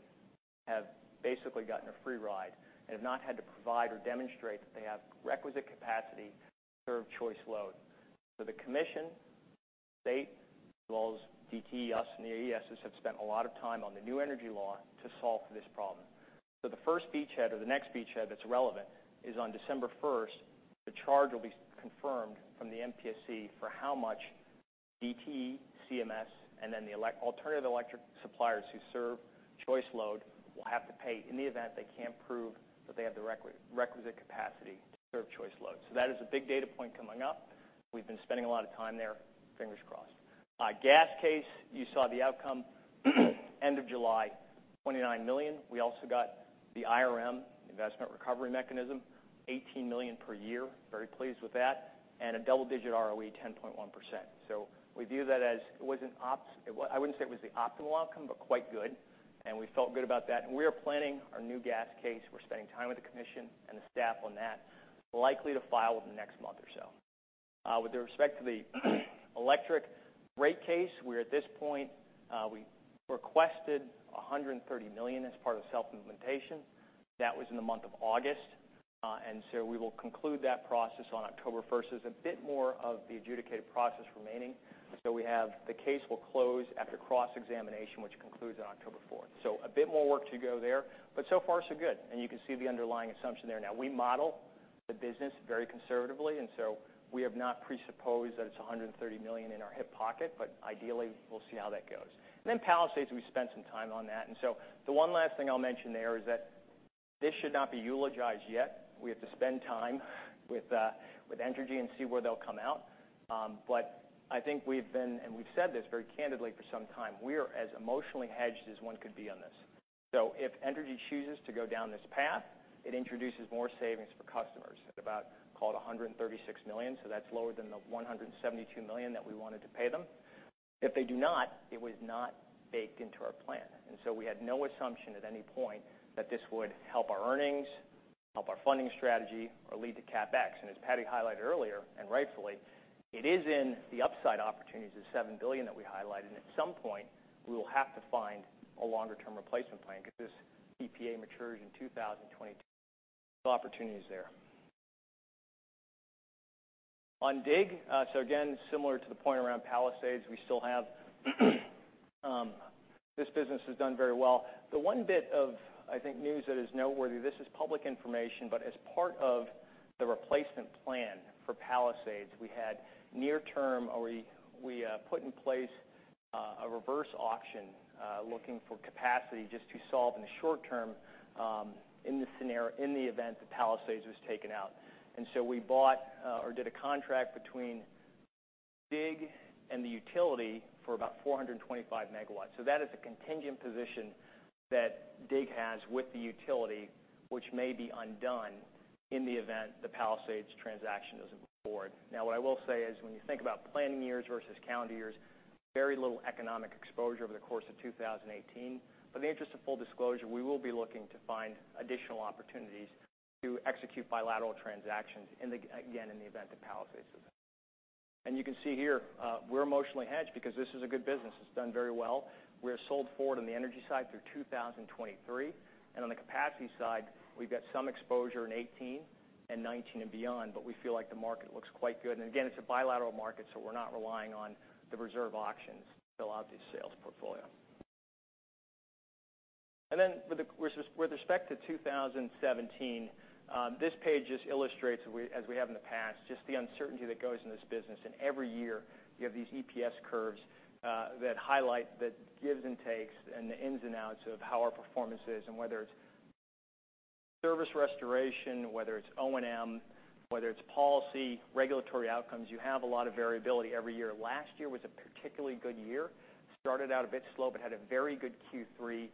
have basically gotten a free ride and have not had to provide or demonstrate that they have requisite capacity to serve choice load. The commission, state as well as DTE, us, and the AESs have spent a lot of time on the new energy law to solve this problem. The first beachhead or the next beachhead that's relevant is on December 1st, the charge will be confirmed from the MPSC for how much DTE, CMS, and then the alternative electric suppliers who serve choice load will have to pay in the event they can't prove that they have the requisite capacity to serve choice load. That is a big data point coming up. We've been spending a lot of time there, fingers crossed. Gas case, you saw the outcome end of July, $29 million. We also got the IRM, Investment Recovery Mechanism, $18 million per year. Very pleased with that. A double-digit ROE, 10.1%. We view that as, I wouldn't say it was the optimal outcome, but quite good, and we felt good about that. We are planning our new gas case. We're spending time with the commission and the staff on that. Likely to file within the next month or so. With respect to the electric rate case, we're at this point, we requested $130 million as part of self-implementation. That was in the month of August. We will conclude that process on October 1st. There's a bit more of the adjudicated process remaining. We have the case will close after cross-examination, which concludes on October 4th. A bit more work to go there, but so far so good. You can see the underlying assumption there. We model the business very conservatively, we have not presupposed that it's $130 million in our hip pocket, but ideally, we'll see how that goes. Palisades, we spent some time on that. The one last thing I'll mention there is that this should not be eulogized yet. We have to spend time with Entergy and see where they'll come out. I think we've been, and we've said this very candidly for some time, we are as emotionally hedged as one could be on this. If Entergy chooses to go down this path, it introduces more savings for customers at about call it $136 million. That's lower than the $172 million that we wanted to pay them. If they do not, it was not baked into our plan. We had no assumption at any point that this would help our earnings, help our funding strategy, or lead to CapEx. As Patti highlighted earlier, and rightfully, it is in the upside opportunities, the $7 billion that we highlighted, at some point, we will have to find a longer-term replacement plan because this PPA matures in 2022. Opportunities there. On DIG, again, similar to the point around Palisades, we still have this business has done very well. The one bit of, I think, news that is noteworthy, this is public information, but as part of the replacement plan for Palisades, we had near term or we put in place a reverse auction looking for capacity just to solve in the short term in the event that Palisades was taken out. We bought or did a contract between DIG and the utility for about 425 MW. That is a contingent position that DIG has with the utility, which may be undone in the event the Palisades transaction doesn't move forward. What I will say is, when you think about planning years versus calendar years, very little economic exposure over the course of 2018. For the interest of full disclosure, we will be looking to find additional opportunities to execute bilateral transactions, again, in the event that Palisades doesn't. You can see here, we're emotionally hedged because this is a good business. It's done very well. We're sold forward on the energy side through 2023, on the capacity side, we've got some exposure in 2018 and 2019 and beyond, we feel like the market looks quite good. Again, it's a bilateral market, we're not relying on the reserve auctions to fill out the sales portfolio. With respect to 2017, this page just illustrates, as we have in the past, just the uncertainty that goes in this business. Every year, you have these EPS curves that highlight the gives and takes and the ins and outs of how our performance is, whether it is service restoration, whether it is O&M, whether it is policy, regulatory outcomes, you have a lot of variability every year. Last year was a particularly good year. Started out a bit slow, but had a very good Q3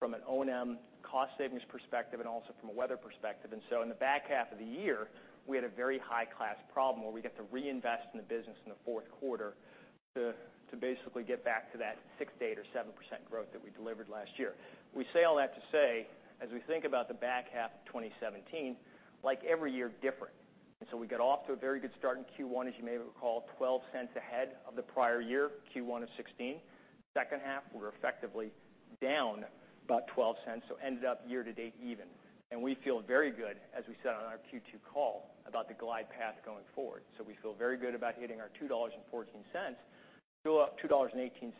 from an O&M cost savings perspective and also from a weather perspective. In the back half of the year, we had a very high-class problem where we get to reinvest in the business in the fourth quarter to basically get back to that 6%, 8%, or 7% growth that we delivered last year. We say all that to say, as we think about the back half of 2017, like every year, different. We got off to a very good start in Q1, as you may recall, $0.12 ahead of the prior year, Q1 of 2016. Second half, we are effectively down about $0.12, so ended up year-to-date even. We feel very good, as we said on our Q2 call, about the glide path going forward. We feel very good about hitting our $2.14. We feel $2.18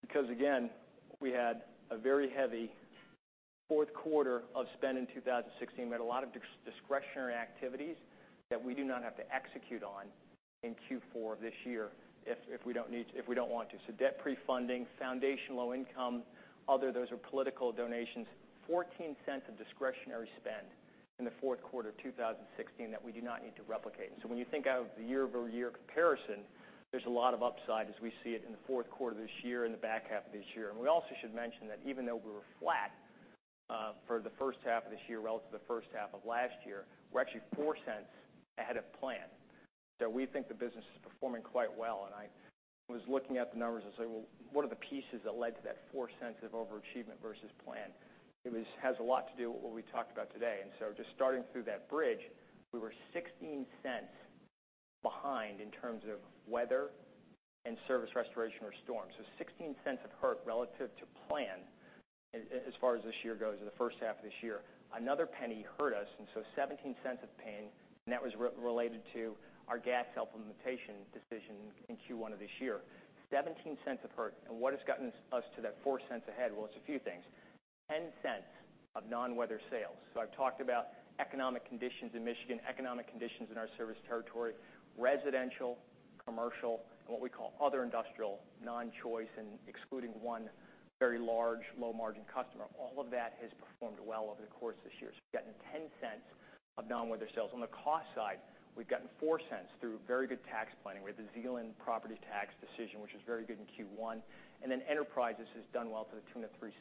because, again, we had a very heavy fourth quarter of spend in 2016. We had a lot of discretionary activities that we do not have to execute on in Q4 of this year if we do not want to. Debt prefunding, foundation, low income, other, those are political donations. $0.14 of discretionary spend in the fourth quarter of 2016 that we do not need to replicate. When you think of the year-over-year comparison, there is a lot of upside as we see it in the fourth quarter of this year and the back half of this year. We also should mention that even though we were flat for the first half of this year relative to the first half of last year, we are actually $0.04 ahead of plan. We think the business is performing quite well. I was looking at the numbers and saying, "Well, what are the pieces that led to that $0.04 of overachievement versus plan?" It has a lot to do with what we talked about today. Just starting through that bridge, we were $0.16 behind in terms of weather and service restoration or storms. $0.16 of hurt relative to plan as far as this year goes or the first half of this year. Another $0.01 hurt us, so $0.17 of pain, and that was related to our gas self-limitation decision in Q1 of this year. $0.17 of hurt. What has gotten us to that $0.04 ahead? Well, it is a few things. $0.10 of non-weather sales. I have talked about economic conditions in Michigan, economic conditions in our service territory, residential, commercial, and what we call other industrial, non-choice, and excluding one very large, low-margin customer. All of that has performed well over the course of this year. We have gotten $0.10 of non-weather sales. On the cost side, we have gotten $0.04 through very good tax planning. We had the Zeeland property tax decision, which was very good in Q1. Enterprises has done well to the tune of $0.03.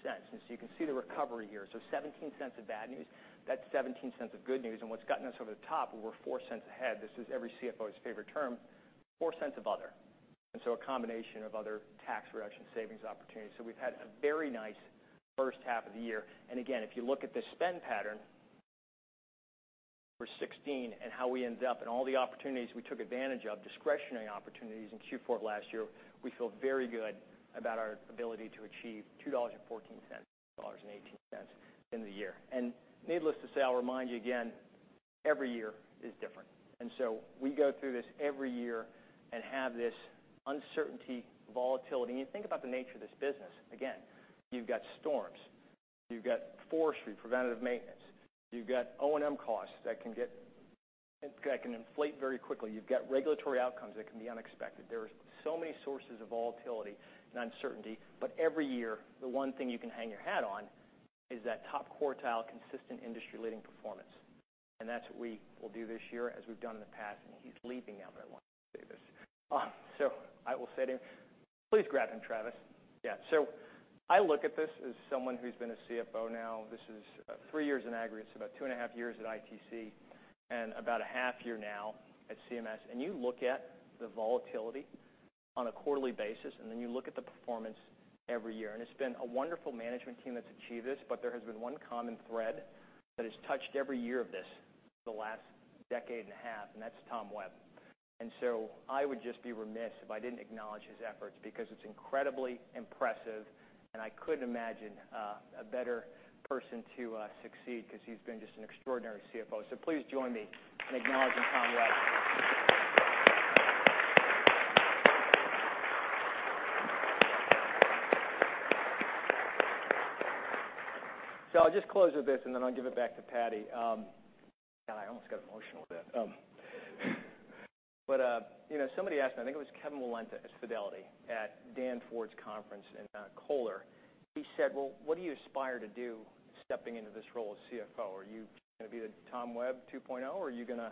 You can see the recovery here. $0.17 of bad news. That's $0.17 of good news. What's gotten us over the top, we're $0.04 ahead. This is every CFO's favorite term, $0.04 of other. A combination of other tax reduction savings opportunities. We've had a very nice first half of the year. If you look at the spend pattern for 2016 and how we ended up and all the opportunities we took advantage of, discretionary opportunities in Q4 of last year, we feel very good about our ability to achieve $2.14, $2.18 in the year. Needless to say, I'll remind you again, every year is different. We go through this every year and have this uncertainty, volatility, and you think about the nature of this business. You've got storms. You've got forestry, preventative maintenance. You've got O&M costs that can inflate very quickly. You've got regulatory outcomes that can be unexpected. There are so many sources of volatility and uncertainty, but every year, the one thing you can hang your hat on is that top-quartile, consistent, industry-leading performance. That's what we will do this year as we've done in the past. He's leaving now, but I want him to stay this. I will say to him, please grab him, Travis. I look at this as someone who's been a CFO now, this is three years in aggregate, so about two and a half years at ITC and about a half year now at CMS. You look at the volatility on a quarterly basis, you look at the performance every year. It's been a wonderful management team that's achieved this, but there has been one common thread that has touched every year of this for the last decade and a half, and that's Tom Webb. I would just be remiss if I didn't acknowledge his efforts because it's incredibly impressive, and I couldn't imagine a better person to succeed because he's been just an extraordinary CFO. Please join me in acknowledging Tom Webb. I'll just close with this, I'll give it back to Patti. God, I almost got emotional then. Somebody asked me, I think it was Kevin Walenta at Fidelity at Dan Ford's conference in Kohler. He said, "What do you aspire to do stepping into this role as CFO? Are you going to be the Tom Webb 2.0, or are you going to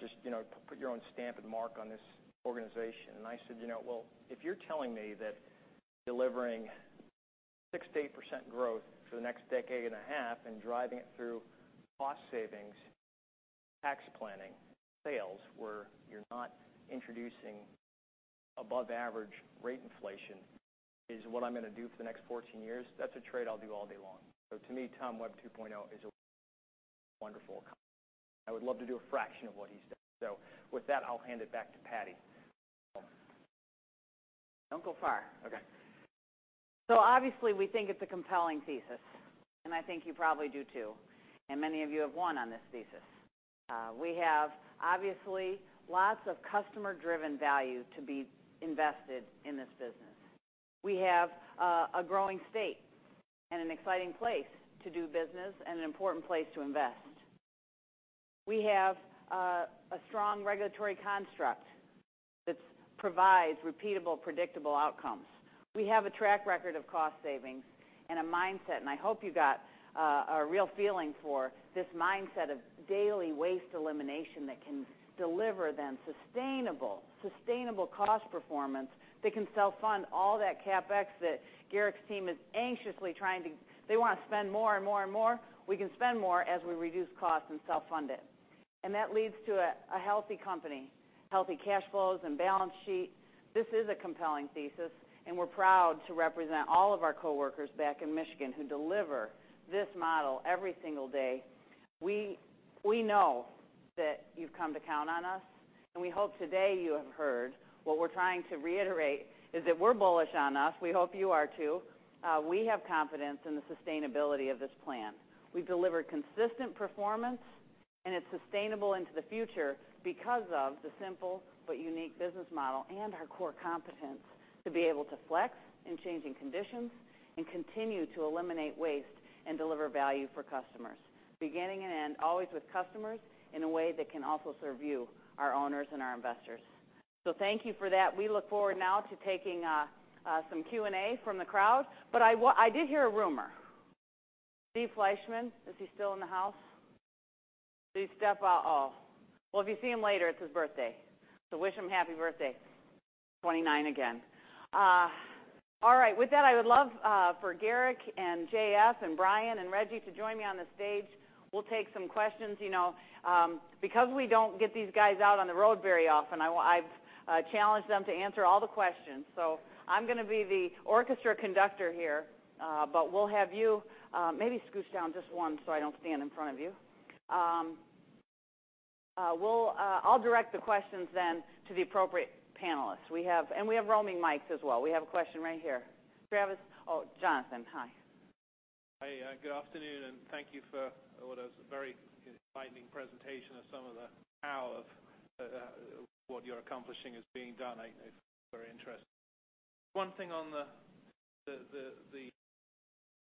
just put your own stamp and mark on this organization?" I said, "If you're telling me that delivering 6%-8% growth for the next decade and a half and driving it through cost savings, tax planning, sales, where you're not introducing above-average rate inflation is what I'm going to do for the next 14 years, that's a trade I'll do all day long." To me, Tom Webb 2.0 is a wonderful compliment. I would love to do a fraction of what he's done. With that, I'll hand it back to Patti. Don't go far. Okay. Obviously, we think it's a compelling thesis, I think you probably do too. Many of you have won on this thesis. We have obviously lots of customer-driven value to be invested in this business. We have a growing state and an exciting place to do business and an important place to invest. We have a strong regulatory construct that provides repeatable, predictable outcomes. We have a track record of cost savings and a mindset, I hope you got a real feeling for this mindset of daily waste elimination that can deliver, then, sustainable cost performance that can self-fund all that CapEx that Garrick's team is anxiously trying to. They want to spend more and more and more. We can spend more as we reduce costs and self-fund it. That leads to a healthy company, healthy cash flows, and balance sheet. This is a compelling thesis, we're proud to represent all of our coworkers back in Michigan who deliver this model every single day. We know that you've come to count on us, we hope today you have heard what we're trying to reiterate is that we're bullish on us. We hope you are, too. We have confidence in the sustainability of this plan. We've delivered consistent performance, it's sustainable into the future because of the simple but unique business model and our core competence to be able to flex in changing conditions and continue to eliminate waste and deliver value for customers. Beginning and end, always with customers in a way that can also serve you, our owners and our investors. Thank you for that. We look forward now to taking some Q&A from the crowd. I did hear a rumor. Steve Fleishman, is he still in the house? Steve. If you see him later, it's his birthday. Wish him happy birthday. 29 again. With that, I would love for Garrick and JF and Brian and Regjji to join me on the stage. We'll take some questions. We don't get these guys out on the road very often, I've challenged them to answer all the questions. I'm going to be the orchestra conductor here, we'll have you maybe scooch down just one so I don't stand in front of you. I'll direct the questions then to the appropriate panelists. We have roaming mics as well. We have a question right here. Travis? Jonathan. Hi. Hi. Good afternoon, and thank you for what is a very enlightening presentation of some of the how of what you're accomplishing is being done. Very interesting. One thing on the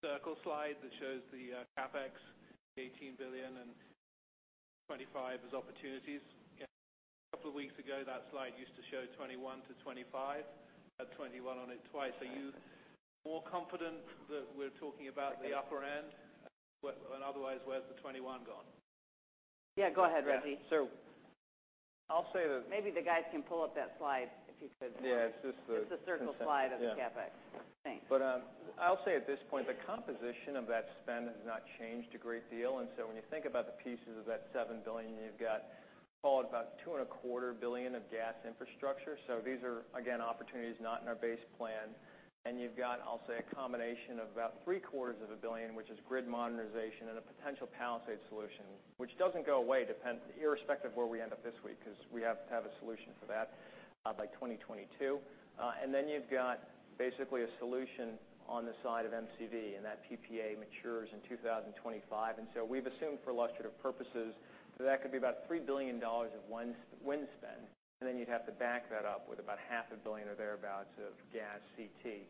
circle slide that shows the CapEx, the $18 billion and 25 as opportunities. A couple of weeks ago, that slide used to show 21 to 25. Had 21 on it twice. Are you more confident that we're talking about the upper end? Otherwise, where's the 21 gone? Yeah, go ahead, Rejji. I'll say that- Maybe the guys can pull up that slide if you could. Yeah, it's just the- It's the circle slide of the CapEx. Thanks. I'll say at this point, the composition of that spend has not changed a great deal. When you think about the pieces of that $7 billion, you've got call it about $2.25 billion of gas infrastructure. These are, again, opportunities not in our base plan. You've got, I'll say, a combination of about three-quarters of a billion, which is grid modernization and a potential Palisades solution, which doesn't go away irrespective of where we end up this week because we have to have a solution for that by 2022. Then you've got basically a solution on the side of MCV. That PPA matures in 2025. We've assumed for illustrative purposes that that could be about $3 billion of wind spend. You'd have to back that up with about half a billion or thereabouts of gas CT.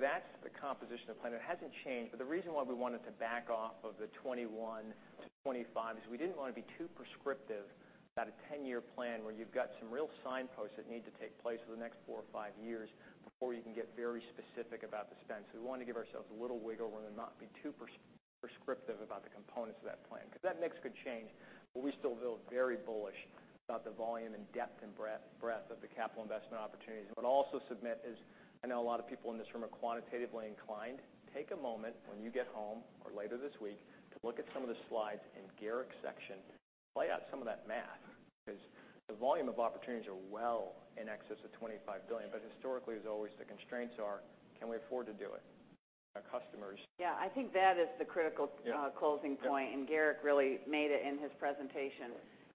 That's the composition of the plan. It hasn't changed. The reason why we wanted to back off of the 2021 to 2025 is we didn't want to be too prescriptive about a 10-year plan where you've got some real signposts that need to take place over the next four or five years before you can get very specific about the spend. We wanted to give ourselves a little wiggle room and not be too prescriptive about the components of that plan because that mix could change. We still feel very bullish about the volume and depth and breadth of the capital investment opportunities. What I'll also submit is, I know a lot of people in this room are quantitatively inclined. Take a moment when you get home or later this week to look at some of the slides in Garrick's section, lay out some of that math because the volume of opportunities are well in excess of $25 billion. Historically, as always, the constraints are, can we afford to do it? Our customers. Yeah, I think that is the critical closing point. Yeah. Garrick really made it in his presentation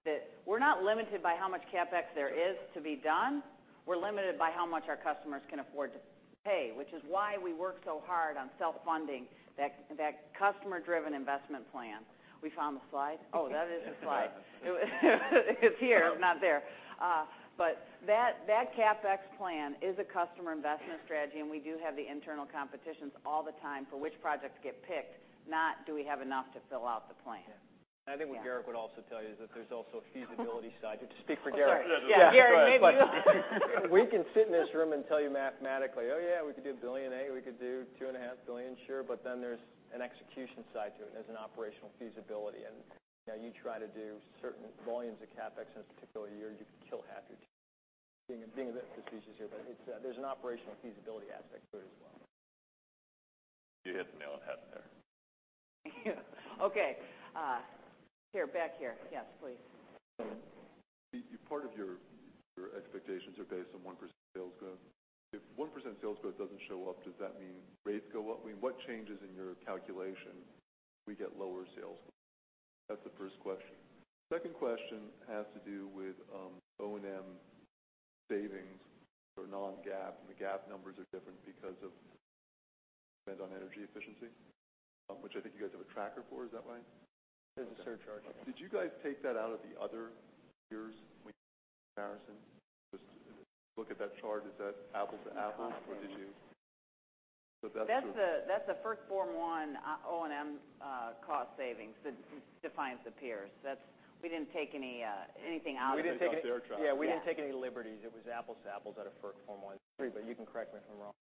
that we're not limited by how much CapEx there is to be done. We're limited by how much our customers can afford to pay, which is why we work so hard on self-funding, that customer-driven investment plan. We found the slide? Oh, that is the slide. It's here, not there. That CapEx plan is a customer investment strategy, and we do have the internal competitions all the time for which projects get picked, not do we have enough to fill out the plan. Yeah. I think what Garrick would also tell you is that there's also a feasibility side. To speak for Garrick. I'm sorry. Yeah, Garrick, maybe you We can sit in this room and tell you mathematically, oh yeah, we could do $1 billion, we could do $2.5 billion, sure. There's an execution side to it. There's an operational feasibility. You try to do certain volumes of CapEx in a particular year, you could kill half your team. Being a bit facetious here, but there's an operational feasibility aspect to it as well. You hit the nail on the head there. Okay. Here, back here. Yes, please. Part of your expectations are based on 1% sales growth. If 1% sales growth doesn't show up, does that mean rates go up? What changes in your calculation we get lower sales? That's the first question. Second question has to do with O&M savings for non-GAAP. The GAAP numbers are different because of spend on energy efficiency, which I think you guys have a tracker for. Is that right? There's a surcharge. Did you guys take that out of the other years when you did the comparison? Just to look at that chart, is that apples to apples? Or did you That's the FERC Form 1 O&M cost savings that defines the peers. We didn't take anything out of it. We didn't take out the air traffic. Yeah. We didn't take any liberties. It was apples to apples out of FERC Form 1. You can correct me if I'm wrong.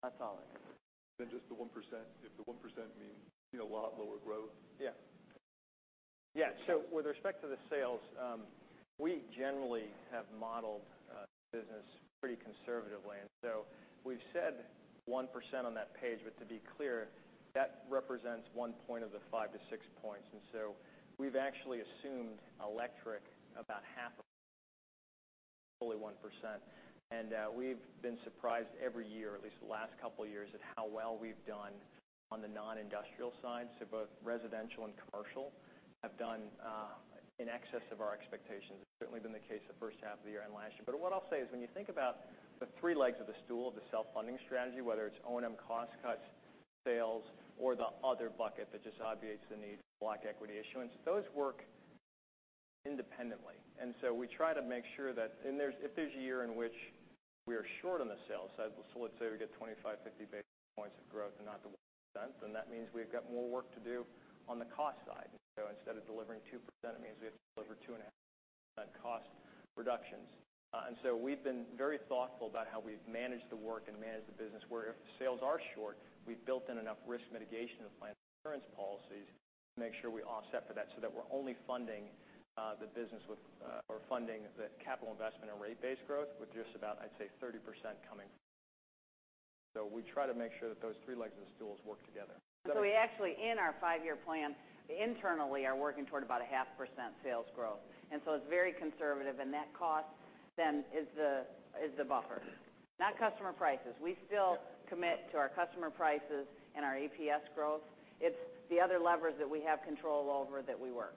That's all it is. Just the 1%, if the 1% means a lot lower growth. With respect to the sales, we generally have modeled the business pretty conservatively. We've said 1% on that page, but to be clear, that represents one point of the 5 to 6 points. We've actually assumed electric about half of fully 1%. We've been surprised every year, at least the last couple of years, at how well we've done on the non-industrial side. Both residential and commercial have done in excess of our expectations. It's certainly been the case the first half of the year and last year. What I'll say is, when you think about the three legs of the stool of the self-funding strategy, whether it's O&M cost cuts, sales, or the other bucket that just obviates the need for block equity issuance, those work independently. We try to make sure that, and if there's a year in which we are short on the sales side, let's say we get 25, 50 basis points of growth and not the 1%, that means we've got more work to do on the cost side. Instead of delivering 2%, it means we have to deliver two and a half cost reductions. We've been very thoughtful about how we've managed the work and managed the business where if the sales are short, we've built in enough risk mitigation and financial insurance policies to make sure we offset for that we're only funding the capital investment and rate base growth with just about, I'd say, 30% coming. We try to make sure that those three legs of the stools work together. We actually, in our five-year plan, internally are working toward about a half % sales growth. It's very conservative, and that cost then is the buffer. Not customer prices. We still commit to our customer prices and our EPS growth. It's the other levers that we have control over that we work.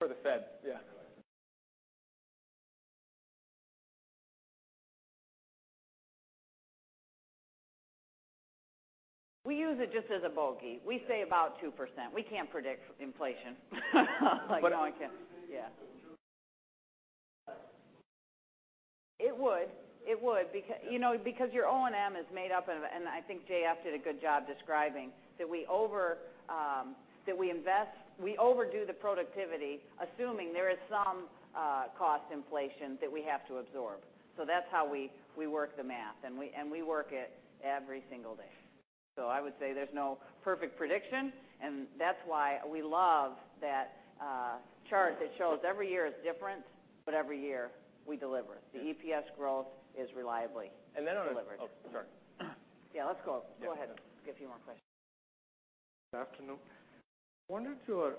For the Fed, yeah. We use it just as a bogey. We say about 2%. We can't predict inflation. No one can. Yeah. It would. Your O&M is made up, and I think JF did a good job describing, that we overdo the productivity, assuming there is some cost inflation that we have to absorb. That's how we work the math, and we work it every single day. I would say there's no perfect prediction, and that's why we love that chart that shows every year is different, but every year we deliver it. The EPS growth is reliably delivered. Oh, sorry. Yeah, let's go. Go ahead. Get a few more questions. Good afternoon. I wondered your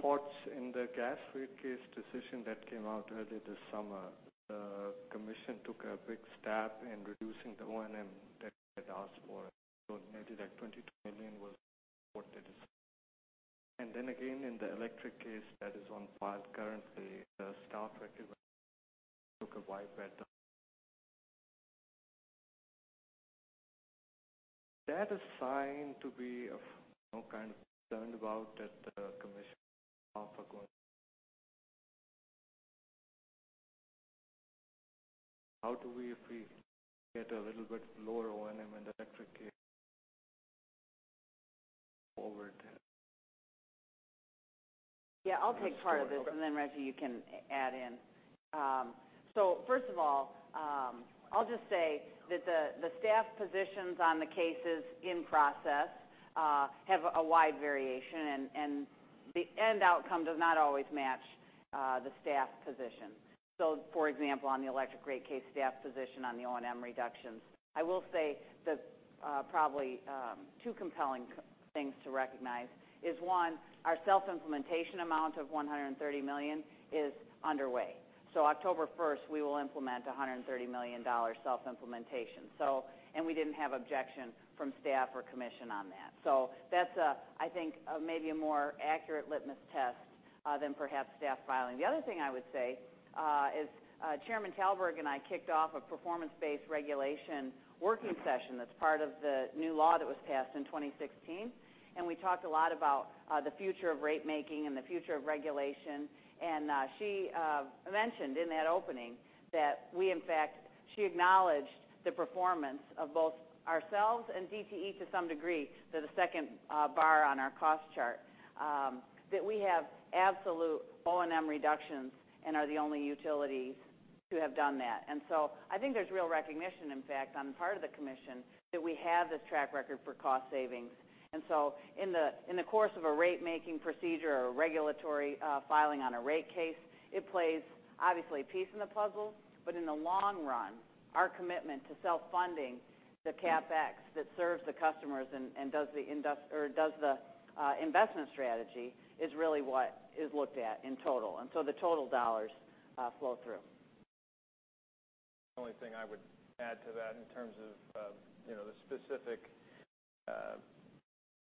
thoughts in the gas rate case decision that came out earlier this summer. The Commission took a big stab in reducing the O&M that you had asked for. Maybe that $22 million was what they decided. Then again, in the electric case that is on file currently, the staff actually took a wide breadth. Is that a sign to be kind of concerned about that the Commission, How do we feel, get a little bit lower O&M in the electric case over it? Yeah, I'll take part of it, then Regjji, you can add in. First of all, I'll just say that the staff positions on the cases in process have a wide variation, and the end outcome does not always match the staff position. For example, on the electric rate case staff position on the O&M reductions. I will say that probably two compelling things to recognize is, one, our self-implementation amount of $130 million is underway. October 1st, we will implement $130 million self-implementation. We didn't have objection from staff or Commission on that. That's, I think, maybe a more accurate litmus test than perhaps staff filing. The other thing I would say is Chairman Talberg and I kicked off a performance-based regulation working session that's part of the new law that was passed in 2016, and we talked a lot about the future of rate-making and the future of regulation. She mentioned in that opening that she acknowledged the performance of both ourselves and DTE to some degree, they're the second bar on our cost chart, that we have absolute O&M reductions and are the only utilities who have done that. I think there's real recognition, in fact, on the part of the Commission that we have this track record for cost savings. In the course of a rate-making procedure or a regulatory filing on a rate case, it plays obviously a piece in the puzzle, but in the long run, our commitment to self-funding the CapEx that serves the customers and does the investment strategy is really what is looked at in total. The total dollars flow through. The only thing I would add to that in terms of the specific, I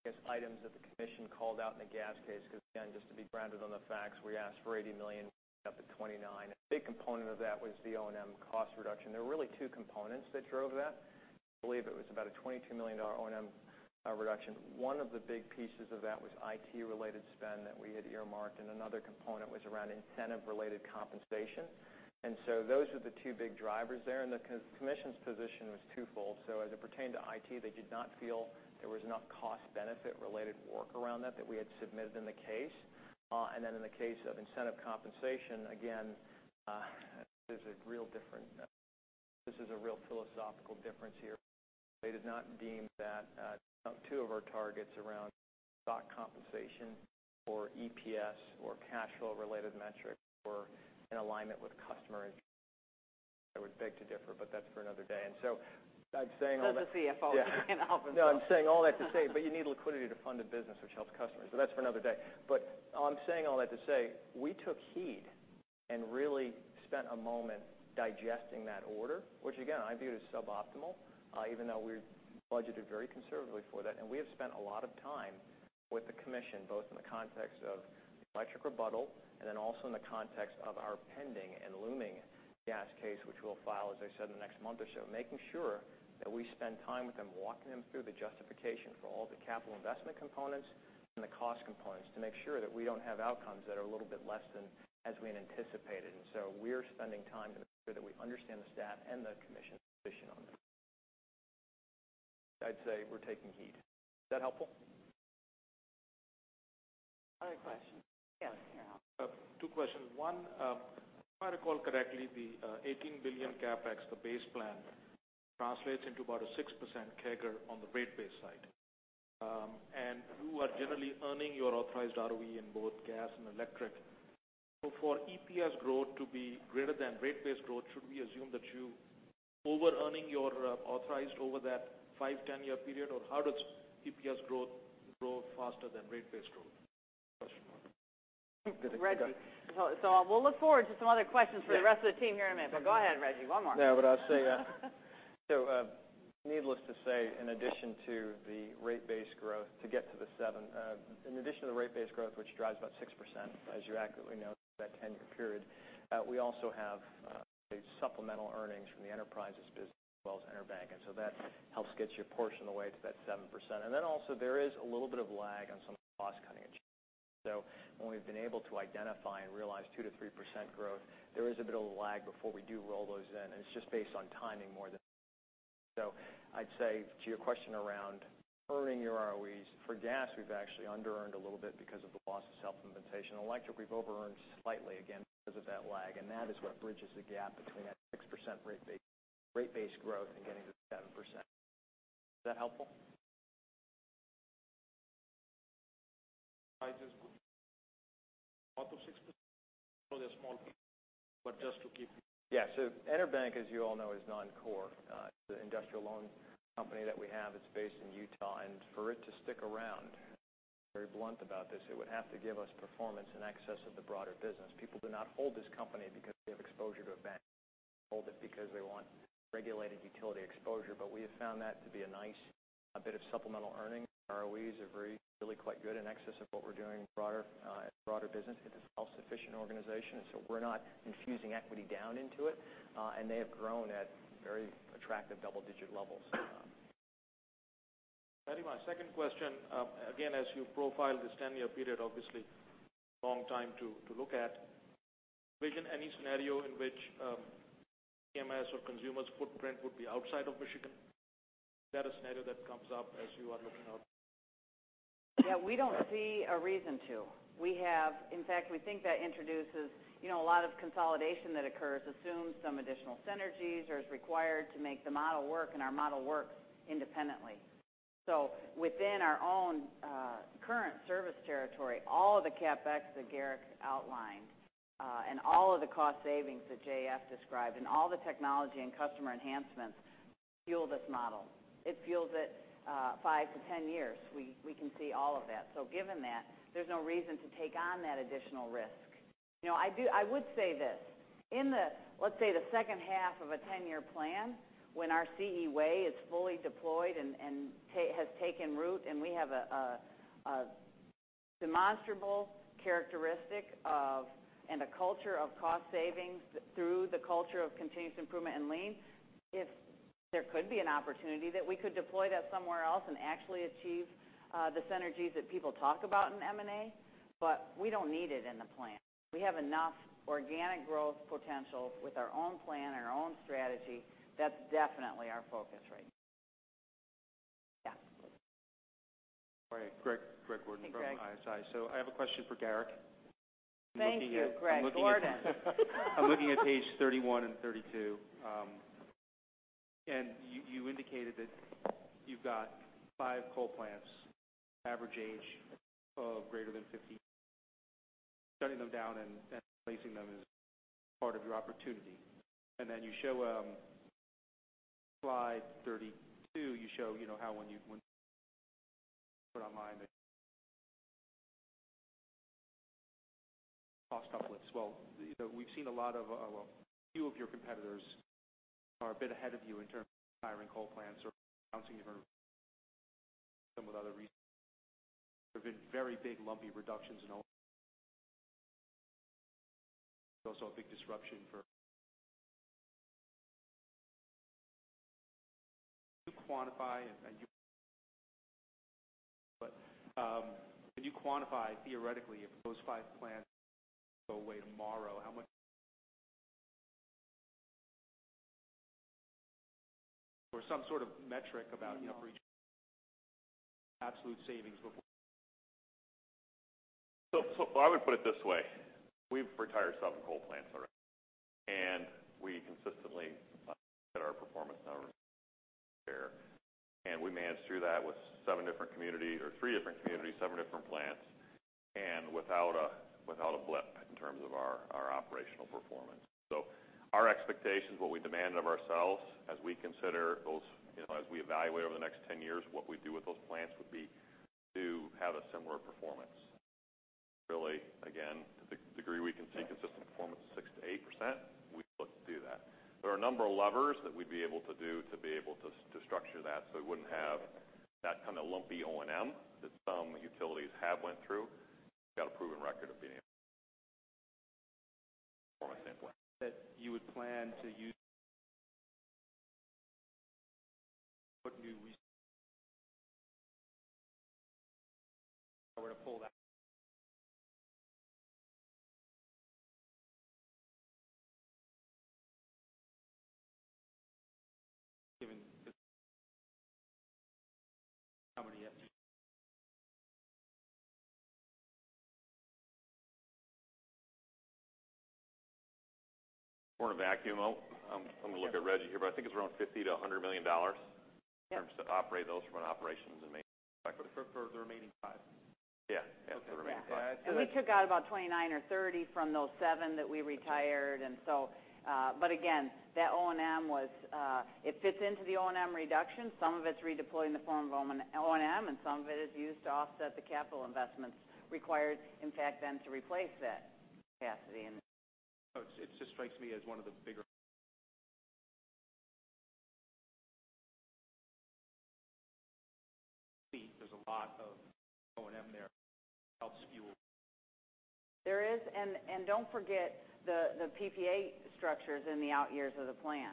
guess, items that the commission called out in the gas case, because again, just to be grounded on the facts, we asked for $80 million, ended up at $29 million. A big component of that was the O&M cost reduction. There were really two components that drove that. I believe it was about a $22 million O&M reduction. One of the big pieces of that was IT-related spend that we had earmarked, and another component was around incentive-related compensation. Those are the two big drivers there. The commission's position was twofold. As it pertained to IT, they did not feel there was enough cost benefit-related work around that that we had submitted in the case. In the case of incentive compensation, again, this is a real philosophical difference here. They did not deem that two of our targets around stock compensation or EPS or cash flow-related metrics were in alignment with customer interest. I would beg to differ, but that's for another day. I'm saying all that. Says the CFO in Regjji. I'm saying all that to say, you need liquidity to fund a business which helps customers, but that's for another day. I'm saying all that to say, we took heed and really spent a moment digesting that order, which again, I view it as suboptimal, even though we've budgeted very conservatively for that. We have spent a lot of time with the commission, both in the context of electric rebuttal and also in the context of our pending and looming gas case, which we'll file, as I said, in the next month or so. Making sure that we spend time with them, walking them through the justification for all the capital investment components and the cost components to make sure that we don't have outcomes that are a little bit less than as we had anticipated. We're spending time to make sure that we understand the staff and the commission's position on this. I'd say we're taking heed. Is that helpful? Other questions? Yes, Sunil. Two questions. One, if I recall correctly, the $18 billion CapEx, the base plan, translates into about a 6% CAGR on the rate base side. You are generally earning your authorized ROE in both gas and electric. For EPS growth to be greater than rate base growth, should we assume that you're over-earning your authorized over that five, 10-year period? Or how does EPS grow faster than rate base growth? That's question one. Rejji. We'll look forward to some other questions for the rest of the team here in a minute, go ahead, Rejji, one more. I'll say that. Needless to say, in addition to the rate base growth which drives about 6%, as you accurately note, through that 10-year period, we also have these supplemental earnings from the enterprises business as well as EnerBank. That helps get you a portion of the way to that 7%. Also there is a little bit of lag on some cost-cutting initiatives. When we've been able to identify and realize 2%-3% growth, there is a bit of a lag before we do roll those in, it's just based on timing more than anything. I'd say to your question around earning your ROEs, for gas, we've actually under-earned a little bit because of the loss of self-implementation. Electric, we've over-earned slightly again because of that lag, that is what bridges the gap between that 6% rate base growth and getting to 7%. Is that helpful? I just out of 6%, probably a small piece, just to keep- EnerBank, as you all know, is non-core. It is an industrial loan company that we have that is based in Utah. For it to stick around, I will be very blunt about this, it would have to give us performance in excess of the broader business. People do not hold this company because they have exposure to a bank. They hold it because they want regulated utility exposure. We have found that to be a nice bit of supplemental earnings. ROEs are really quite good, in excess of what we are doing in the broader business. It is a self-sufficient organization, so we are not infusing equity down into it. They have grown at very attractive double-digit levels. Regjji, my second question, again, as you profiled this 10-year period, obviously long time to look at. Do you envision any scenario in which CMS or Consumers' footprint would be outside of Michigan? Is that a scenario that comes up as you are looking out? We do not see a reason to. In fact, we think that introduces a lot of consolidation that occurs, assumes some additional synergies or is required to make the model work, our model works independently. Within our own current service territory, all of the CapEx that Garrick outlined, all of the cost savings that J.F. described, and all the technology and customer enhancements fuel this model. It fuels it five to 10 years. We can see all of that. Given that, there is no reason to take on that additional risk. I would say this. In the, let us say, the second half of a 10-year plan, when our CE Way is fully deployed and has taken root, we have a demonstrable characteristic of, and a culture of cost savings through the culture of continuous improvement and lean, there could be an opportunity that we could deploy that somewhere else and actually achieve the synergies that people talk about in M&A, we do not need it in the plan. We have enough organic growth potential with our own plan and our own strategy. That is definitely our focus right now. All right. Greg Gordon from Evercore ISI. Hi, Greg. I have a question for Garrick. Thank you, Greg Gordon. I'm looking at page 31 and 32, and you indicated that you've got five coal plants, average age of greater than 50. Shutting them down and replacing them is part of your opportunity. On slide 32, you show how when you put online the cost offsets grow. We've seen a lot of, a few of your competitors are a bit ahead of you in terms of retiring coal plants or announcing different, some with other very big lumpy reductions in O&M. There's also a big disruption for. Can you quantify, theoretically, if those five plants go away tomorrow, how much? Or some sort of metric about absolute savings before. I would put it this way. We've retired seven coal plants already, and we consistently hit our performance numbers there. We managed through that with three different communities, seven different plants, and without a blip in terms of our operational performance. Our expectations, what we demand of ourselves as we evaluate over the next 10 years what we do with those plants, would be to have a similar performance. Really, again, to the degree we can see consistent performance of 6%-8%, we'd look to do that. There are a number of levers that we'd be able to do to be able to structure that so it wouldn't have that kind of lumpy O&M that some utilities have went through. Got a proven record of being able to from a standpoint. That you would plan to use. What were we to pull that, given the how many? We're in a vacuum. I'm going to look at Rejji here, I think it's around $50 million-$100 million. Yeah in terms to operate those from an operations and maintenance perspective. For the remaining five? Yeah. For the remaining five. Yeah. We took out about 29 or 30 from those seven that we retired. Again, that O&M, it fits into the O&M reduction. Some of it's redeployed in the form of O&M, and some of it is used to offset the capital investments required, in fact then, to replace that capacity. It just strikes me as one of the bigger. There's a lot of O&M there. There is. Don't forget the PPA structures in the out years of the plan.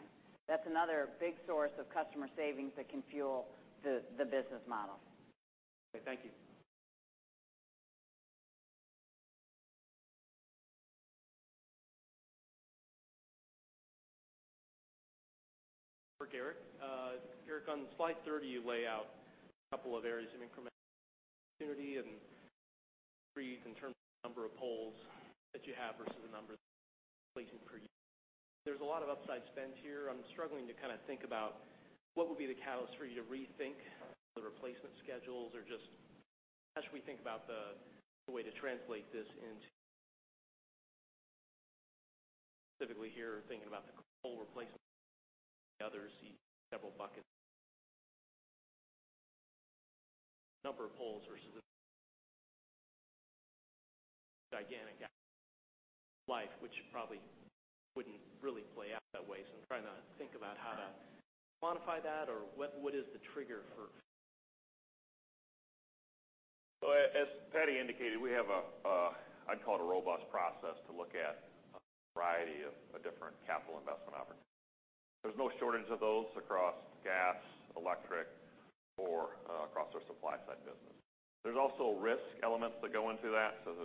That's another big source of customer savings that can fuel the business model. Okay, thank you. For Garrick. Garrick, on slide 30, you lay out a couple of areas of incremental opportunity in terms of number of poles that you have versus the number replacing per year. There's a lot of upside spend here. I'm struggling to think about what would be the catalyst for you to rethink the replacement schedules, or just as we think about the way to translate this into, specifically here, thinking about the pole replacement. The others see several buckets. Number of poles versus gigantic life, which probably wouldn't really play out that way. I'm trying to think about how to quantify that or what is the trigger for? As Patti indicated, we have a, I'd call it a robust process to look at a variety of different capital investment opportunities. There's no shortage of those across gas, electric, or across our supply side business. There's also risk elements that go into that. There's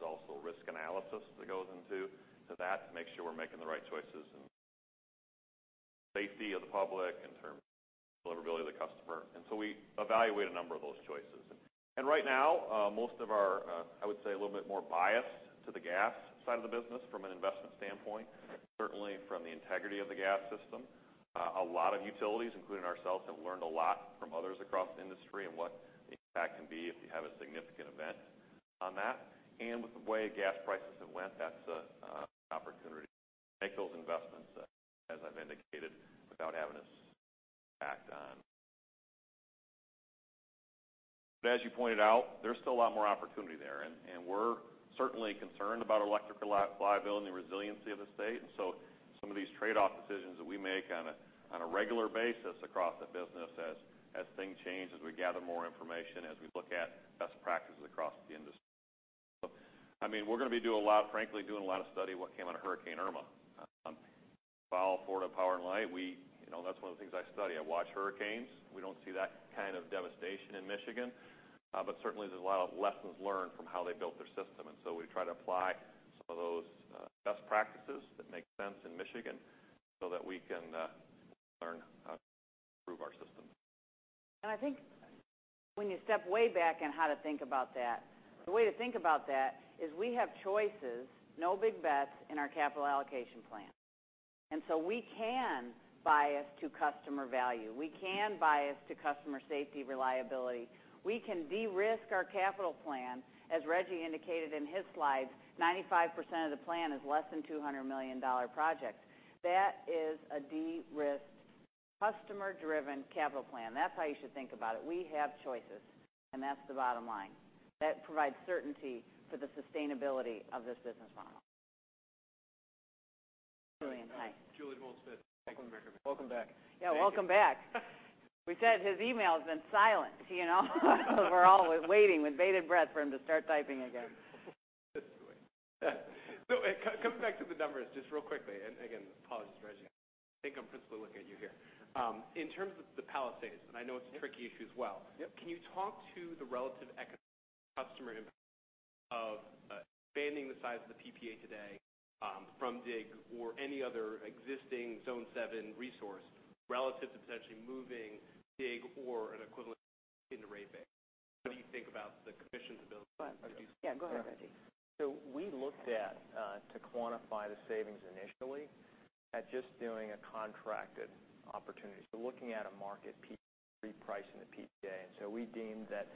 also risk analysis that goes into that to make sure we're making the right choices in safety of the public, in terms of deliverability of the customer. We evaluate a number of those choices. Right now, most of our, I would say, a little bit more bias to the gas side of the business from an investment standpoint, certainly from the integrity of the gas system. A lot of utilities, including ourselves, have learned a lot from others across the industry and what the impact can be if you have a significant event on that. With the way gas prices have went, that's an opportunity to make those investments, as I've indicated, without having us backed on. As you pointed out, there's still a lot more opportunity there, and we're certainly concerned about electrical reliability and the resiliency of the state. Some of these trade-off decisions that we make on a regular basis across the business as things change, as we gather more information, as we look at best practices across the industry. We're going to be, frankly, doing a lot of study of what came out of Hurricane Irma. Follow Florida Power & Light. That's one of the things I study. I watch hurricanes. We don't see that kind of devastation in Michigan. Certainly, there's a lot of lessons learned from how they built their system. We try to apply some of those best practices that make sense in Michigan so that we can learn how to improve our system. I think when you step way back on how to think about that, the way to think about that is we have choices, no big bets in our capital allocation plan. We can bias to customer value. We can bias to customer safety, reliability. We can de-risk our capital plan. As Regjji indicated in his slides, 95% of the plan is less than $200 million projects. That is a de-risked, customer-driven capital plan. That's how you should think about it. We have choices, and that's the bottom line. That provides certainty for the sustainability of this business model. Julian, hi. Julien Dumoulin-Smith. Thank you. Welcome back. Yeah, welcome back. We said his email's been silent. We're all waiting with bated breath for him to start typing again. Coming back to the numbers, just real quickly, and again, apologies, Rejji. I think I'm principally looking at you here. In terms of the Palisades, I know it's a tricky issue as well. Yep. Can you talk to the relative customer impact of expanding the size of the PPA today from DIG or any other existing Zone 7 resource relative to potentially moving DIG or an equivalent in rate base? How do you think about the commission's ability- Go ahead. Go ahead, Rejji. We looked at, to quantify the savings initially, at just doing a contracted opportunity. Looking at a market repricing the PPA. We deemed that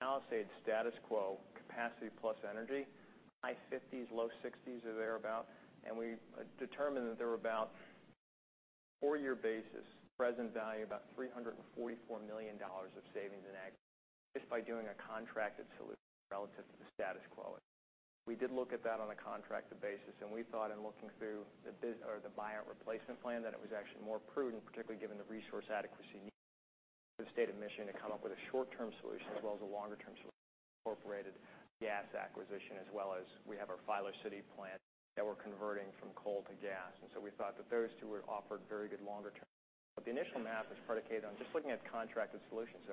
Palisades status quo capacity plus energy, high 50s, low 60s or thereabout, and we determined that there were about a four-year basis present value about $344 million of savings in aggregate just by doing a contracted solution relative to the status quo. We did look at that on a contracted basis, and we thought in looking through the buyout replacement plan, that it was actually more prudent, particularly given the resource adequacy need of the state of Michigan, to come up with a short-term solution as well as a longer-term solution, incorporated gas acquisition as well as we have our Filer City plant that we're converting from coal to gas. We thought that those two offered very good longer-term. The initial math was predicated on just looking at contracted solutions.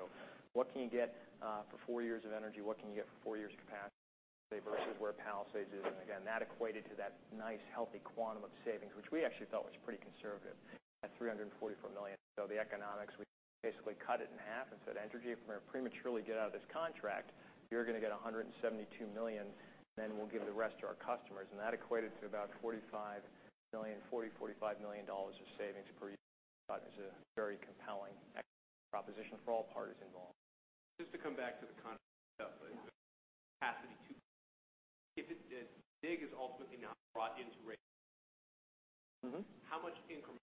What can you get for four years of energy? What can you get for four years of capacity versus where Palisades is? Again, that equated to that nice, healthy quantum of savings, which we actually felt was pretty conservative at $344 million. The economics, we basically cut it in half and said, "Entergy, if we're going to prematurely get out of this contract, you're going to get $172 million, then we'll give the rest to our customers." That equated to about $40 million-$45 million of savings per year, which we thought was a very compelling proposition for all parties involved. Just to come back to the concept of capacity too. If DIG is ultimately not brought into rate, how much increment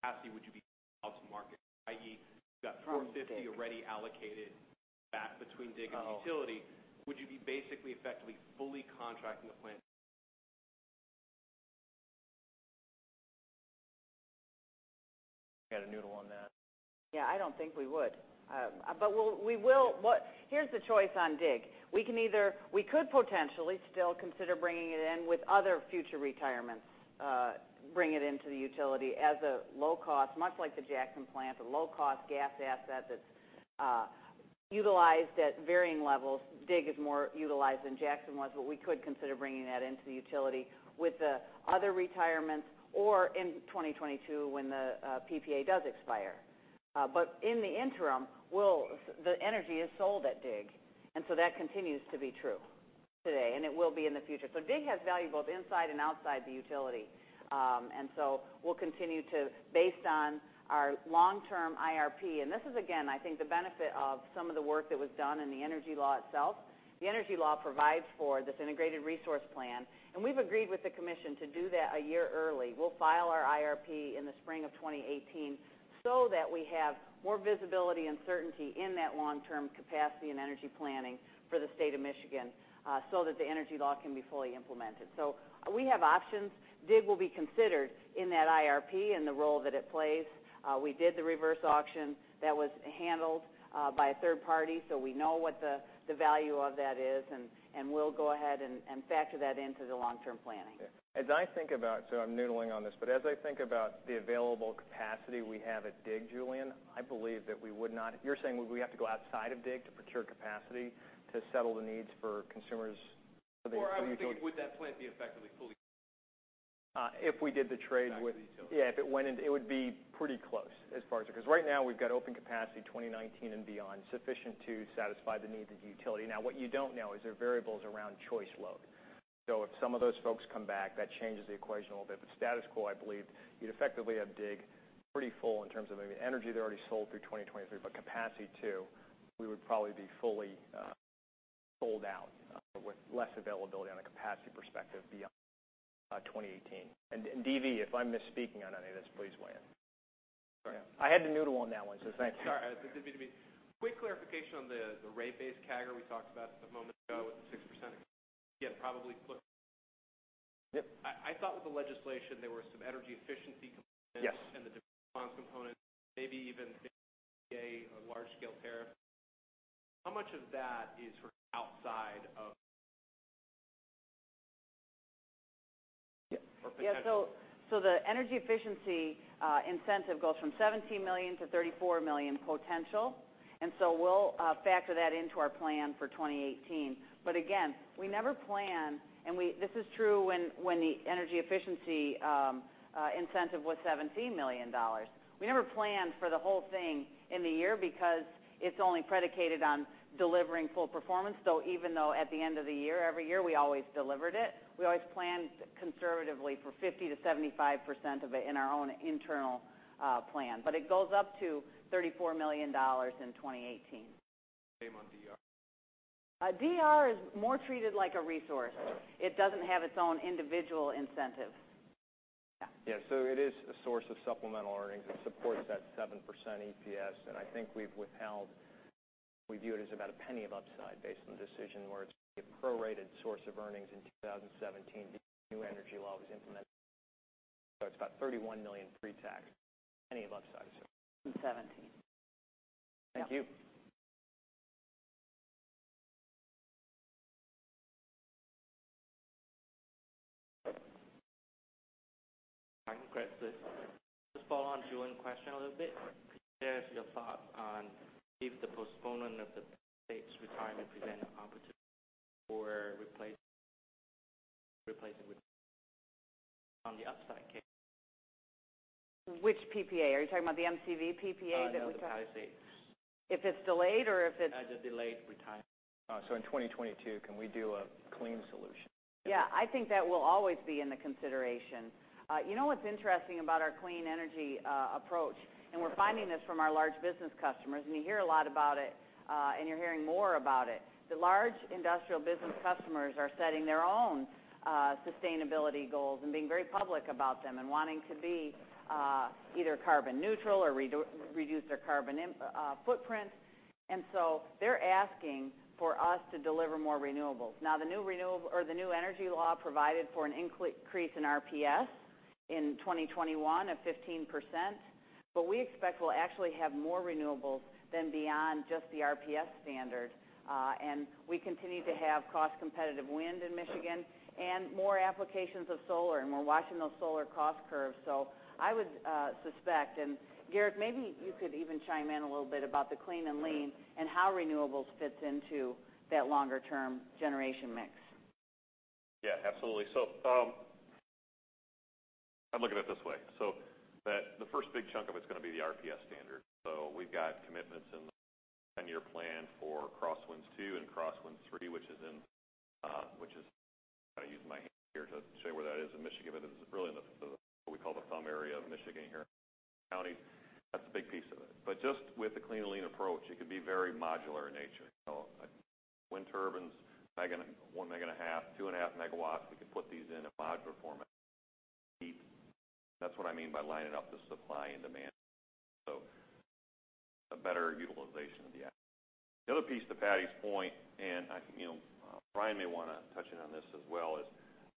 capacity would you be out to market? I.e., you've got 450 already allocated back between DIG and utility. Would you be basically effectively fully contracting the plant? Get a noodle on that. I don't think we would. Here's the choice on DIG. We could potentially still consider bringing it in with other future retirements, bring it into the utility as a low cost, much like the Jackson plant, a low cost gas asset that's utilized at varying levels. DIG is more utilized than Jackson was, but we could consider bringing that into the utility with the other retirements or in 2022 when the PPA does expire. In the interim, the energy is sold at DIG, that continues to be true today, and it will be in the future. DIG has value both inside and outside the utility. We'll continue to, based on our long-term IRP, and this is, again, I think, the benefit of some of the work that was done in the energy law itself. The energy law provides for this Integrated Resource Plan, and we've agreed with the Commission to do that a year early. We'll file our IRP in the spring of 2018 so that we have more visibility and certainty in that long-term capacity and energy planning for the state of Michigan so that the energy law can be fully implemented. We have options. DIG will be considered in that IRP and the role that it plays. We did the reverse auction that was handled by a third party, so we know what the value of that is, and we'll go ahead and factor that into the long-term planning. As I think about, so I'm noodling on this, but as I think about the available capacity we have at DIG, Julien, I believe that we would not. You're saying we have to go outside of DIG to procure capacity to settle the needs for consumers- I was thinking, would that plant be effectively fully If we did the trade with Back to the utility. Yeah. It would be pretty close as far as because right now we've got open capacity 2019 and beyond, sufficient to satisfy the needs of the utility. Now, what you don't know is there are variables around choice load. If some of those folks come back, that changes the equation a little bit. Status quo, I believe you'd effectively have DIG pretty full in terms of maybe energy they're already sold through 2023, but capacity too. We would probably be fully sold out with less availability on a capacity perspective beyond 2018. DV, if I'm misspeaking on any of this, please weigh in. Sorry. I had to noodle on that one, thank you. Sorry. This is DV. Quick clarification on the rate base CAGR we talked about a moment ago with the 6%. Yep. I thought with the legislation there were some energy efficiency components. Yes The demand component, maybe even a large-scale tariff. How much of that is outside of for potential? Yeah. The energy efficiency incentive goes from $17 million to $34 million potential. We'll factor that into our plan for 2018. Again, we never plan, and this is true when the energy efficiency incentive was $17 million. We never planned for the whole thing in the year because it's only predicated on delivering full performance. Even though at the end of the year, every year, we always delivered it, we always planned conservatively for 50% to 75% of it in our own internal plan. It goes up to $34 million in 2018. Same on DR? DR is more treated like a resource. All right. It doesn't have its own individual incentive. Yeah. Yeah. It is a source of supplemental earnings that supports that 7% EPS. I think we've withheld, we view it as about $0.01 of upside based on the decision where it's going to be a prorated source of earnings in 2017 because the new energy law was implemented. It's about $31 million pre-tax, $0.01 of upside. In 2017. Yeah. Thank you. Hi. I'm Greg with Sure. Just following on Julien's question a little bit. Could you share your thought on if the postponement of the Ohio state's retirement presents an opportunity for replacing with on the upside case? Which PPA? Are you talking about the MCV PPA? No, the Ohio state. If it's delayed, or if it's- As a delayed retirement. In 2022, can we do a clean solution? I think that will always be in the consideration. You know what's interesting about our clean energy approach, and we're finding this from our large business customers, and you hear a lot about it, and you're hearing more about it. The large industrial business customers are setting their own sustainability goals and being very public about them and wanting to be either carbon neutral or reduce their carbon footprint. They're asking for us to deliver more renewables. Now, the new energy law provided for an increase in RPS in 2021 of 15%, but we expect we'll actually have more renewables than beyond just the RPS standard. We continue to have cost-competitive wind in Michigan and more applications of solar, and we're watching those solar cost curves. I would suspect, and Garrick, maybe you could even chime in a little bit about the clean and lean and how renewables fits into that longer-term generation mix. Yeah, absolutely. I'm looking at it this way. The first big chunk of it's going to be the RPS standard. We've got commitments in the 10-year plan for Cross Winds 2 and Cross Winds 3, which is in, I'm going to use my hand here to show you where that is in Michigan, but it's really in what we call the thumb area of Michigan here, county. That's a big piece of it. But just with the clean and lean approach, it could be very modular in nature. Wind turbines, 1.5 megawatts, 2.5 megawatts, we could put these in a modular format. That's what I mean by lining up the supply and demand. A better utilization of the asset. The other piece, to Patti's point, and Brian may want to touch in on this as well, is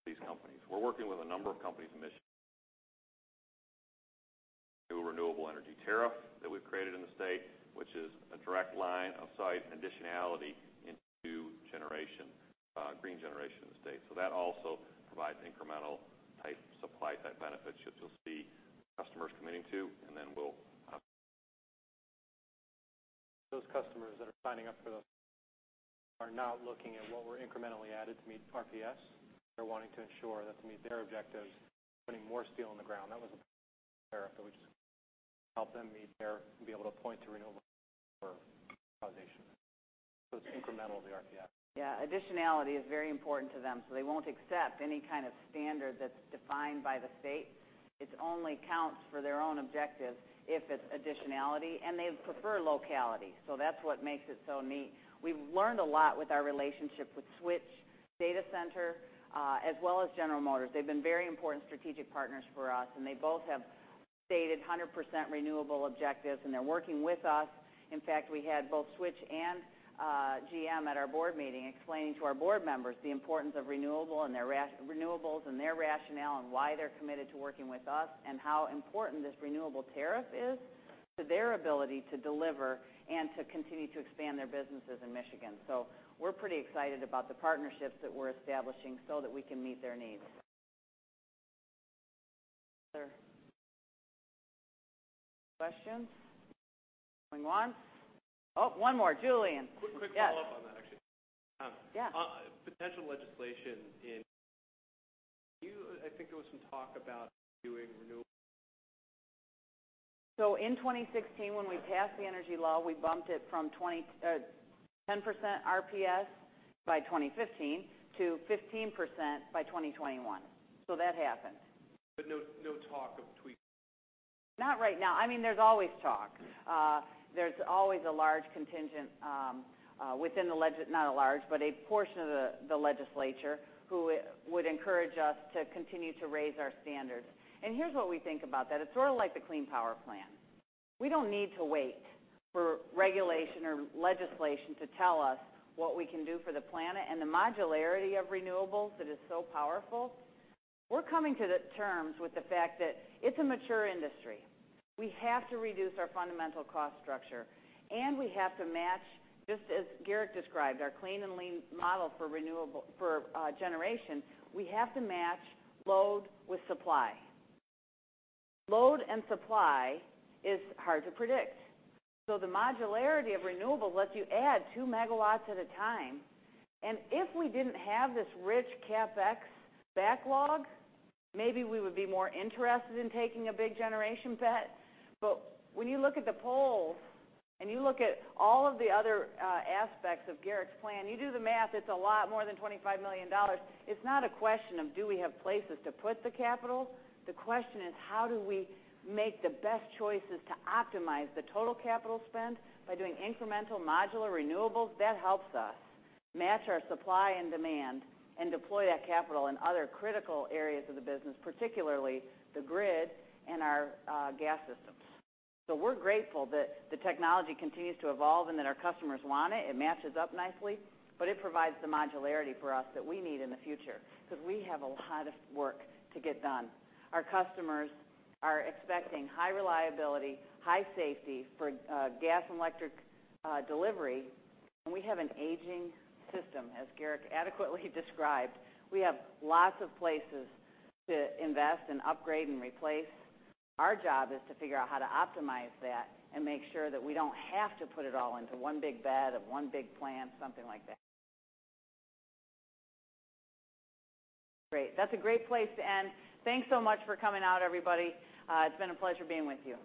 these companies. We're working with a number of companies in Michigan through a renewable energy tariff that we've created in the state, which is a direct line of sight additionality into generation, green generation in the state. That also provides incremental type supply type benefits, which you'll see customers committing to, and then we'll. Those customers that are signing up for those are now looking at what we're incrementally added to meet RPS. They're wanting to ensure that to meet their objectives, putting more steel in the ground. That was a tariff that we just help them be able to point to renewable for causation. It's incremental to the RPS. Yeah. Additionality is very important to them. They won't accept any kind of standard that's defined by the state. It only counts for their own objective if it's additionality, and they prefer locality. That's what makes it so neat. We've learned a lot with our relationship with Switch, data center, as well as General Motors. They've been very important strategic partners for us, and they both have stated 100% renewable objectives, and they're working with us. In fact, we had both Switch and GM at our board meeting explaining to our board members the importance of renewables and their rationale on why they're committed to working with us and how important this renewable tariff is to their ability to deliver and to continue to expand their businesses in Michigan. We're pretty excited about the partnerships that we're establishing so that we can meet their needs. Other Questions? Moving on. Oh, one more. Julien. Quick follow-up on that, actually. Yeah. Potential legislation in. I think there was some talk about doing renewable. In 2016, when we passed the energy law, we bumped it from 10% RPS by 2015 to 15% by 2021. That happened. No talk of tweaking? Not right now. There's always talk. There's always a large contingent within the legislature, not a large, but a portion of the legislature who would encourage us to continue to raise our standards. Here's what we think about that. It's sort of like the Clean Power Plan. We don't need to wait for regulation or legislation to tell us what we can do for the planet, the modularity of renewables that is so powerful. We're coming to the terms with the fact that it's a mature industry. We have to reduce our fundamental cost structure, we have to match, just as Garrick described, our clean and lean model for generation. We have to match load with supply. Load and supply is hard to predict. The modularity of renewable lets you add two megawatts at a time, if we didn't have this rich CapEx backlog, maybe we would be more interested in taking a big generation bet. When you look at the poles and you look at all of the other aspects of Garrick's plan, you do the math, it's a lot more than $25 million. It's not a question of do we have places to put the capital? The question is how do we make the best choices to optimize the total capital spend by doing incremental modular renewables that helps us match our supply and demand and deploy that capital in other critical areas of the business, particularly the grid and our gas systems. We're grateful that the technology continues to evolve and that our customers want it. It matches up nicely, but it provides the modularity for us that we need in the future because we have a lot of work to get done. Our customers are expecting high reliability, high safety for gas and electric delivery, and we have an aging system, as Garrick adequately described. We have lots of places to invest and upgrade and replace. Our job is to figure out how to optimize that and make sure that we don't have to put it all into one big bet of one big plan, something like that. Great. That's a great place to end. Thanks so much for coming out, everybody. It's been a pleasure being with you.